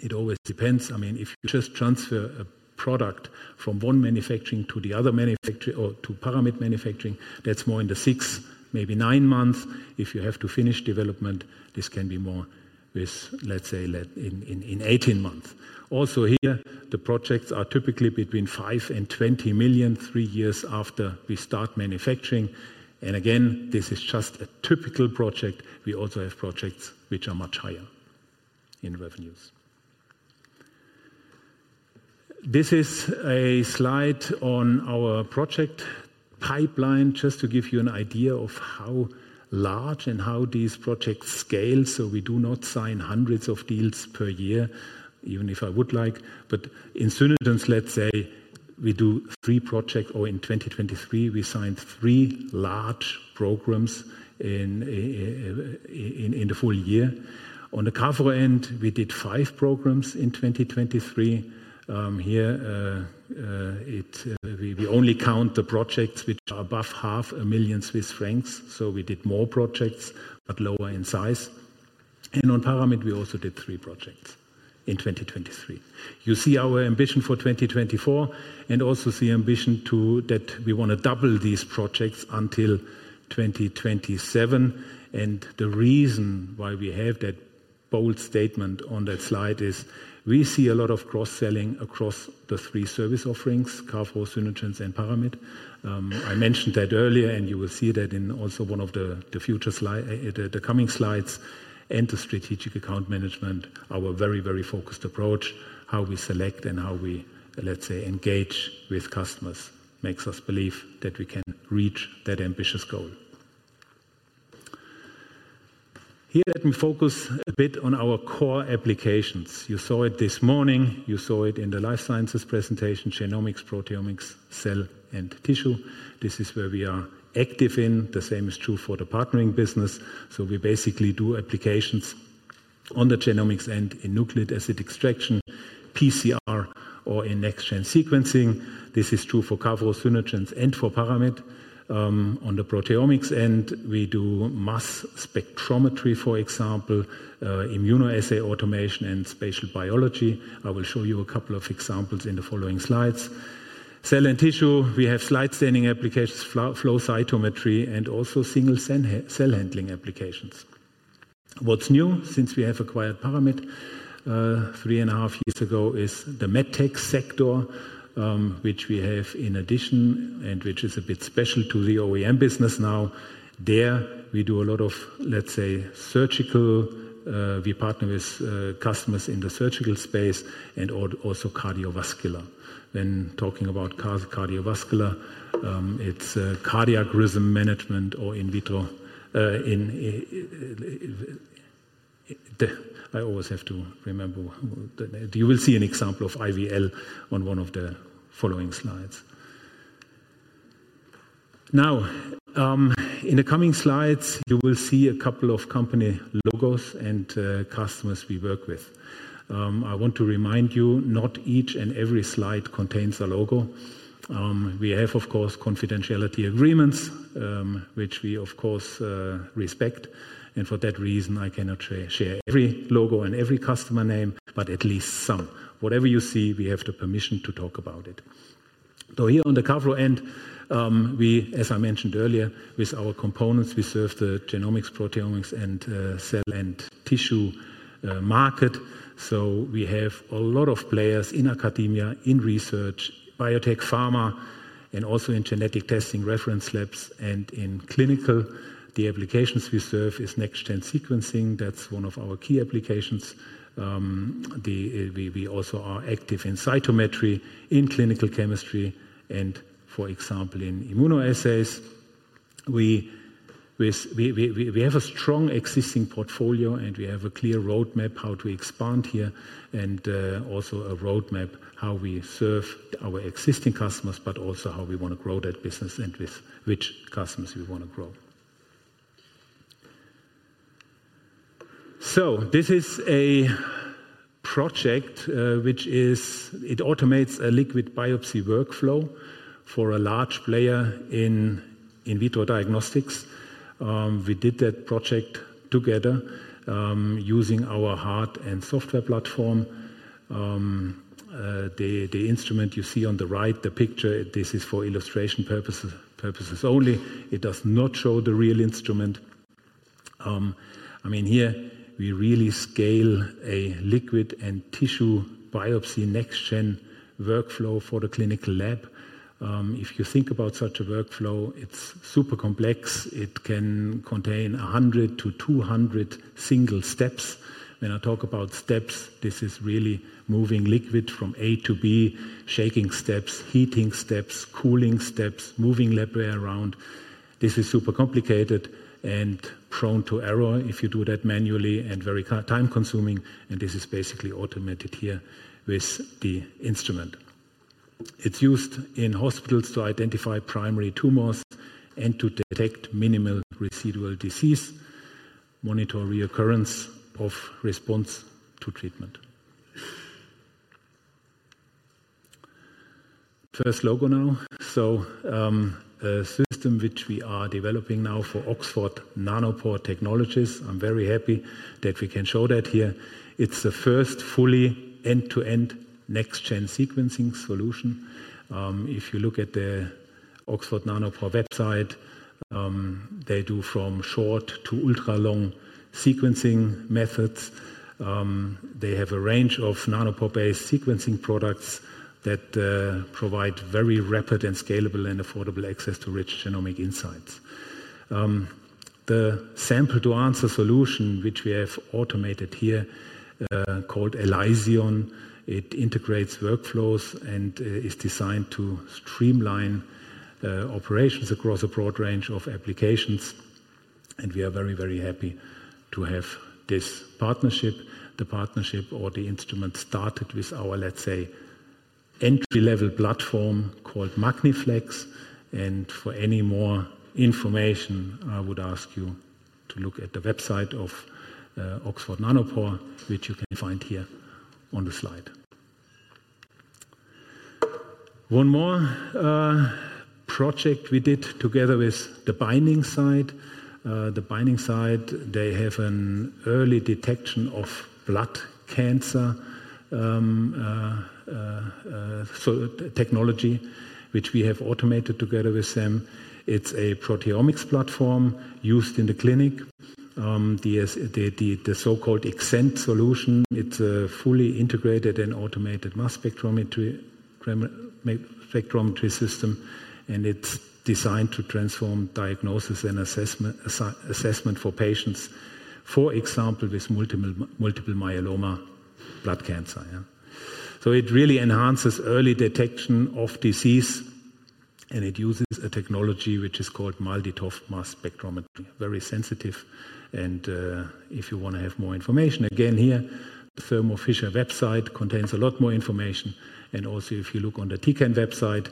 It always depends. I mean, if you just transfer a product from one manufacturing to the other manufacturing or to Paramit manufacturing, that's more in the six, maybe nine months if you have to finish development, this can be more with let's say in 18 months. Also here the projects are typically between 5-20 million three years after we start manufacturing. And again, this is just a typical project. We also have projects which are much higher in revenues. This is a slide on our project pipeline. Just to give you an idea of how large and how these projects scale, we do not sign hundreds of deals per year, even if I would like, but in Synergence, let's say we do three projects or in 2023 we signed three large programs in the full year. On the COVID end we did five programs in 2023. Here we only count the projects which are above 500,000 Swiss francs, so we did more projects but lower in size, and on Paramit we also did three projects in 2023. You see our ambition for 2024 and also the ambition that we want to double these projects until 2027. The reason why we have that bold statement on that slide is we see a lot of cross selling across the three service offerings, Cavro, Synergence and Paramit. I mentioned that earlier and you will see that in also one of the future slides, the coming slides and the Strategic Account Management. Our very, very focused approach, how we select and how we, let's say, engage with customers, makes us believe that we can reach that ambitious goal. Here let me focus a bit on our core applications. You saw it this morning, you saw it in the life sciences presentation. Genomics, proteomics, cell and tissue. This is where we are active in the same is true for the partnering business. So we basically do applications on the genomics end in nucleic acid extraction, PCR or in next gen sequencing. This is true for Cavro, Synergence and for Paramit. On the proteomics end we do mass spectrometry, for example, immunoassay, automation and spatial biology. I will show you a couple of examples in the following slides. Cell and tissue, we have slide staining applications, flow cytometry and also single cell handling applications. What's new since we have acquired Paramit three and a half years ago is the medtech sector, which we have in addition and which is a bit special to the OEM business. Now there we do a lot of let's say surgical. We partner with customers in the surgical space and also cardiovascular. When talking about cardio cardiovascular it's cardiac rhythm management or interventional. I always have to remember you will see an example of IVL on one of the following slides. Now in the coming slides you will see a couple of company logos and customers we work with. I want to remind you not each and every slide contains a logo. We have of course confidentiality agreements which we of course respect and for that reason I cannot share every logo and every customer name but at least some whatever you see, we have the permission to talk about it. So here on the COVID end we as I mentioned earlier with our components we serve the genomics, proteomics and cell and tissue market. So we have a lot of players in academia, in research, biotech, pharma and also in genetic testing, reference labs and in clinical. The applications we serve is next gen sequencing. That's one of our key applications. We also are active in cytometry, in clinical chemistry and for example in immunoassays. We have a strong existing portfolio and we have a clear roadmap how to expand here and also a roadmap how we serve our existing customers but also how we want to grow that business and with which customers we want to grow. So this is a project which is. It automates a liquid biopsy workflow for a large player in in vitro diagnostics. We did that project together using our hardware and software platform. The instrument you see on the right, the picture, this is for illustration purposes only. It does not show the real instrument. I mean here we really scale a liquid and tissue biopsy next gen workflow for the clinical lab. If you think about such a workflow, it's super complex. It can contain 100-200 single steps. When I talk about steps, this is really moving liquid from A to B. Shaking steps, heating steps, cooling steps, moving labware around. This is super complicated and prone to error if you do that manually and very time consuming. And this is basically automated here with the instrument. It's used in hospitals to identify primary tumors and to detect minimal residual disease. Monitor reoccurrence of response to treatment. First logo. Now so a system which we are developing now for Oxford Nanopore Technologies. I'm very happy that we can show that here. It's the first fully end-to-end next-gen sequencing solution. If you look at the Oxford Nanopore website they do from short to ultra-long sequencing methods. They have a range of nanopore-based sequencing products that provide very rapid and scalability and affordable access to rich genomic insights. The sample-to-answer solution which we have automated here called Elysion. It integrates workflows and is designed to streamline operations across a broad range of applications, and we are very, very happy to have this partnership. The partnership or the instrument started with our, let's say, an entry-level platform called MagniFlex, and for any more information I would ask you to look at the website of Oxford Nanopore which you can find here on the slide. One more project we did together with The Binding Site. The Binding Site, they have an early detection of blood cancer technology which we have automated together with them. It's a proteomics platform used in the clinic, the so-called EXENT solution. It's a fully integrated and automated mass spectrometry system and it's designed to transform diagnosis and assessment for patients for example with multiple myeloma, blood cancer. So it really enhances early detection of disease. And it uses a technology which is called MALDI-TOF mass spectrometry. Very sensitive. And if you want to have more information again here, Thermo Fisher website contains a lot more information. And also if you look on the Tecan website,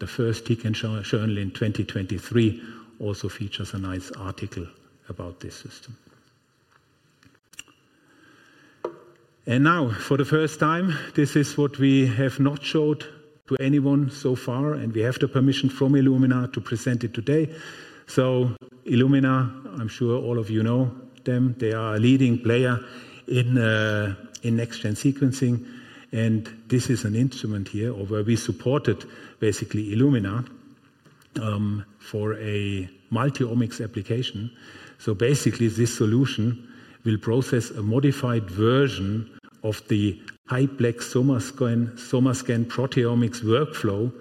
the first Tecan journal in 2023 also features a nice article about this system. And now for the first time this is what we have not showed to anyone so far and we have the permission from Illumina to present it today. So Illumina, I'm sure all of you know them, they are a leading player in next-gen sequencing. And this is an instrument here or where we supported basically Illumina for a multiomics application. So basically this solution will process a modified version of the high-plex SomaScan proteomics workflow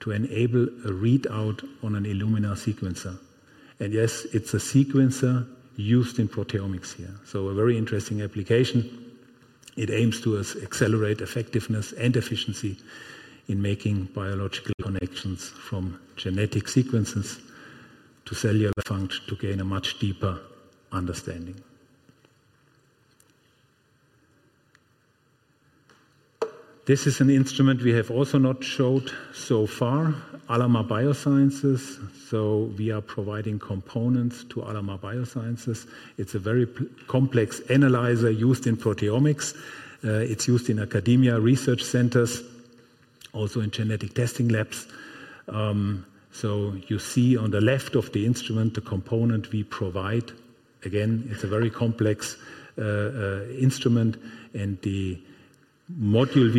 to enable a readout on an Illumina sequencer. And yes, it's a sequencer used in proteomics here. So a very interesting application. It aims to accelerate effectiveness and efficiency in making biological connections from genetic sequences to cellular function to gain a much deeper understanding. This is an instrument we have also not showed so far. Alamar Biosciences. So we are providing components to Alamar Biosciences. It's a very complex analyzer used in proteomics. It's used in academic research centers, also in genetic testing labs. So you see on the left of the instrument, the component we provide, again it's a very complex instrument and the module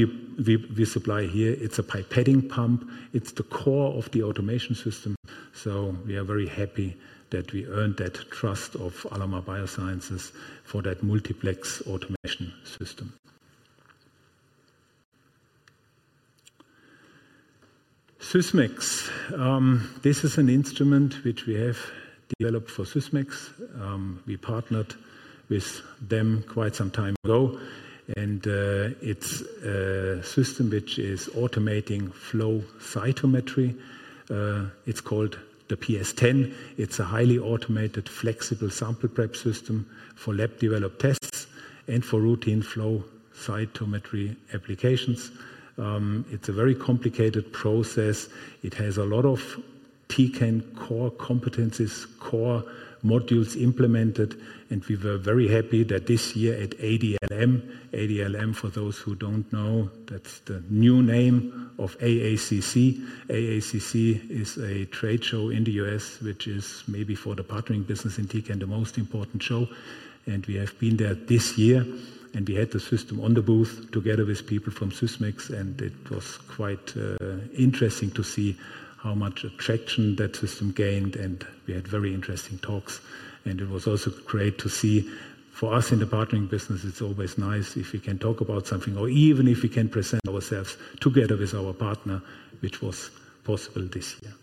we supply here, it's a pipetting pump and it's the core of the automation system. So we are very happy that we earned that trust of Alamar Biosciences for that multiplex automation system, Sysmex. This is an instrument which we have developed for Sysmex. We partnered with them quite some time ago and it's system which is automating flow cytometry, it's called the PS-10. It's a highly automated flexible sample prep system for lab developed tests and for routine flow cytometry applications. It's a very complicated process. It has a lot of Tecan core competencies, core modules implemented and we were very happy that this year here at ADLM. ADLM for those who don't know, that's the new name of AACC. AACC is a trade show in the US which is maybe for the partnering business in Tecan and the most important show. And we have been there this year and we had the system on the booth together with people from Sysmex and it was quite interesting to see how much attention that system gained. And we had very, very interesting talks and it was also great to see for us in the partnering business it's always nice if we can talk about something or even if we can present ourselves together with our partner, which was possible this year.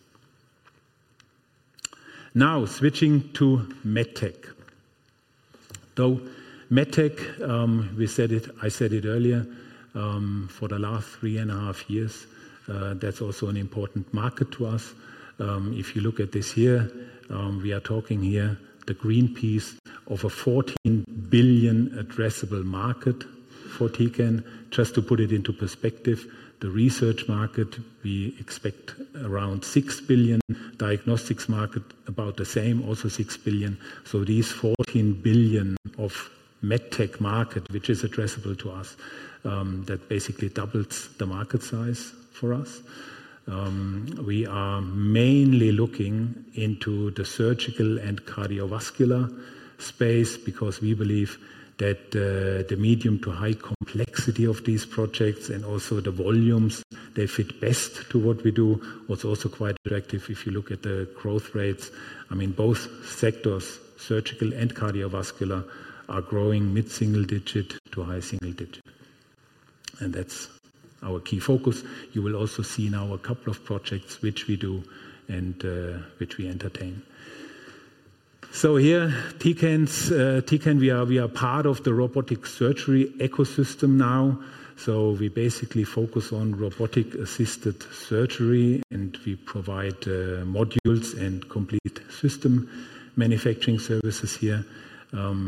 Now switching to Medtech though Medtech, I said it earlier, for the last three and a half years that's also an important market to us. If you look at this here we are talking here, the green piece of a 14 billion addressable market for Tecan. Just to put it into perspective, the research market we expect around 6 billion. Diagnostics market about the same also 6 billion. So these 14 billion of MedTech market which is addressable to us, that basically doubles the market size for us. We are mainly looking into the surgical and cardiovascular space because we believe that the medium to high complexity of these projects and also the volumes they fit best to what we do. What's also quite attractive if you look at the growth rates, I mean both sectors, surgical and cardiovascular vascular are growing mid single digit to high single digit and that's our key focus. You will also see now a couple of projects which we do and which we entertain. So here Tecan we are, we are part of the robotic surgery ecosystem now. So we basically focus on robotic assisted surgery and we provide modules and complete system manufacturing services here.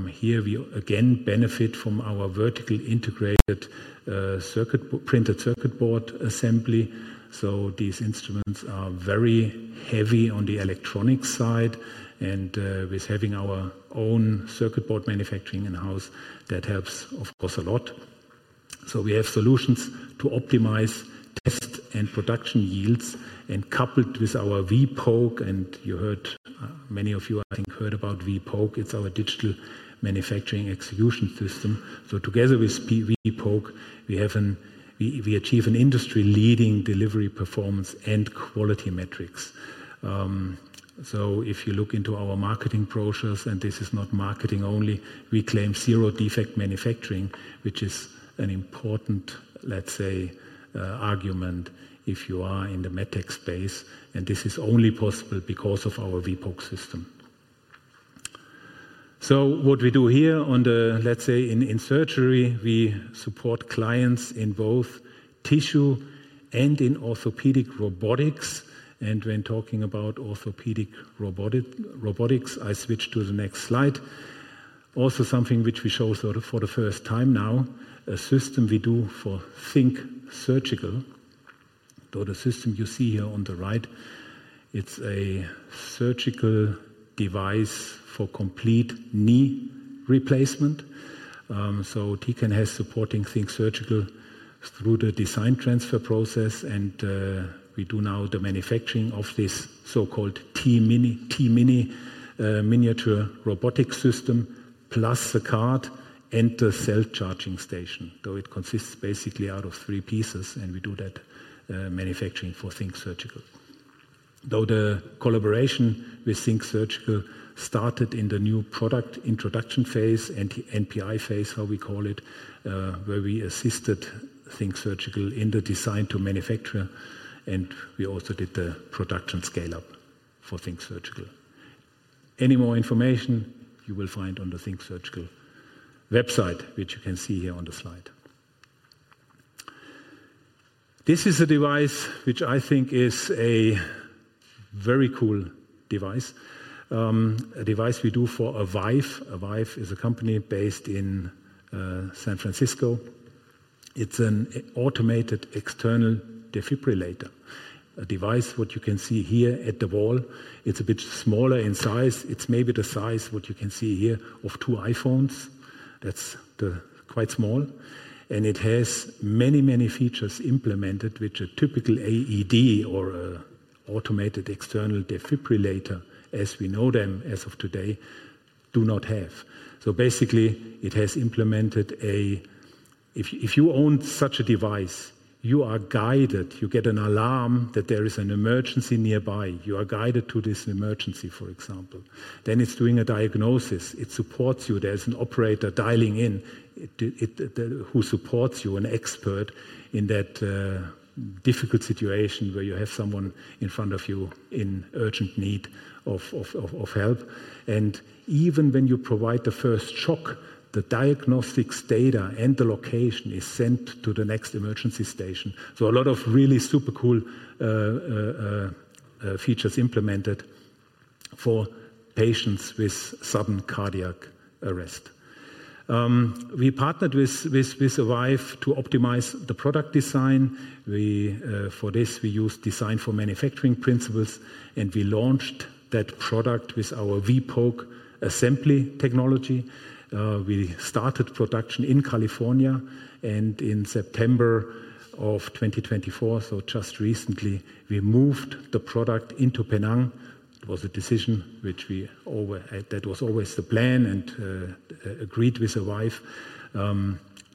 Here we again benefit from our vertically integrated printed circuit board assembly. These instruments are very heavy on the electronic side, and with having our own circuit board manufacturing in house, that helps of course a lot. We have solutions to optimize test and production yields and coupled with our vPoke, and you heard, many of you I think heard about vPoke. It's our digital manufacturing execution system. Together with vPoke we achieve an industry leading delivery, performance and quality metrics. If you look into our marketing process, and this is not marketing only, we claim zero defect manufacturing, which is an important, let's say, argument if you are in the MedTech space, and this is only possible because of our vPoke system. What we do here, on the, let's say, in surgery, we support clients in both tissue and in orthopedic robotics. When talking about orthopedic robotics, I switch to the next slide. Also something which we show sort of for the first time now: a system we do for THINK Surgical. The system you see here on the right, it's a surgical device for complete knee replacement. Paramit has supported THINK Surgical through the design transfer process. We now do the manufacturing of this so-called T-MINI. T-MINI miniature rotation robotic system plus a cart and the self-charging station. It consists basically out of three pieces. We do that manufacturing for THINK Surgical. The collaboration with THINK Surgical started in the new product introduction phase, NPI phase, how we call it, where we assisted THINK Surgical in the design to manufacture and we also did the procedure production scale-up for THINK Surgical. Any more information you will find on the THINK Surgical website which you can see here on the slide. This is a device which I think is a very cool device. A device we do for Avive. Avive is a company based in San Francisco. It's an automated external defibrillator. A device. What you can see here at the wall, it's a bit smaller in size. It's maybe the size what you can see here of two iPhones. That's quite small, and it has many, many features implemented which a typical AED or automated external defibrillator as we know them as of today do not have. So basically it has implemented. If you own such a device, you are guided, you get an alarm that there is an emergency nearby. You are guided to this emergency, for example, then it's doing a diagnosis, it supports you, there's an operator dialing in who supports you, an expert in that difficult situation where you have someone in front of you in urgent need of help. Even when you provide the first shock, the diagnostics data and the location is sent to the next emergency station. A lot of really super cool features implemented for patients with sudden cardiac arrest. We partnered with Avive to optimize the product design for this. We use design for manufacturing principles and we launched that product with our vPoke assembly technology. We started production in California and in September of 2024. Just recently we moved the product into Penang. It was a decision which we. That was always the plan and agreed with Avive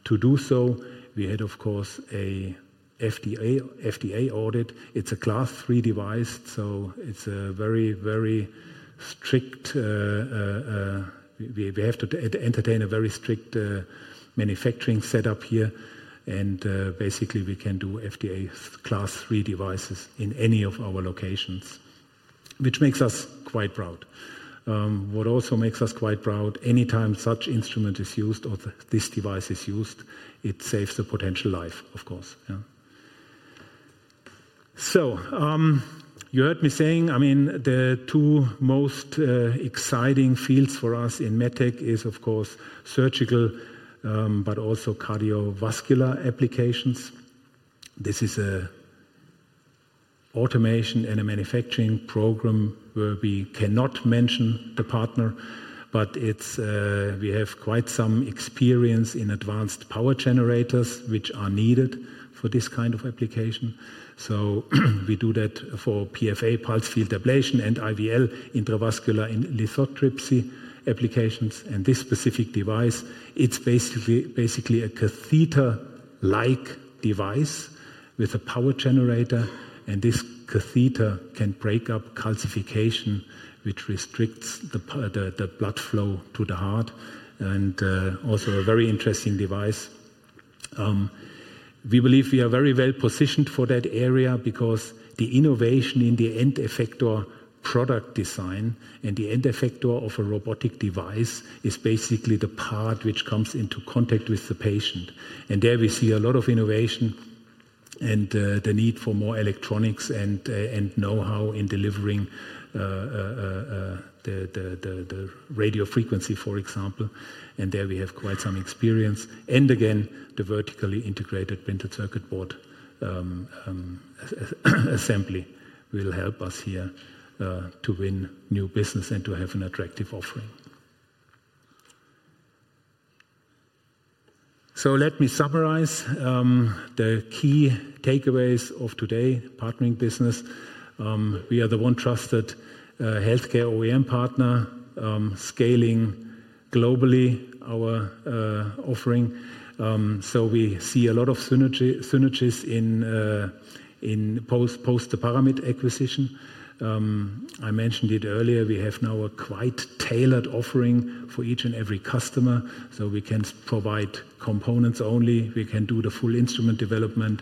to do so. We had of course a FDA audit. It's a Class 3 device. So it's a very, very strict. We have to entertain a very strict manufacturing setup here and basically we can do FDA Class 3 devices in any of our locations. Which makes us quite proud. What also makes us quite proud, anytime such instruments is used or this device is used, it saves a potential life. Of course. So you heard me saying, I mean the two most exciting fields for us in medtech is of course surgical but also cardiovascular applications. This is a automation and a manufacturing program where we cannot mention partner but it's. We have quite some experience in advanced power generators which are needed for this kind of application. So we do that for PFA pulsed field ablation and IVL intravascular lithotripsy applications. And this specific device, it's basically a catheter-like device with a power generator. And this catheter can break up calcification which restricts the blood flow to the heart. And also a very interesting device. We believe we are very well positioned for that area because the innovation in the end effector product design and the end effector of a robotic device is basically the part which comes into contact with the patient. And there we see a lot of innovation and the need for more electronics and know-how in delivering the radio frequency for example. And there we have quite some experience. And again the vertically integrated printed circuit board assembly will help us here to win new business and to have an attractive offering. So let me summarize the key takeaways of today. Partnering business. We are the one trusted healthcare OEM partner scaling globally our offering. So we see a lot of synergies in post the Paramit acquisition. I mentioned it earlier. We have now a quite tailored offering for each and every customer. So we can provide components only. We can do the full instrument development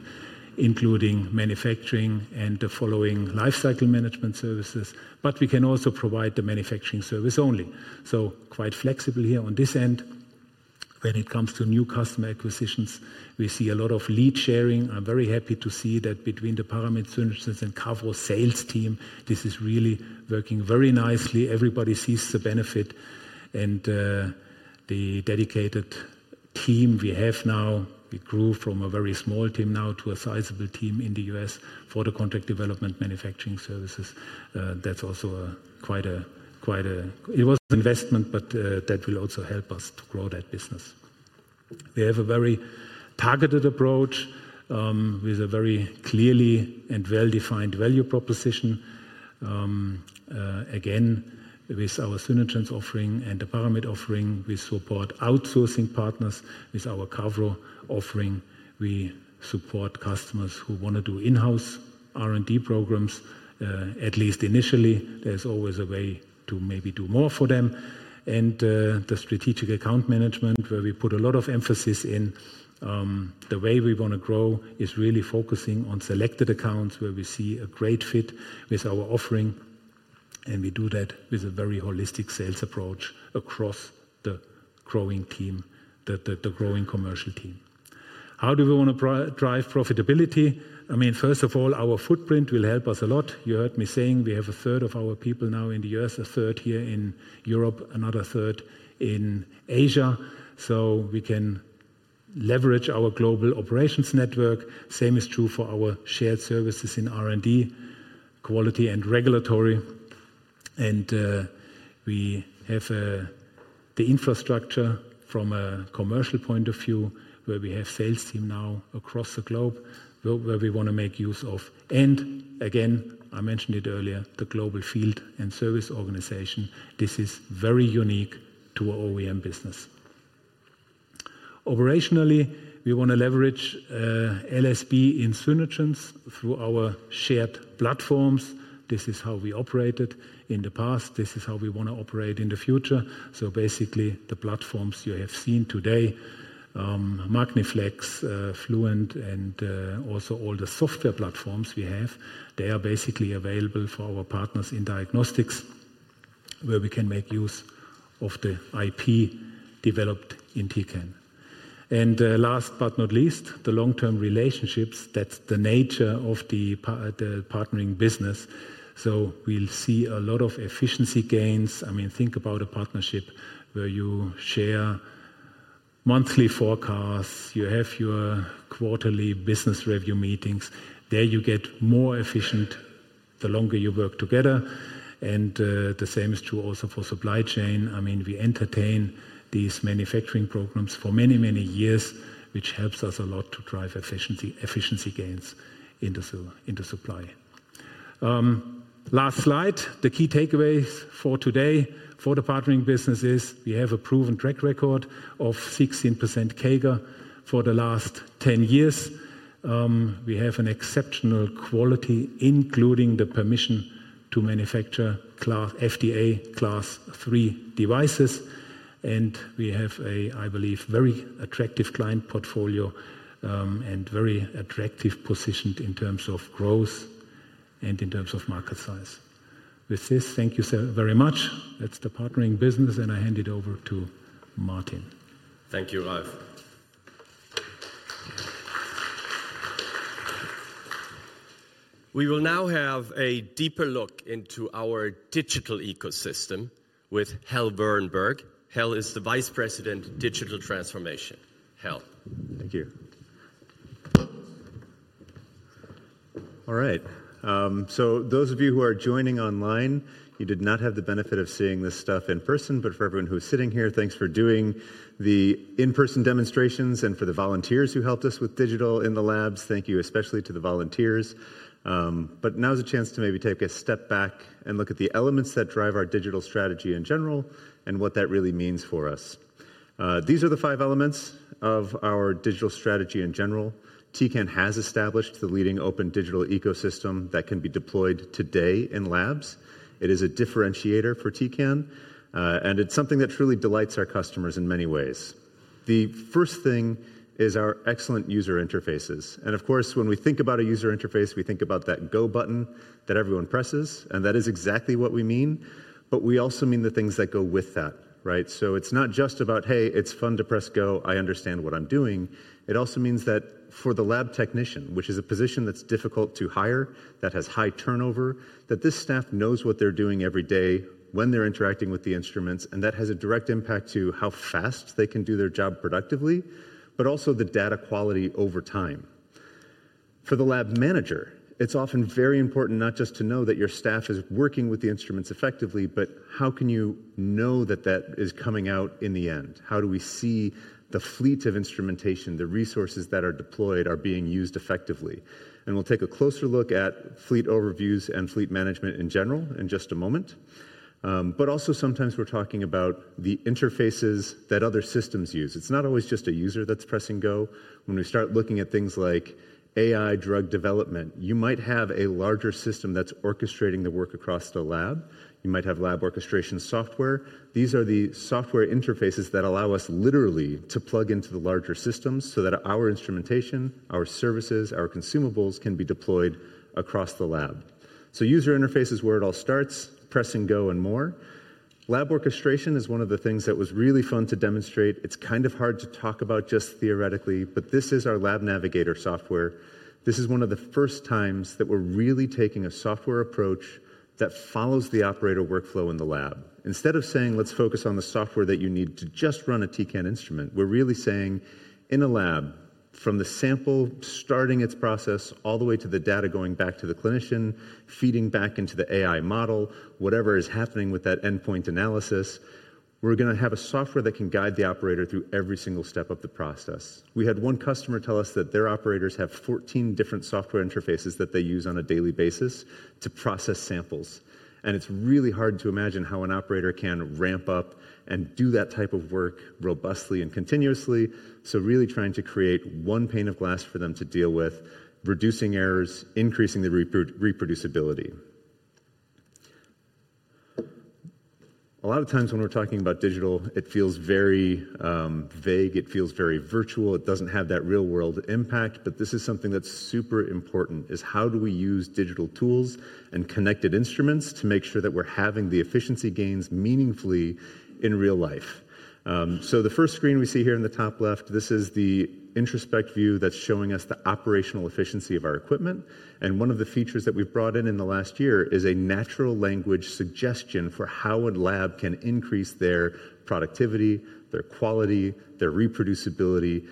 including manufacturing and the following lifecycle management services. But we can also provide the manufacturing service only. So quite flexible here on this end when it comes to new customer acquisitions. We see a lot of lead sharing. I'm very happy to see that between the Paramit and Cavro sales team. This is really working very nicely. Everybody sees the benefit and the dedicated team we have now. We grew from a very small team now to a sizable team in the US for the contract development, manufacturing services. That's also quite an investment, but that will also help us to grow that business. We have a very targeted approach with a very clearly and well defined value proposition. Again with our Synergence offering and the Paramit offering, we support outsourcing partners. With our Cavro offering, we support customers who want to do in house R and D programs, at least initially. There's always a way to maybe do more for them. The strategic account management where we put a lot of emphasis in the way we want to grow is really focusing on selected accounts where we see a great fit with our offering. We do that with a very holistic sales approach across the growing team, the growing commercial team. How do we want to drive profitability? I mean, first of all, our footprint will help us a lot. You heard me saying we have a third of our people now in the U.S., a third here in Europe, another third in Asia, so we can leverage our global operations network. Same is true for our shared services in R&D, quality and regulatory, and we have the infrastructure from a commercial point of view where we have sales team now across the globe where we want to make use of and again I mentioned it earlier, the global field and service organization. This is very unique to our OEM business. Operationally, we want to leverage LSB in synergy through our shared platforms. This is how we operated in the past, this is how we want to operate in the future. So basically the platforms you have seen today, MagniFlex, Fluent, and also all the software platforms we have, they are basically available for our partners in diagnostics where we can make use of the IP developed in Tecan. And last but not least, the long-term relationships, that's the nature of the partnering business. So we'll see a lot of effort, efficiency gains. I mean think about a partnership where you share monthly forecasts, you have your quarterly business review meetings. There you get more efficient the longer you work together. And the same is true also for supply chain. I mean we entertain these manufacturing programs for many, many years which helps us a lot to drive efficiency, efficiency gains in the field into supply. Last slide. The key takeaways for today for the Partnering Business is we have a proven track record of 16% CAGR for the last 10 years. We have an exceptional quality including the permission to manufacture FDA Class III devices, and we have a, I believe very attractive client portfolio and very attractive position in terms of growth and in terms of market size with this. Thank you very much. That's the Partnering Business and I hand it over to Martin. Thank you, Ralf. We will now have a deeper look into our digital ecosystem with Hal Wehrenberg. Hal is the Vice President, Digital Transformation. Hal, thank you. All right, so those of you who are joining online, you did not have the benefit of seeing this stuff in person. But for everyone who is sitting here, thanks for doing the in-person demonstrations and for the volunteers who helped us with digital in the labs. Thank you. Especially to the volunteers. But now's a chance to maybe take a step back and look at the elements that drive our digital strategy in general and what that really means for us. These are the five elements of our digital strategy in general. Tecan has established the leading open digital ecosystem that can be deployed today in labs. It is a differentiator for Tecan and it's something that truly delights our customers in many ways. The first thing is our excellent user interfaces. And of course, when we think about a user interface, we think about that go button that everyone presses. And that is exactly what we mean. But we also mean the things that go with that, right? So it's not just about, hey, it's fun to press go. I understand what I'm doing. It also means that for the lab technician, which is a position that's difficult to hire, that has high turnover, that this staff knows what they're doing every day when they're interacting with the instruments, and that has a direct impact to how fast they can do their job productively, but also the data quality over time. For the lab manager, it's often very important not just to know that your staff is working with the instruments effectively, but how can you know that that is coming out in the end? How do we see the fleet of instrumentation? The resources that are deployed are being used effectively. We'll take a closer look at fleet overviews and fleet management in general in just a moment. Also sometimes we're talking about the interfaces that other systems use. It's not always just a user that's pressing go. When we start looking at things like AI drug development, you might have a larger system that's orchestrating the work across the lab. You might have lab orchestration software. These are the software interfaces that allow us literally to plug into the larger systems so that our instrumentation, our services, our consumables can be deployed across the lab. User interface is where it all starts pressing go and more. Lab orchestration is one of the things that was really fun to demonstrate. It's kind of hard to talk about just theoretically, but this is our LabNavigator software. This is one of the first times that we're really taking a software approach that follows the operator workflow in the lab. Instead of saying, let's focus on the software that you need to just run a Tecan instrument, we're really saying in a lab, from the sample, starting its process, all, all the way to the data, going back to the clinician, feeding back into the AI model, whatever is happening with that endpoint analysis, we're going to have a software that can guide the operator through every single step of the process. We had one customer tell us that their operators have 14 different software interfaces that they use on a daily basis to process samples. It's really hard to imagine how an operator can ramp up and do that type of work robustly and continuously. Really trying to create one pane of glass for them to deal with, reducing errors, increasing the reproducibility. A lot of times when we're talking about digital, it feels very vague, it feels very virtual. It doesn't have that real world impact. This is something that's super important, is how do we use digital tools and connected instruments to make sure that we're having the efficiency gains meaningfully in real life? The first screen we see here in the top left, this is the Introspect view that's showing us the operational efficiency of our equipment. One of the features that we've brought in in the last year is a natural language suggestion for how a lab can increase their productivity, their quality, their reproducibility.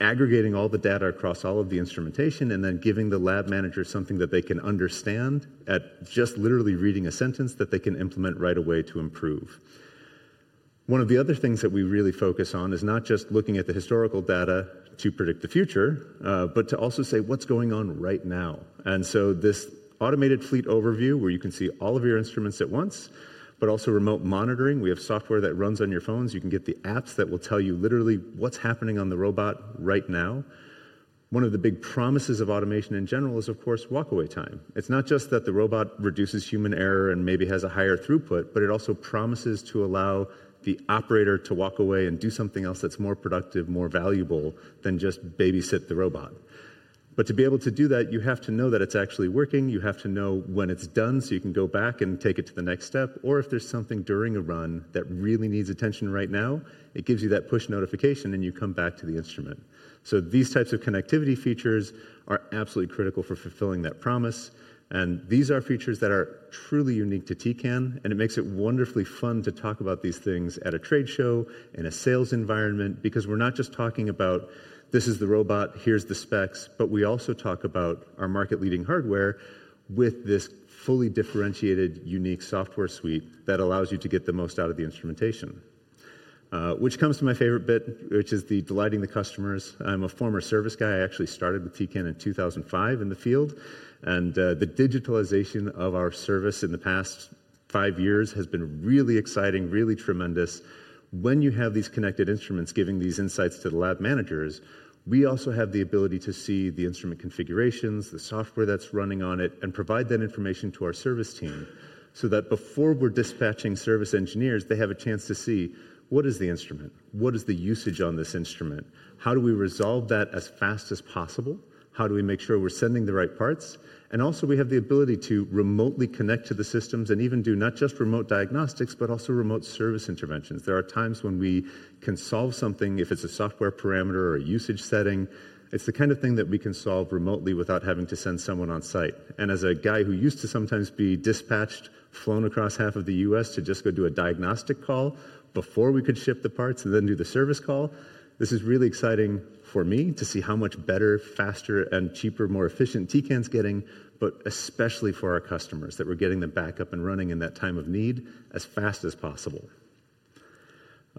Aggregating all the data across all of the instrumentation, and then giving the lab manager something that they can understand at just literally reading a sentence that they can implement right away to improve. One of the other things that we really focus on is not just looking at the historical data to predict the future, but to also say what's going on right now, and so this automated fleet overview, where you can see all of your instruments at once, but also remote monitoring. We have software that runs on your phones. You can get the apps that will tell you literally what's happening on the robot right now. One of the big promises of automation in general is, of course, walkaway time. It's not just that the robot reduces human error and maybe has a higher throughput, but it also promises to allow the operator to walk away and do something else that's more productive, more valuable than just babysit the robot, but to be able to do that, you have to know that it's actually working. You have to know when it's done so you can go back and take it to the next step. Or if there's something during a run that really needs attention right now, it gives you that push notification and you come back to the instrument. So these types of connectivity features are absolutely critical for fulfilling that promise. And these are features that are truly unique to Tecan. It makes it wonderfully fun to talk about these things at a trade show in a sales environment, because we're not just talking about this is the robot, here's the specs, but we also talk about our market-leading hardware with this fully differentiated, unique software suite that allows you to get the most out of the instrumentation. Which comes to my favorite bit, which is delighting the customers. I'm a former service guy. I actually started with Tecan in 2005 in the field. The digitalization of our service in the past five years has been really exciting, really tremendous. When you have these connected instruments, giving these insights to the lab managers, we also have the ability to see the instrument configurations, the software that's running on it, and provide that information to our service team so that before we're dispatching service engineers, they have a chance to see what is the instrument, what is the usage on this instrument, how do we resolve that as fast as possible, how do we make sure we're sending the right parts? And also we have the ability to remotely connect to the systems and even do not just remote diagnostics, but also remote service interventions. There are times when we can solve something. If it's a software parameter or a usage setting, it's the kind of thing that we can solve remotely without having to send someone on site. And as a guy who used to sometimes be dispatched, flown across half of the U.S. to just go do a diagnostic call before we could ship the parts and then do the service call. This is really exciting for me to see how much better, faster and cheaper, more efficient Tecan is getting. But especially for our customers, that we're getting them back up and running in that time of need as fast as possible.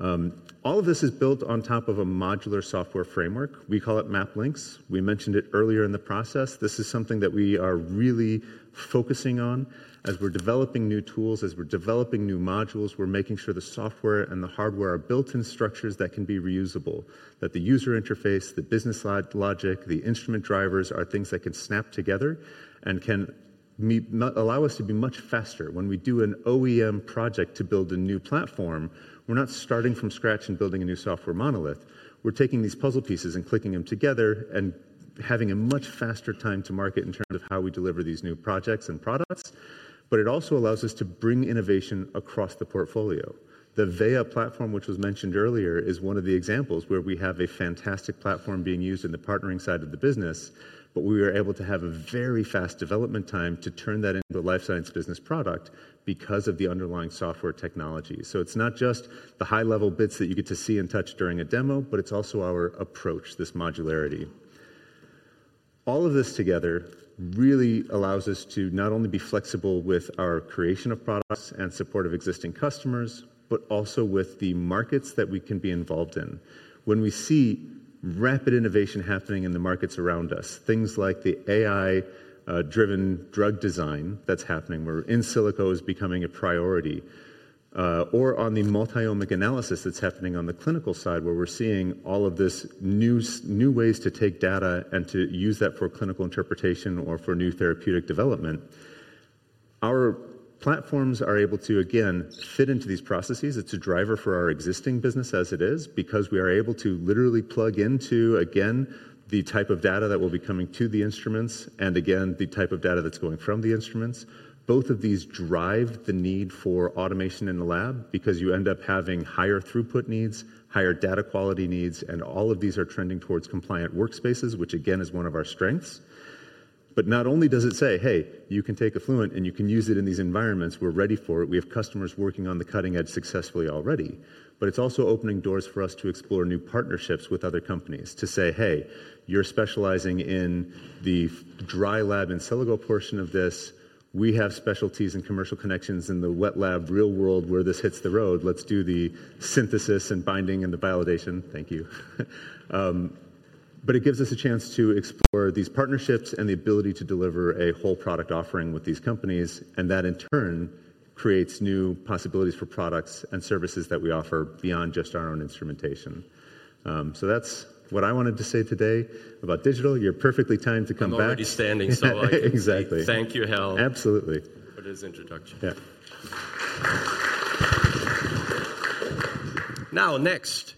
All of this is built on top of a modular software framework. We call it MAPlinx. We mentioned it earlier. In the process, this is something that we are really focusing on as we're developing new tools, as we're developing new modules, we're making sure the software and the hardware are built in structures that can be reusable, that the user interface, the business logic, the instrument drivers, are things that can snap together and can allow us to be much faster. When we do an OEM project to build a new platform, we're not starting from scratch and building a new software monolith. We're taking these puzzle pieces and clicking them together and having a much faster time to market in terms of how we deliver these new projects and products. But it also allows us to bring innovation across the portfolio. The Veya platform, which was mentioned earlier, is one of the examples where we have a fantastic platform being used in the partnering side of the business. But we were able to have a very, very fast development time to turn that into a life science business product because of the underlying software technology. So it's not just the high level bits that you get to see and touch during a demo, but it's also our approach, this modularity, all of this together really allows us to not only be flexible with our creation of products and support of existing customers, but also with the markets that we can be involved in. When we see rapid innovation happening in the markets around us, things like the AI driven drug design, that's happening where in silico is becoming a priority, or on the multi-omic analysis, that's happening on the clinical side where we're seeing all of this new ways to take data and to use that for clinical interpretation or for new therapeutic development. Our platforms are able to again fit into these processes. It's a driver for our existing business as it is because we are able to literally plug into again the type of data that will be coming to the instruments and again the type of data that's going from the instruments. Both of these drive the need for automation in the lab because you end up having higher throughput needs, higher data quality needs. And all of these are trending towards compliant workspaces, which again is one of our strengths. But not only does it say, hey, you can take Fluent and you can use it in these environments, we're ready for it. We have customers working on the cutting edge successfully already. But it's also opening doors for us to explore new partnerships with other companies to say, hey, you're specializing in the dry lab in silico portion of this. We have specialties in commercial connections in the wet lab real world. Where this hits the road, let's do the synthesis and binding and the validation. Thank you. But it gives us a chance to explore these partnerships and the ability to deliver a whole product offering with these companies. And that in turn creates new possibilities for products and services that we offer beyond just our own instrumentation. So that's what I wanted to say today about digital. You're perfectly timed to come back. I'm already standing, so exactly. Thank you Hal, absolutely for this introduction. Now next,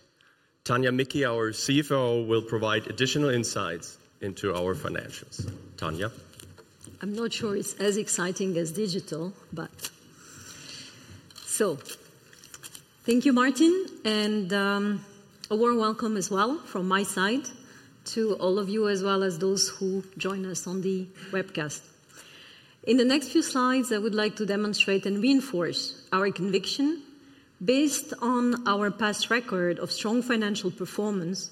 Tania Micki, our CFO will provide additional insights into our financials. Tania, I'm not sure it's as exciting as digital, but so thank you, Martin, and a warm welcome as well from my side to all of you as well as those who join us on the webcast. In the next few slides, I would like to demonstrate and reinforce our conviction based on our past record of strong financial performance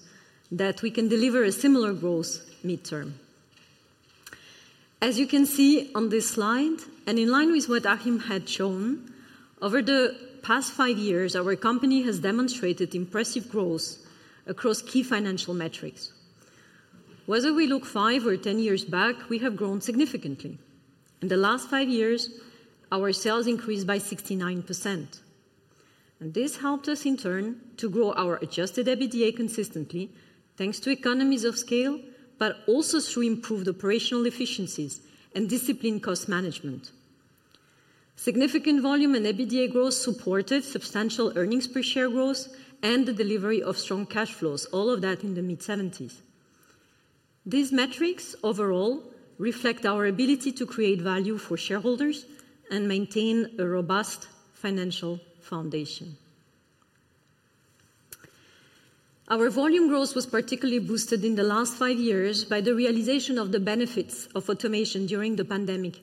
that we can deliver a similar growth mid term. As you can see on this slide and in line with what Achim had shown over the past five years, our company has demonstrated impressive growth across key financial metrics. Whether we look five or 10 years back, we have grown significantly. In the last five years our sales increased by 69% and this helped us in turn to grow our adjusted EBITDA consistently. Thanks to economies of scale, but also through improved operational efficiencies and disciplined cost management, significant volume and EBITDA growth supported substantial earnings per share growth and the delivery of strong cash flows. All of that in the mid-70s. These metrics overall reflect our ability to create value for shareholders and maintain a robust financial foundation. Our volume growth was particularly boosted in the last five years by the realization of the benefits of automation during the pandemic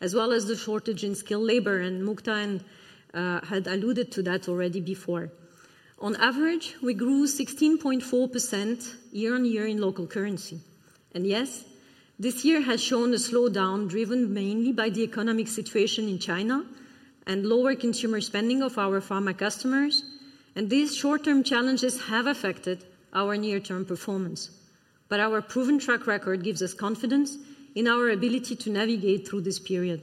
as well as the shortage in skilled labor and Mukta had alluded to that already before. On average we grew 16.4% year on year in local currency and yes, this year has shown a slowdown driven mainly by the economic situation in China and lower consumer spending of our pharma customers, and these short term challenges have affected our near term performance. But our proven track record gives us confidence in our ability to navigate through this period.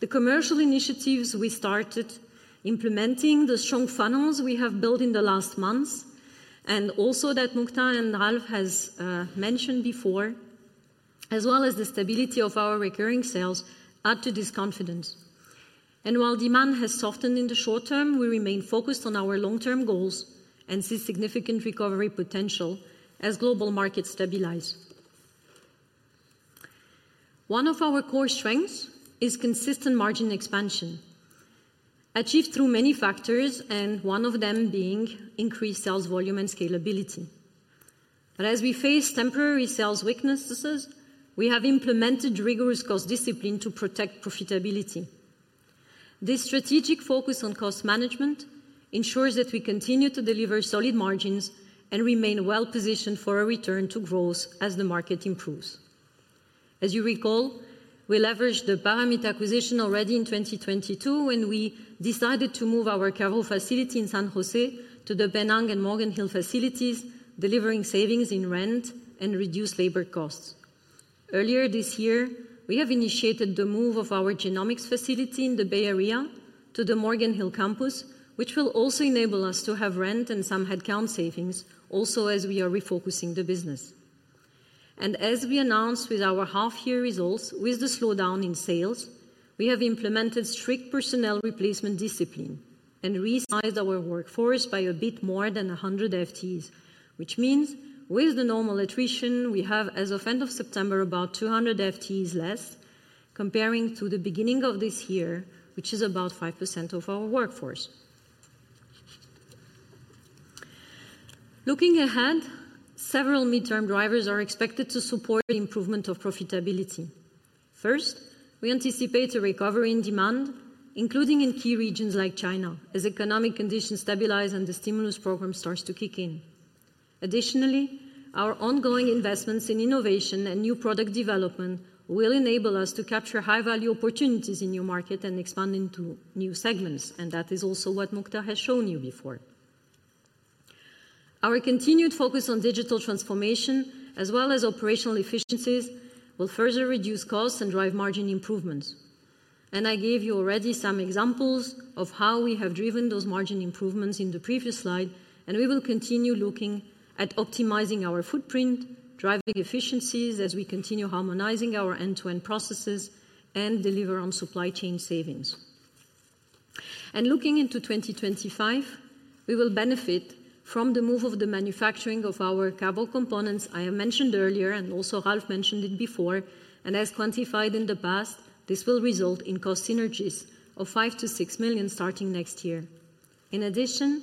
The commercial initiatives we started implementing, the strong funnels we have built in the last months and also that Mukta and Ralf has mentioned before, as well as the stability of our recurring sales add to this confidence, and while demand has softened in the short term, we remain focused on our long term goals and see significant recovery potential as global markets stabilize. One of our core strengths is consistent margin expansion achieved through many factors and one of them being increased sales volume and scalability, but as we face temporary sales weaknesses, we have implemented rigorous cost discipline to protect profitability. This strategic focus on cost management ensures that we continue to deliver solid margins and remain well positioned for a return to growth as the market improves. As you recall, we leveraged the Paramit acquisition already in 2022 when we decided to move our Cavro facility in San Jose to the Penang and Morgan Hill facilities, delivering savings in rent and reduced labor costs. Earlier this year we have initiated the move of our genomics facility in the Bay Area to the Morgan Hill campus which will also enable us to have rent and some headcount savings. Also, as we are refocusing the business and as we announced with our half year results with the slowdown in sales, we have implemented strict personnel replacement discipline and resized our workforce by a bit more than 100 FTEs, which means with the normal attrition we have as of end of September about 200 FTEs less comparing to the beginning of this year which is about 5% of our workforce. Looking ahead, several mid-term drivers are expected to support improvement of profitability. First, we anticipate a recovery in demand including in key regions like China as economic conditions stabilize and the stimulus program starts to kick in. Additionally, our ongoing investments in innovation and new product development will enable us to capture high value opportunities in new market and expand into new segments, and that is also what Mukta has shown you before. Our continued focus on digital transformation as well as operational efficiencies will further reduce costs and drive margin improvements. I gave you already some examples of how we have driven those margin improvements in the previous slide. We will continue looking at optimizing our footprint, driving efficiencies as we continue harmonizing our end-to-end product processes and deliver on supply chain savings. Looking into 2025, we will benefit from the move of the manufacturing of our Cavro components. I have mentioned it earlier and also Ralf mentioned it before. As quantified in the past, this will result in cost synergies of 5-6 million starting next year. In addition,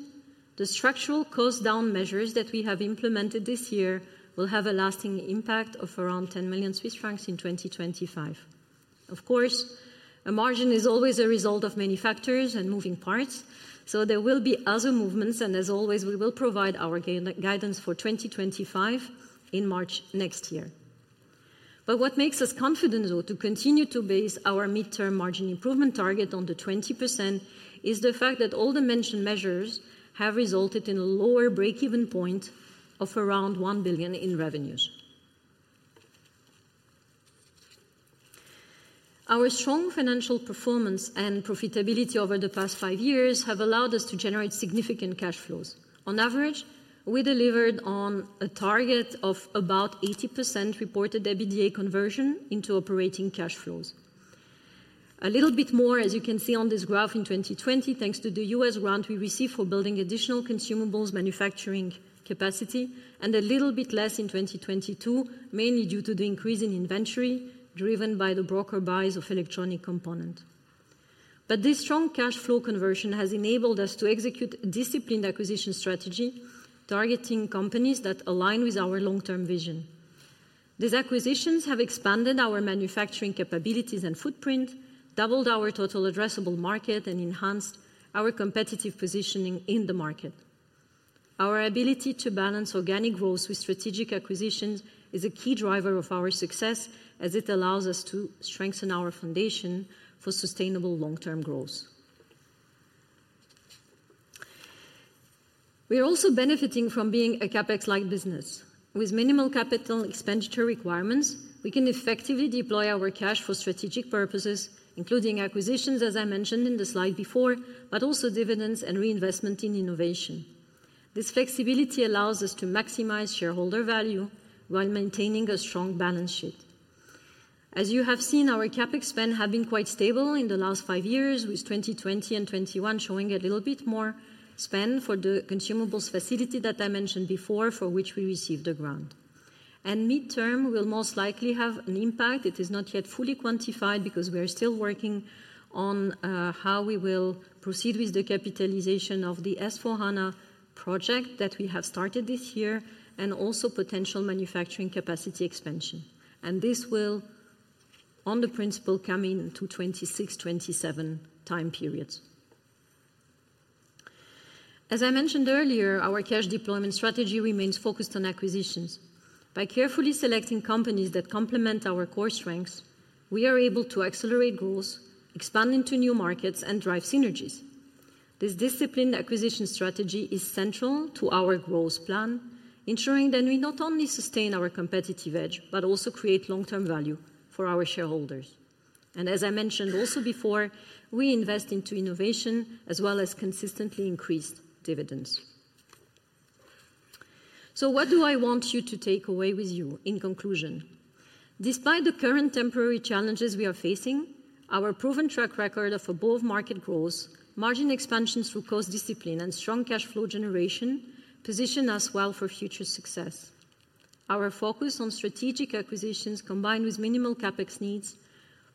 the structural cost down measures that we have implemented this year will have a lasting impact of around 10 million Swiss francs in 2025. Of course a margin is always a result of many factors and moving parts, so there will be other movements and as always we will provide our guidance for 2025 in March next year. But what makes us confident though to continue to base our mid term margin improvement target on the 20% is the fact that all the mentioned measures have resulted in a lower breakeven point of around 1 billion in revenues. Our strong financial performance and profitability over the past five years have allowed us to generate significant cash flows. On average we delivered on a target of about 80% reported EBITDA conversion into operating cash flows, a little bit more as you can see on this graph in 2020 thanks to the U.S. grant we received for building additional consumables manufacturing capacity, and a little bit less in 2022 mainly due to the increase in inventory driven by the broker buys of electronic component. But this strong cash flow conversion has enabled us to execute disciplined acquisition strategy targeting companies that align with our long term vision. These acquisitions have expanded our manufacturing capabilities and footprint, doubled our total addressable market and enhanced our competitive positioning in the market. Our ability to balance organic growth with strategic acquisitions is a key driver of our success as it allows us to strengthen our foundation for sustainable long term growth. We are also benefiting from being a CapEx-like business with minimal capital expenditure requirements. We can effectively deploy our cash for strategic purposes including acquisitions as I mentioned in the slide before, but also dividends and reinvestment in innovation. This flexibility allows us to maximize shareholder value while maintaining a strong balance sheet. As you have seen, our CapEx spend have been quite stable in the last five years with 2020 and 2021 showing a little bit more spend for the consumables facility that I mentioned before for which we received a grant and mid-term will most likely have an impact. It is not yet fully quantified because we are still working on how we will proceed with the capitalization of the S/4HANA project that we have started this year and also potential manufacturing capacity expansion and this will on the principle come into 2026-27 time periods. As I mentioned earlier, our cash deployment strategy remains focused on acquisitions. By carefully selecting companies that complement our core strengths, we are able to accelerate growth, expand into new markets and drive synergies. This disciplined acquisition strategy is central to our growth plan, ensuring that we not only sustain our competitive edge but also create long-term value for our shareholders, and as I mentioned also before, we invest into innovation as well as consistently increase dividends, so what do I want you to take away with you? In conclusion, despite the current temporary challenges we are facing, our proven track record of above-market growth margin expansion through cost discipline and strong cash flow generation position us well for future success. Our focus on strategic acquisitions combined with minimal CapEx needs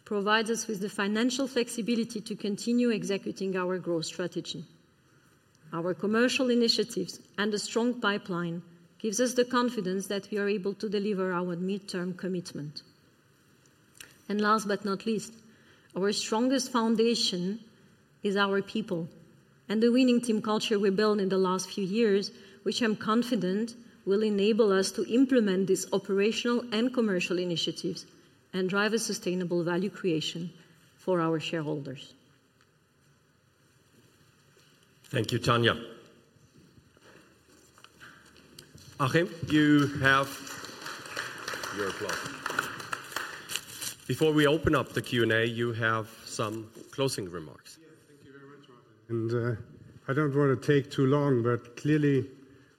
provides us with the financial flexibility to continue executing our growth strategy. Our commercial initiatives and a strong pipeline gives us the confidence that we are able to deliver our mid-term commitment, and last but not least, our strongest foundation is our people and the winning team culture we built in the last few years, which I'm confident will enable us to implement this opportunity, operational and commercial initiatives and drive a sustainable value creation for our shareholders. Thank you. Tania, Achim, you have the floor. Before we open up the Q&A, you have some closing remarks. Thank you very much, Martin. And I don't want to take too long, but clearly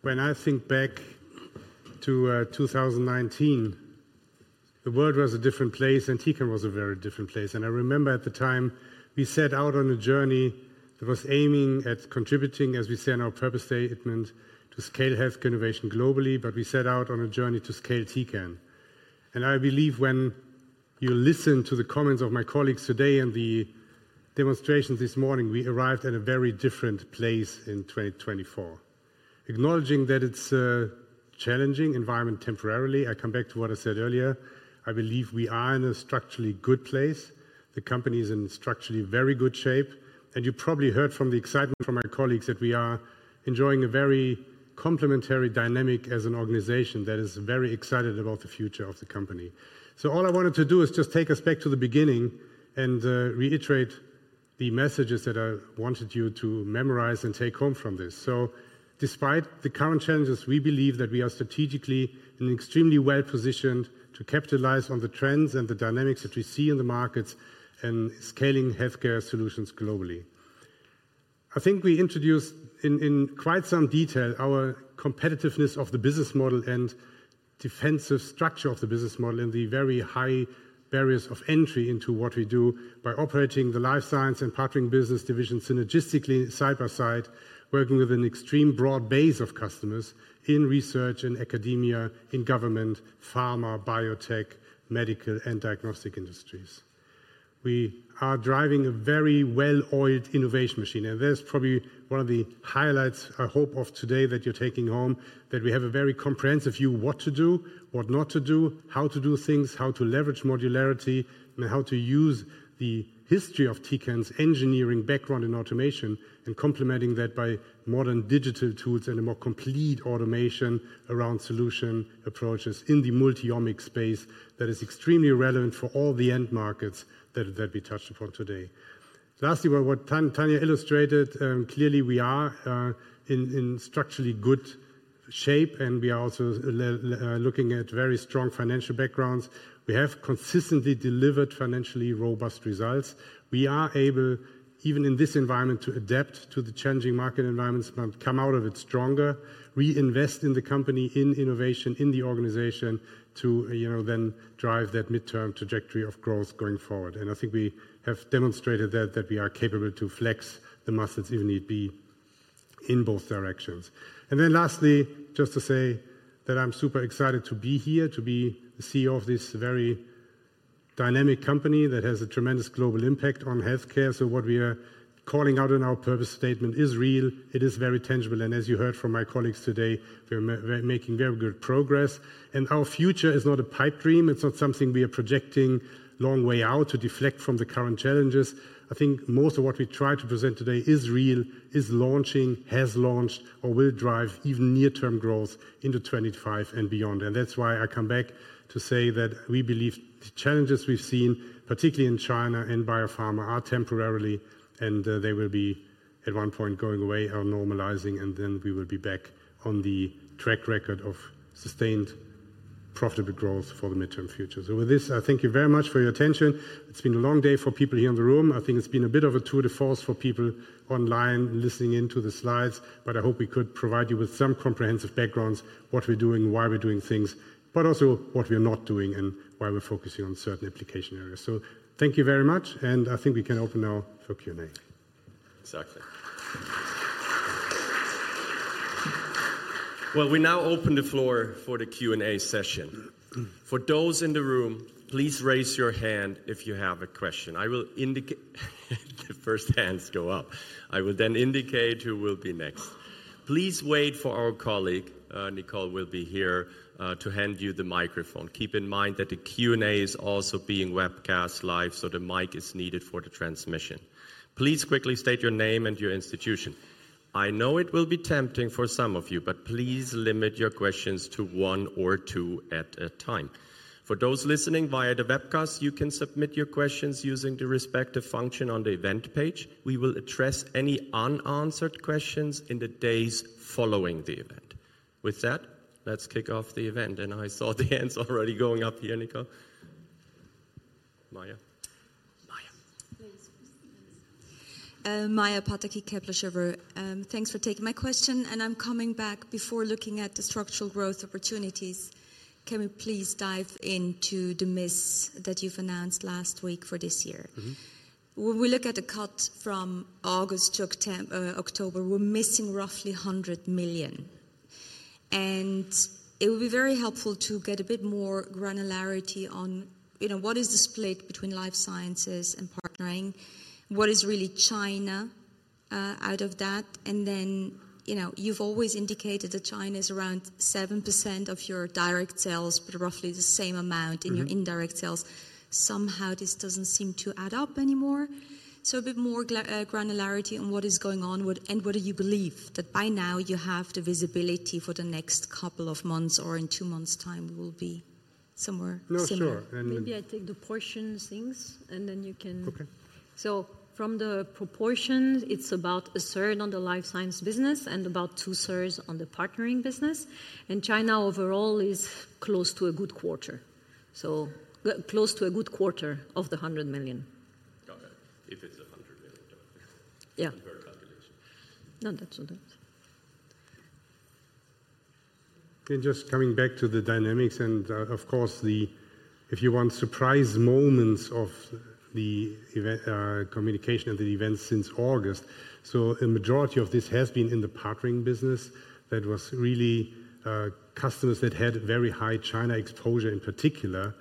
when I think back to 2019, the world was a different place and Tecan was a very different place. And I remember at the time we set out on a journey that was aiming at contributing, as we say in our purpose statement, to scale healthcare innovation globally. But we set out on a journey to scale Tecan. And I believe when you listen to the comments of my colleagues today and the demonstrations this morning, we arrived at a very different place in 2024. Acknowledging that it's a challenging environment temporarily, I come back to what I said earlier. I believe we are in a structurally good place. The company is in structurally very good shape and you probably heard from the excitement from my colleagues that we are enjoying a very complementary dynamic as an organization that is very excited about the future of the company, so all I wanted to do is just take us back to the beginning and reiterate the messages that I wanted you to memorize and take home from this, so despite the current challenges, we believe that we are strategically extremely well positioned to capitalize on the trends and the dynamics that we see in the markets and scaling healthcare solutions globally. I think we introduced in quite some detail our competitiveness of the business model and defensive structure of the business model in the very high barriers of entry into what we do. By operating the Life Science and partnering business division synergistically, side by side, working with an extremely broad base of customers in research and academia, in government, pharma, biotech, medical and diagnostic industries, we are driving a very well-oiled innovation machine, and that's probably one of the highlights I hope of today that you're taking home that we have a very comprehensive view what to do with what not to do, how to do things, how to leverage modularity and how to use the history of Tecan's engineering background in automation and complementing that by modern digital tools and a more complete automation around solution approaches in the multi-omic space that is extremely relevant for all the end markets that we touched upon today. Lastly, what Tania illustrated clearly, we are in structurally good shape and we are also looking at very strong financial backgrounds. We have consistently delivered financially robust results. We are able even in this environment to adapt to the changing market environments, come out of it stronger, reinvest in the company, in innovation, in the organization, to, you know, then drive that midterm trajectory of growth going forward. And I think we have demonstrated that, that we are capable to flex the muscles if need be in both directions. And then lastly, just to say that I'm super excited to be here to be the CEO of this very dynamic company that has a tremendous global impact on healthcare. So what we are calling out in our purpose statement is real. It is very tangible and as you heard from my colleagues today, we are making very good progress and our future is not a pipe dream. It's not something we are projecting long way out to deflect from the current challenges. I think most of what we try to present today is real, is launching, has launched or will drive even near term growth into 2025 and beyond. And that's why I come back to say that we believe the challenges we've seen, particularly in China and Biopharma, are temporarily and they will be at one point going away or normalizing and then we will be back on the track record of sustained, profitable growth for the midterm future. So with this, I thank you very much for your attention. It's been a long day for people here in the room. I think it's been a bit of a tour de force for people online listening into the slides, but I hope we could provide you with some comprehensive backgrounds. What we're doing, why we're doing things, but also what we are not doing and why we're focusing on certain application areas. So thank you very much and I think we can open now for Q and A. Exactly. Well, we now open the floor for the Q and A session. For those in the room, please raise your hand if you have a question. I will indicate the first hands go up. I will then indicate who will be next. Please wait for our colleague. Nicole will be here to hand you the microphone. Keep in mind that the Q and A is also being webcast live, so the mic is needed for the transmission. Please quickly state your name and your institution. I know it will be tempting for some of you, but please limit your questions to one or two at a time. For those listening via the webcast, you can submit your questions using the respective function on the event page. We will address any unanswered questions in the days following the event. With that, let's kick off the event and I saw the hands already going up here. Nicole. Maja. Maja. Maja Pataki, Kepler Cheuvreux. Thanks for taking my question and I'm coming back. Before looking at the structural growth opportunities, can we please dive into the miss that you've announced last week for this year? When we look at the cut from August to October, we're missing roughly 100 million. And it would be very helpful to. Get a bit more granularity on, you. No, what is the split between Life Sciences and Partnering. What is really coming out of that? And then, you know, you've always indicated that China is around 7% of your. Direct sales, but roughly the same amount in your indirect sales. Somehow this doesn't seem to add up anymore. So a bit more granularity on what? Is going on and what do you believe that by now you have the? Visibility for the next couple of months or in two months time will be somewhere. Maybe I take the proportions and then you can. Okay, so from the proportions, it's about a third on the Life Sciences Business and about 2/3 on the Partnering Business. And China overall is close to a good quarter. So close to a good quarter of the 100 million. If it's $100 million. Yeah, no, that's not. And just coming back to the dynamics and of course the, if you want, surprise moments of the communication and the events since August. So a majority of this has been in the Partnering Business. That was really customers that had very high China exposure, in particular,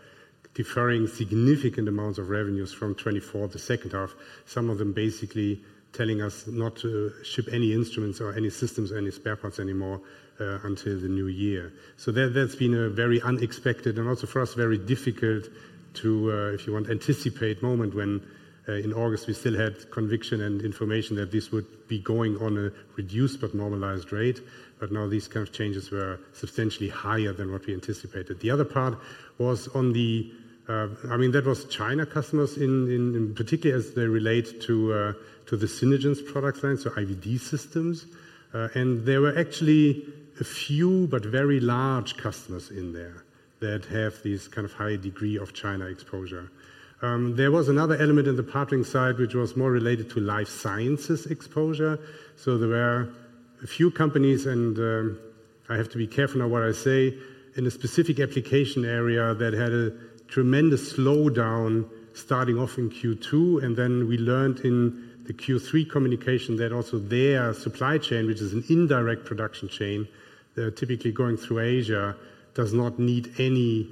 deferring significant amounts of revenues from '24 to '25 second half, some of them basically telling us not to ship any instruments or any systems or any spare parts anymore until the new year. So that's been a very unexpected and also for us, very difficult to, if you want, anticipate moment when in August we still had conviction and information that this would be going on a reduced but normalized rate. But now these kind of changes were substantially higher than what we anticipated. The other part was on the, I mean, that was China customers in particular as they relate to the Synergence product line, so IVD systems. And there were actually a few but very large customers in there that have this kind of high degree of China exposure. There was another element in the partnering side which was more related to Life Sciences exposure. So there were a few companies, and I have to be careful of what I say in a specific application area that had a tremendous slowdown starting off in Q2. And then we learned in the Q3 communication that also their supply chain, which is an indirect production chain typically going through Asia, does not need any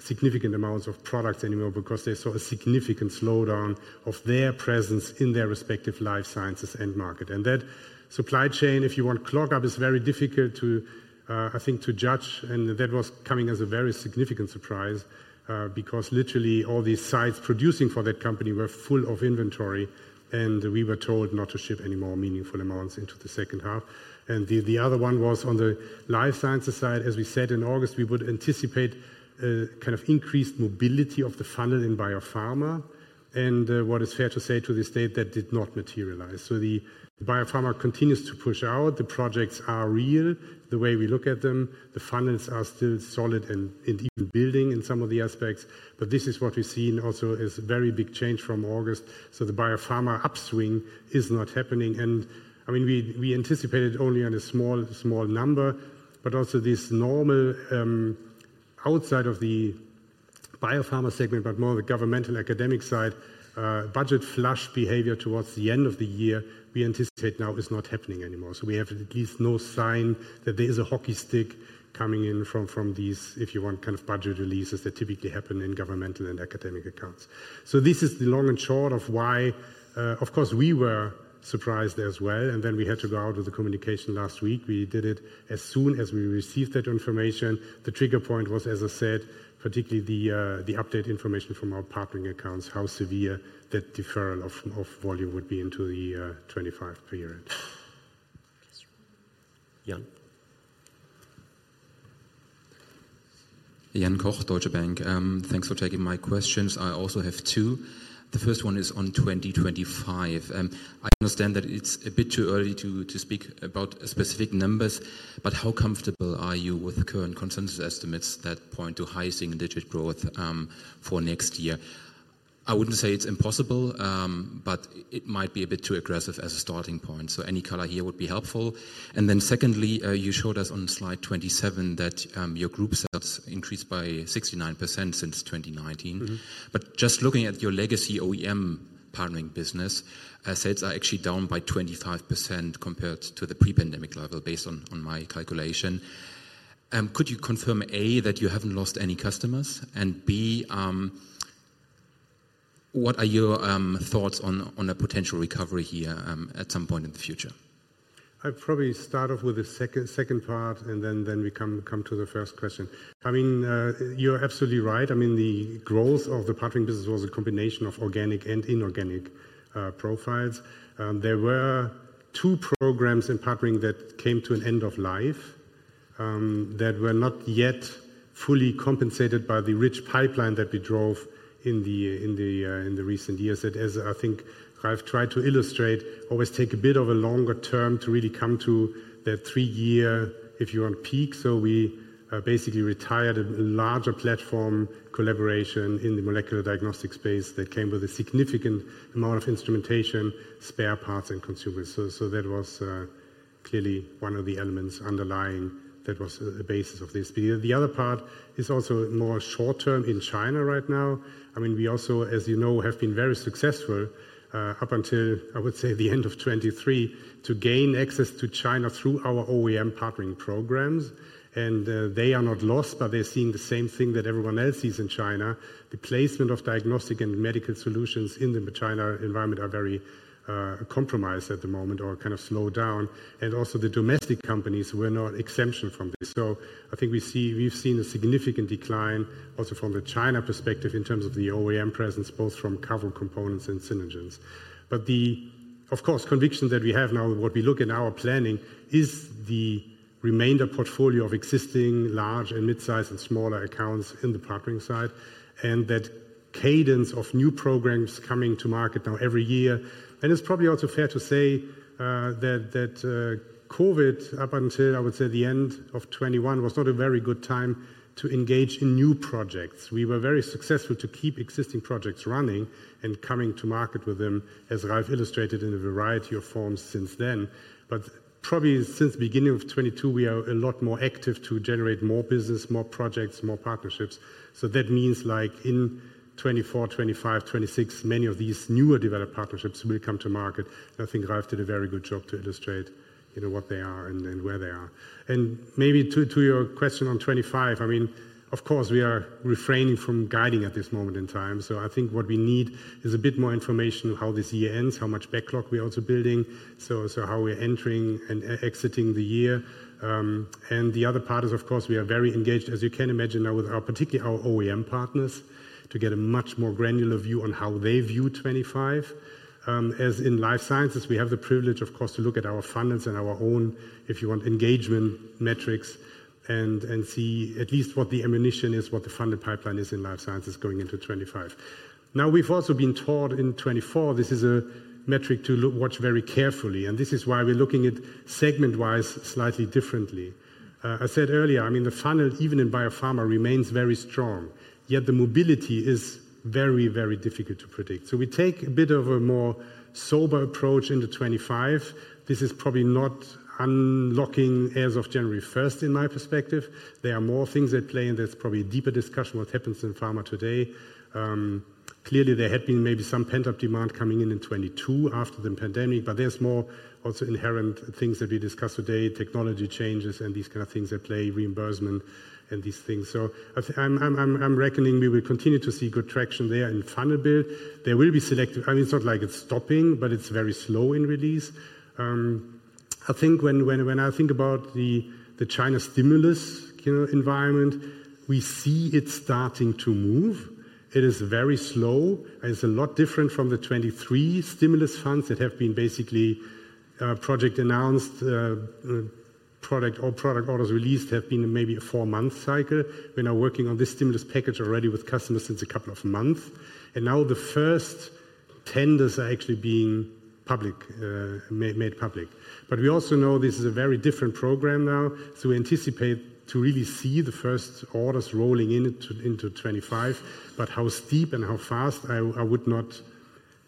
significant amounts of products anymore because they saw a significant slowdown of their presence in their respective life sciences end market. That supply chain, if you want, clogged up, is very difficult to, I think, to judge. That was coming as a very significant surprise because literally all these sites producing for that company were full of inventory and we were told not to ship any more meaningful amounts into the second half. The other one was on the life sciences side. As we said in August, we would anticipate kind of increased mobility of the funnel in biopharma, and what is fair to say to this date that did not materialize. The biopharma continues to push out. The projects are real the way we look at them. The funnels are still solid and even building in some of the aspects. But this is what we've seen, also is very big change from August, so the biopharma upswing is not happening. And I mean, we anticipated only on a small, small number, but also this normal outside of the biopharma segment but more the governmental academic side budget flush behavior towards the end of the year we anticipate now is not happening anymore. So we have at least no sign that there is a hockey stick coming in from these if you want kind of budget releases that typically happen in governmental and academic accounts. So this is the long and short of why of course we were surprised as well. And then we had to go out with the communication last week. We did it as soon as we received that information. The trigger point was, as I said, particularly the update information from our partnering accounts, how severe that deferral of volume would be into the 2025 period. Jan, thanks for taking my questions. I also have two. The first one is on 2025. I understand that it's a bit too early to speak about specific numbers, but how comfortable are you with current consensus estimates that point to high single-digit growth for next year? I wouldn't say it's impossible, but it might be a bit too aggressive as a starting point. So any color here would be helpful. And then secondly, you showed us on slide 27 that your group sets increased by 69% since 2019. But just looking at your legacy OEM partnering business, sales are actually down by 25% compared to the pre-pandemic level based on my calculation. Could you confirm A that you haven't lost any customers and B what are your thoughts on a potential recovery here at some point in the future? I probably start off with the second part and then we come to the first question. I mean you're absolutely right. I mean the growth of the partnering business was a combination of organic and inorganic profiles. There were two programs in partnering that came to an end of life that were not yet fully compensated by the rich pipeline that we drove in the recent years that as I think I've tried to illustrate, always take a bit of a longer term to really come to that three year if you want peak. So we basically retired a larger platform collaboration in the molecular diagnostic space that came with a significant amount of instrumentation, spare parts and consumables. So that was clearly one of the elements underlying that was the basis of this. The other part is also more short term in China right now. I mean we also, as you know, have been very successful up until I would say the end of 2023 to gain access to China through our OEM partnering programs. And they are not lost, but they're seeing the same thing that everyone else sees in China. The placement of diagnostic and medical solutions in the China environment are very compromised at the moment or kind of slow down. And also the domestic companies were not exempt from this. So I think we've seen a significant decline also from the China perspective in terms of the OEM presence, both from Cavro components and Synergence. But the, of course, conviction that we have now, what we look in our planning is the remainder portfolio of existing large and midsize and smaller accounts in the partnering side and that cadence of new programs coming to market now every year. It's probably also fair to say that Covid up until I would say the end of 2021 was not a very good time to engage in new projects. We were very successful to keep existing projects running and coming to market with them, as Ralf illustrated in a variety of forms since then. Probably since beginning of 2022 we are a lot more active to generate more business, more projects, more partnerships. That means like in 2024, 2025, 2026, many of these newer developed partnerships will come to market. I think Ralf did a very good job to illustrate what they are and where they are. Maybe to your question on 2025, I mean of course we are refraining from guiding at this moment in time. I think what we need is a bit more information how this year ends, how much backlog we are also building. So how we're entering and exiting the year. And the other part is of course we are very engaged as you can imagine now with our, particularly our OEM partners to get a much more granular view on how they view 2025 as in Life Sciences. We have the privilege of course to look at our funnels and our own, if you want engagement metrics and see at least what the ammunition is, what the funding pipeline is in life sciences going into 2025. Now we've also been taught in 2024 this is a metric to watch very carefully. And this is why we're looking at segment-wise slightly differently. I said earlier, I mean the funnel even in biopharma remains very strong, strong. Yet the mobility is very, very difficult to predict. So we take a bit of a more sober approach in 2025. This is probably not unlocking as of January 1st. In my perspective there are more things at play and there's probably a deeper discussion what happens in pharma today. Clearly there had been maybe some pent up demand coming in in 2022 after the pandemic. But there's more also inherent things that we discussed today. Technology just changes and these kind of things that play reimbursement and these things. So I'm reckoning we will continue to see good traction there in funnel build. There will be selective. I mean it's not like it's stopping but it's very slow in release. I think when I think about the China stimulus environment, we see it starting to move. It is very slow. It's a lot different from the 2023 stimulus funds that have been basically project announced. Product or product orders released have been maybe a four-month cycle. We're now working on this stimulus package already with customers since a couple of months, and now the first tenders are actually being made public. But we also know this is a very different program now. So we anticipate to really see the first orders rolling in into 2025. But how still deep and how fast I would not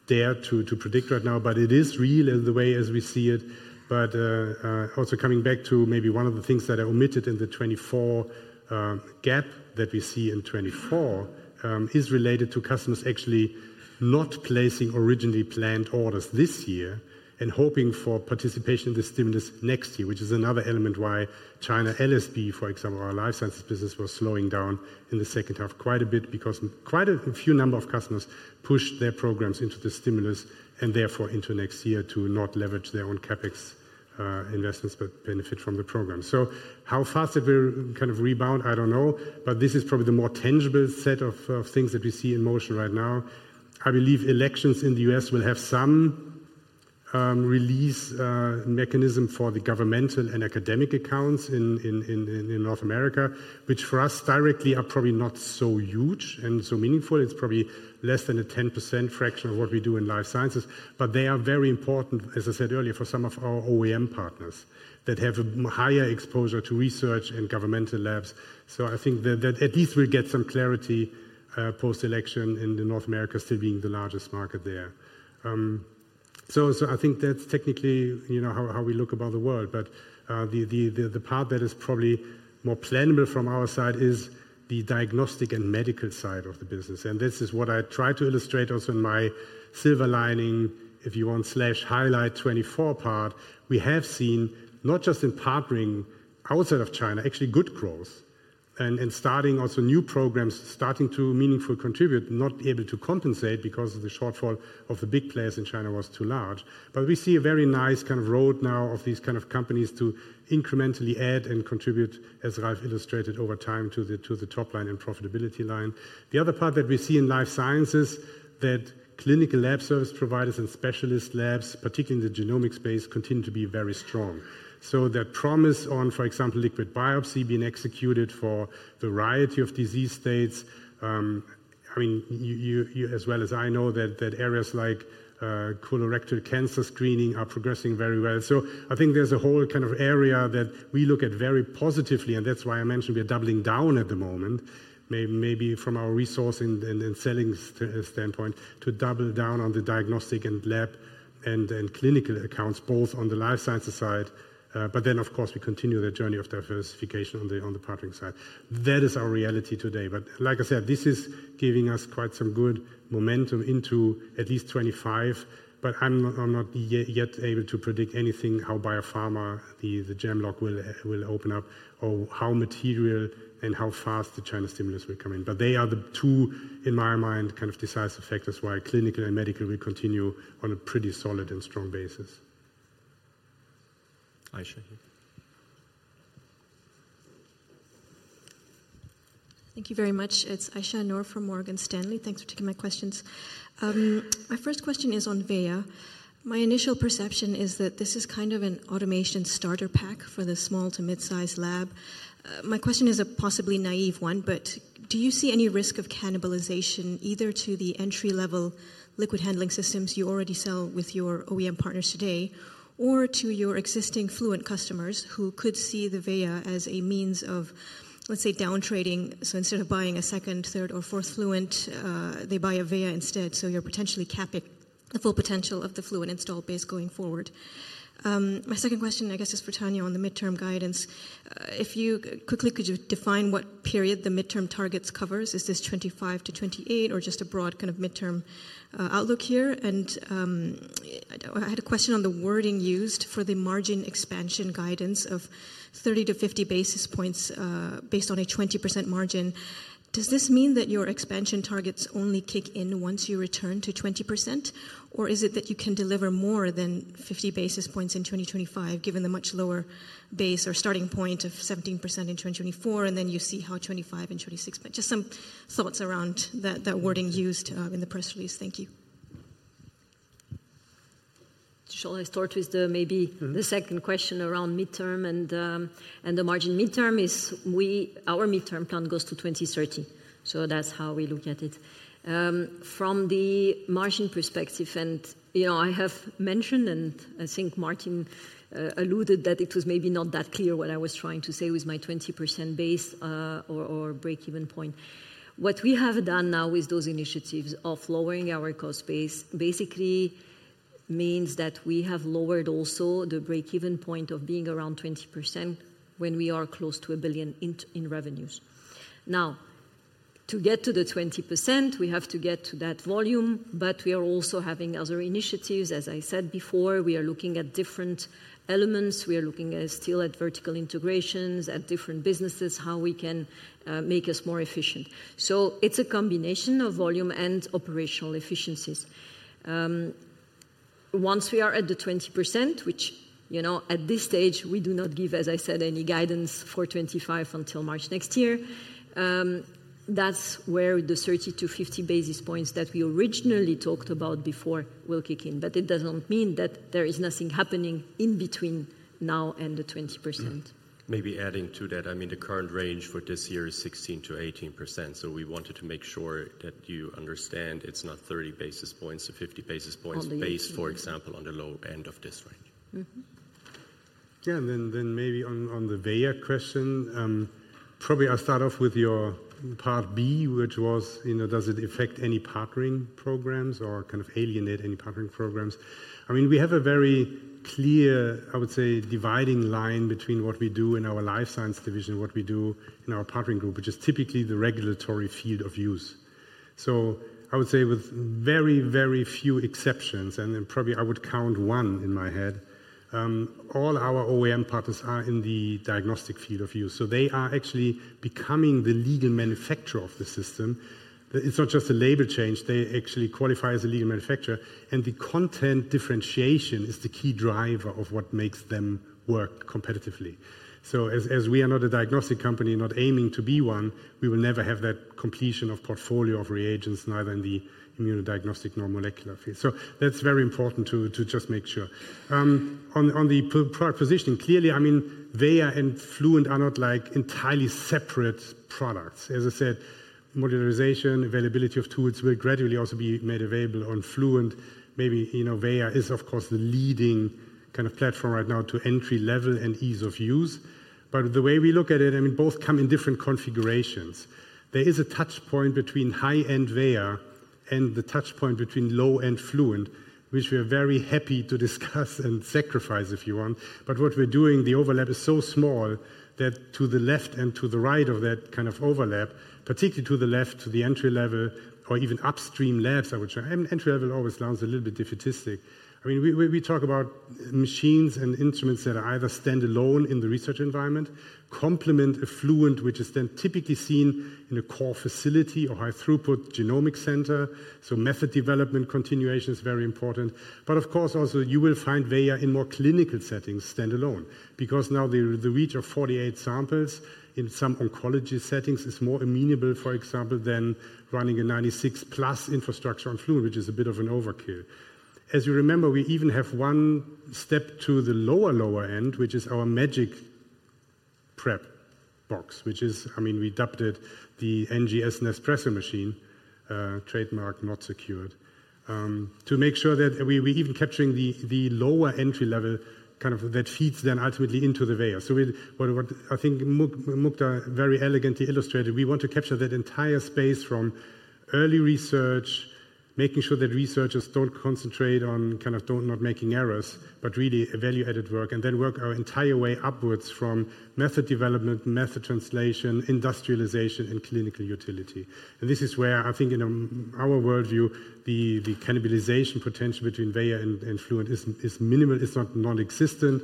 dare to predict right now. But it is real in the way as we see it. But also coming back to maybe one of the things that are omitted in the 2024 gap that we see in 2024 is related to customers actually not placing originally planned orders this year and hoping for participation in the stimulus next year. Which is another element why China. LSB, for example, our life sciences business was slowing down in the second half quite a bit because quite a few number of customers pushed their programs into the stimulus and therefore into next year to not leverage their own CapEx investments but benefit from the program. So how fast it will kind of rebound I don't know. But this is probably the more tangible set of things that we see in motion right now. I believe elections in the U.S. will have some release mechanism for the governmental and academic account in North America, which for us directly are probably not so huge and so meaningful. It's probably less than a 10% fraction of what we do in life sciences. But they are very important as I said earlier for some of our OEM partners that have a higher exposure to research and governmental labs. So I think that at least we get some clarity post election in North America still being the largest market there. So I think that's technically how we look about the world. But the part that is probably more planable from our side is the diagnostic and medical side of the business. And this is what I try to illustrate also in my silver lining if you want/highlight 24 part we have seen not just in partnering outside of China, actually good growth and starting also new programs starting to meaningfully contribute, not able to compensate because of the shortfall of the big players in China, China was too large. But we see a very nice kind of road now of these kind of companies to incrementally add and contribute as Ralf illustrated over time to the top line and profitability line. The other part that we see in life sciences that clinical lab service providers and specialist labs, particularly in the genomic space continue to be very strong. So that promise on for example liquid biopsy being executed for variety of disease states, I mean as well as I know that areas like colorectal cancer screening are progressing very well. So I think there's a whole kind of area that we look at very positively. And that's why I mentioned we are doubling down at the moment maybe from our resource and selling standpoint to double down on the diagnostic and lab and clinical accounts both on the life sciences side. But then of course we continue the journey of diverse field indication on the partnering side that is our reality today. But like I said, this is giving us quite some good momentum into at least 2025. But I'm not yet able to predict anything how biopharma the jam lock will open up or how materially and how fast the China stimulus will come in. But they are the two in my mind kind of decisive factors why clinical and medical will continue on a pretty solid and strong basis. Aisyah. Thank you very much. It's Aisyah Noor from Morgan Stanley. Thanks for taking my questions. My first question is on Veya. My initial perception is that this is kind of an automation starter pack for the small to mid-sized lab. My question is a possibly naive one, but do you see any risk of cannibalization either to the entry-level liquid handling systems you already sell with your OEM partners today or to your existing Fluent customers who could see the Veya as a means of, let's say, down trading? So instead of buying a second, third or fourth Fluent, they buy a Veya instead. So you're potentially capping the full potential of the Fluent installed base going forward. My second question I guess is for Tania on the midterm guidance. If you quickly could, you define what period the midterm targets covers? Is this 25-28 or just a broad kind of midterm outlook here, and I had a question on the wording used for the margin expansion guidance of 30-50 basis points based on a 20% margin? Does this mean that your expansion targets only kick in once you return to 20%? Or is it that you can deliver more than 50 basis points in 2025 given the much lower, lower base or starting point of 17% in 2024 and then you see how 25 and 26? Just some thoughts around that wording used in the press release. Thank you. Shall I start with maybe the second question around midterm and the margin. Midterm is our midterm plan goes to 2030. So that's how we look at it from the margin perspective. And you know, I have mentioned, and I think Martin alluded that it was maybe not that clear what I was trying to say with my 20% base or break even point. What we have done now is those initiatives of lowering our cost base basically means that we have lowered also the break even point of being around 20% when we are close to 1 billion in revenues. Now to get to the 20% we have to get to that volume. But we are also having other initiatives. As I said before, we are looking at different elements. We are looking at still at vertical integrations at different businesses, how we can make us more efficient. It's a combination of volume and operational efficiencies. Once we are at the 20%, which you know, at this stage we do not give, as I said, any guidance for 25% until March next year. That's where the 30 to 50 basis points that we originally talked about before will kick in. But it doesn't mean that there is nothing happening in between now and the 20%. Maybe adding to that, I mean the current range for this year is 16%-18%. So we wanted to make sure that you understand it's not 30 basis points or 50 basis points based, for example, on the low end of this range. Yeah. Then maybe on the Veya question, probably I'll start off with your part B which was, you know, does it affect any partnering programs or kind of alienate any partnering programs? I mean we have a very clear, I would say dividing line between what we do in our life science division, what we do in our partnering group, which is typically the regulatory field of use. So I would say with very, very few exceptions and then probably I would count one in my head. All our OEM partners are in the diagnostic field of use. So they are actually becoming the legal manufacturer of the system. It's not just a label change, they actually qualify as a legal manufacturer and the content differentiation is the key driver of what makes them work competitively. As we are not a diagnostic company, not aiming to be one, we will never have that complement of portfolio of reagents, neither in the immunodiagnostic nor molecular phase. That's very important to just make sure on the product positioning. Clearly, I mean Veya and Fluent are not like entirely separate products. As I said, modernization, availability of tools will gradually also be made available on Fluent. Maybe you know, Veya is of course the leading kind of platform right now to entry level and ease of use. But the way we look at it, I mean both come in different configurations. There is a touch point between high-end Veya and the touch point between low-end and Fluent which we are very happy to discuss and sacrifice if you want. But what we're doing, the overlap is so small that to the left and to the right of that kind of overlap, particularly to the left, to the entry level or even upstream labs. I would say entry level always sounds a little bit diminutive. I mean we talk about machines and instruments that are either standalone in the research environment, complement a Fluent, which is then typically seen in a core facility or high throughput genomic center. So method development continuation is very important. But of course also you will find Veya in more clinical settings standalone because now the reach of 48 samples in some oncology settings is more amenable for example than running a 96+ infrastructure structure on Fluent, which is a bit of an overkill. As you remember, we even have one step to the lower, lower end which is our MagicPrep box which is, I mean we dubbed it the NGS Nespresso machine trademark not secured to make sure that we were even capturing the, the lower entry level kind of that feeds then ultimately into the Veya. So what I think Mukta very elegantly illustrated. We, we want to capture that entire space from early research making sure that researchers don't concentrate on kind of don't not making errors but really a value-added work and then work our entire way upwards from method development, method translation, industrialization and clinical utility. And this is where I think in our worldview the cannibalization potential between Veya and Fluent is minimal, it's not non-existent.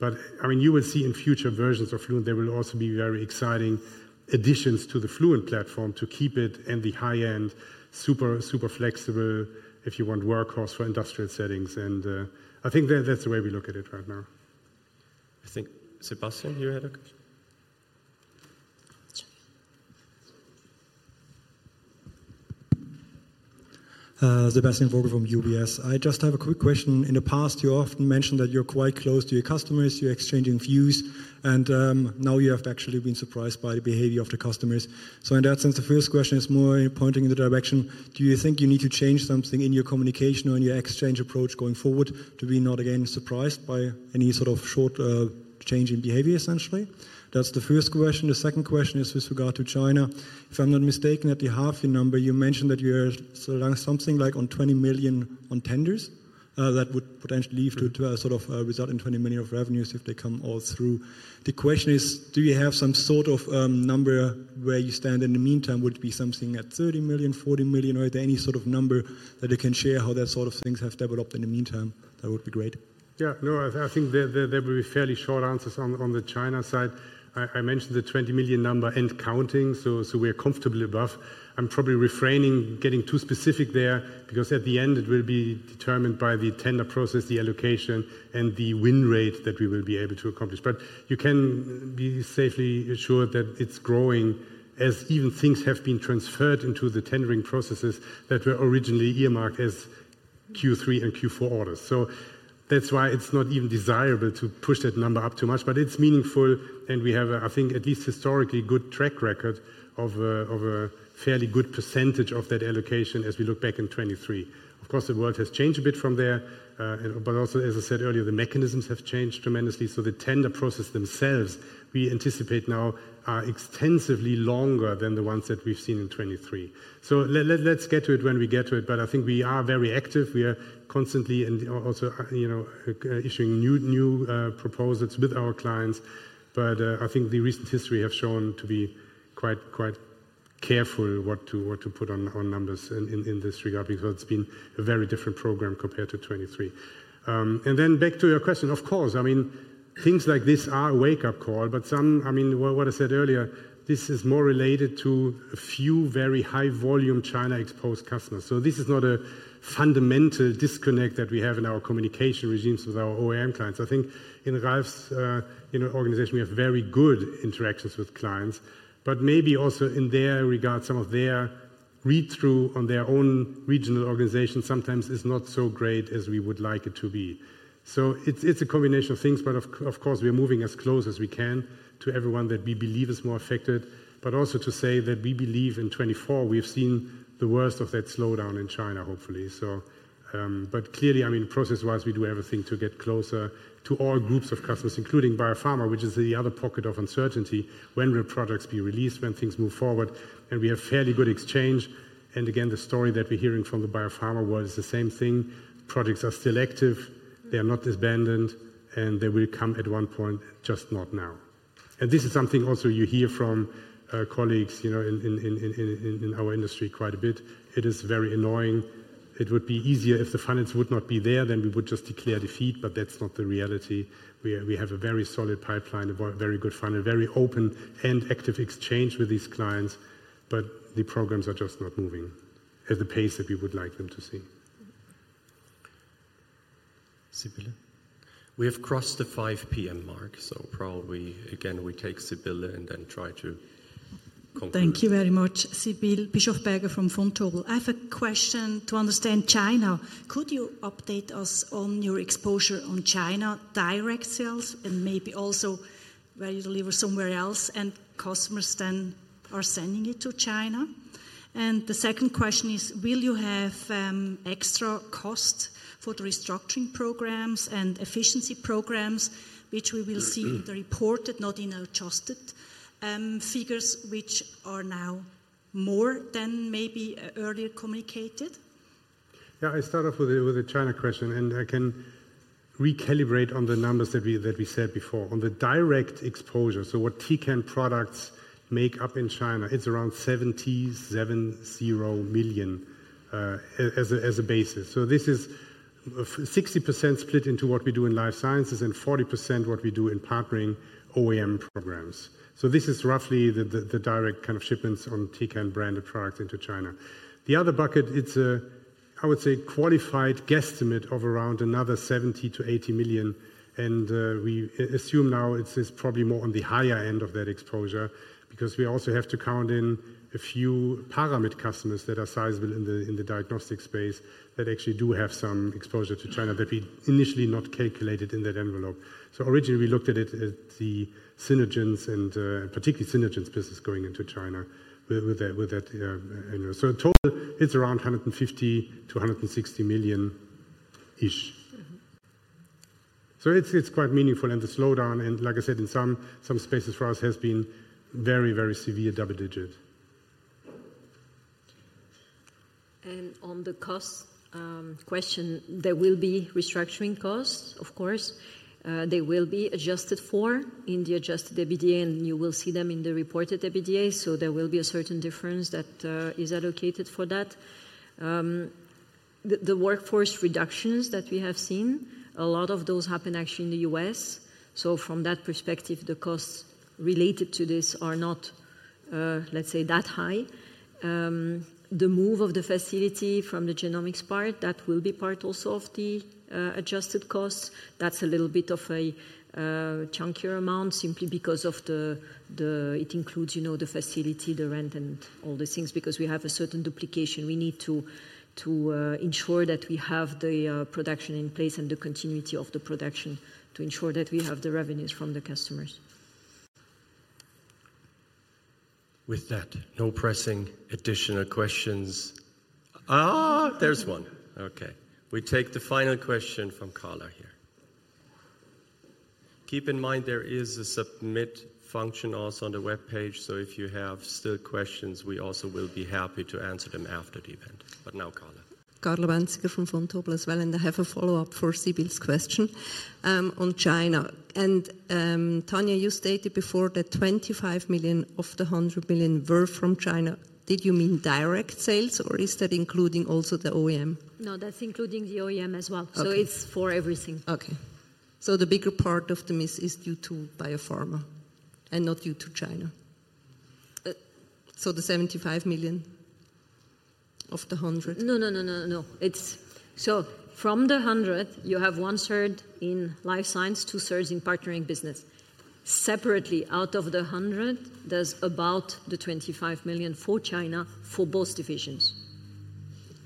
But I mean, you will see in future versions of Fluent there will also be very exciting additions to the Fluent platform to keep it in the high end. Super, super flexible if you want workhorse for industrial settings. And I think that that's the way we look at it right now, I think. Sebastian, you had a question? Sebastian Vogel from UBS, I just have a quick question. In the past you often mentioned that you're quite close to your customers, you're exchanging views and now you have actually been surprised by the behavior of the customers. So in that sense the first question is more pointing in the direction do you think you need to change something in your communication or in your exchange approach going forward to be not again surprised by any sort of short change in behavior? Essentially that's the first question. The second question is with regard to China, if I'm not mistaken, at the half year number you mentioned that you're selling something like on 20 million on tenders that would potentially leave to sort of result in 20 million of revenues if they come all through. The question is, do you have some sort of number where you stand in the meantime? Would it be something at 30 million, 40 million or any sort of number that you can share how that sort of things have developed in the meantime? That would be great. Yeah, no, I think there will be fairly short answers on the China side. I mentioned the 20 million number and counting, so we're comfortable about it. I'm probably refraining from getting too specific there because at the end it will be determined by the tender process, the allocation and the win rate that we will be able to accomplish. But you can be safely assured that it's growing as even things have been transferred into the tendering processes that were originally earmarked as Q3 and Q4 orders. So that's why it's not even desirable to push that number up too much. But it's meaningful and we have, I think, at least historically good track record of a fairly good percentage of that allocation. As we look back in 2023, of course the world has changed a bit from there, but also as I said earlier, the mechanisms have changed tremendously. The tender process themselves we anticipate now are extensively longer than the ones that we've seen in 2023. Let's get to it when we get to it. But I think we are very active, we are constantly and also, you know, issuing new proposals with our clients. But I think the recent history have shown to be quite, quite careful what to put on numbers in this regard because it's been a very different program compared to 2023. Then back to your question. Of course, I mean things like this are a wake up call. But some, I mean what I said earlier, this is more related to a few very high volume China exports. This is not a fundamental disconnect that we have in our communication regimes with our OEM clients. I think in Ralf's organization we have very good interactions with clients, but maybe also in their regard, some of their read through on their own regional organization sometimes is not so great as we would like it to be. So it's a combination of things. But of course we are moving as close as we can to everyone that we believe is more affected. But also to say that we believe in 2024, we've seen the worst of that slowdown in China, hopefully so. But clearly, I mean process-wise we do everything to get closer to all groups of customers, including Biopharma which is the other pocket of uncertainty. When will products be released? When things move forward and we have fairly good exchange. And again the story that we're hearing from the Biopharma world is the same thing. Projects are still active, they are not abandoned and they will come at one point, just not now. And this is something also you hear from colleagues, you know, in our industry quite a bit. It is very annoying. It would be easier if the finance would not be there, then we would just declare defeat. But that's not the reality. We have a very solid pipeline, a very good funnel, very open and active exchange with these clients. But the programs are just not moving at the pace that we would like them to see. Sibylle, we have crossed the 5:00 P.M. mark so probably again we take Sibylle and then try to. Thank you very much, Sibylle Bischofberger from Vontobel. I have a question to understand China. Could you update us on your exposure on China direct sales and maybe also where you deliver somewhere else and customers? Then are sending it to China. The second question is, will you have extra cost for the restructuring programs? Efficiency programs which we will see in the reported, not in adjusted figures. Which are now more than maybe earlier communicated. Yeah, I start off with a China question and I can recalibrate on the numbers that we said before on the direct exposure. So what Tecan products make up in China? It's around 77.0 million as a basis. So this is 60% split into what we do in life sciences and 40% what we do in partnering OEM programs. So this is roughly the direct kind of shipments on Tecan branded products into China. The other bucket, it's a, I would say qualified guesstimate of around another 70-80 million. And we assume now it is probably more on the higher end of that exposure because we also have to count in a few Paramit customers that are sizable in the diagnostic space that actually do have some exposure to China that we initially not calculated in that envelope. Originally we looked at it at Synergence and particularly Synergence's business going into China with that. Total it's around 150-260 million ish. It's quite meaningful. The slowdown and like I said in some spaces for us has been very, very severe, double digit. And on the cost question, there will be restructuring costs. Of course they will be adjusted for in the adjusted EBITDA and you will see them in the reported EBITDA. So there will be a certain difference that is allocated for that. The workforce reductions that we have seen a lot of those happen actually in the U.S. So from that perspective the costs related to this are not, let's say that high. The move of the facility from the genomics part, that will be part also of the adjusted costs. That's a little bit of a chunkier amount simply because of the, it includes, you know, the facility, the rent and all the things. Because we have a certain duplication, we need to ensure that we have the production in place and the continuity of the production to ensure that we have the revenues from the customers. With that, no pressing additional questions. There's one. Okay, we take the final question from Carla here. Keep in mind there is a submit function also on the web page, so if you have still questions, we also will be happy to answer them after the event. But now Carla. Carla Bänziger from Vontobel as well. And I have a follow-up for. Sibylle's question on China. And Tania, you stated before that 25 million of the 100 million were from China. Did you mean direct sales or is? That including also the OEM? No, that's including the OEM as well. So it's for everything. Okay, so the bigger part of the miss is due to Biopharma and not due to China. So the 75 million of the hundred. No, no, no, no, no. It's so from the hundred you have one third in Life Sciences, two thirds in Partnering Business separately out of the hundred there's about the 25 million for China for both divisions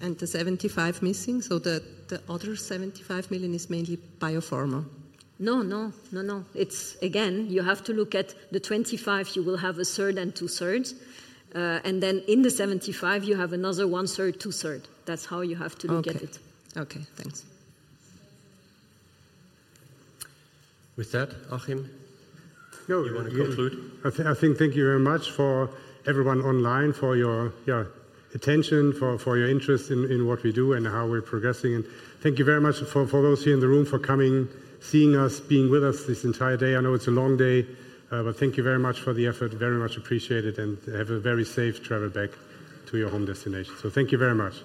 and the 75 missing. So the other 75 million is mainly Biopharma. No, no, no, no. It's again, you have to look at the 25, you will have a third and two thirds. And then in the 75, you have another one third, two thirds. That's how you have to look at it. Okay. Thanks. With that, Achim. Thank you very much for everyone online, for your attention, for your interest in what we do and how we're progressing, and thank you very much for those here in the room for coming, seeing us, being with us this entire day. I know it's a long day, but thank you very much for the effort. Very much appreciate it, and have a very safe travel back to your home destination, so thank you very much.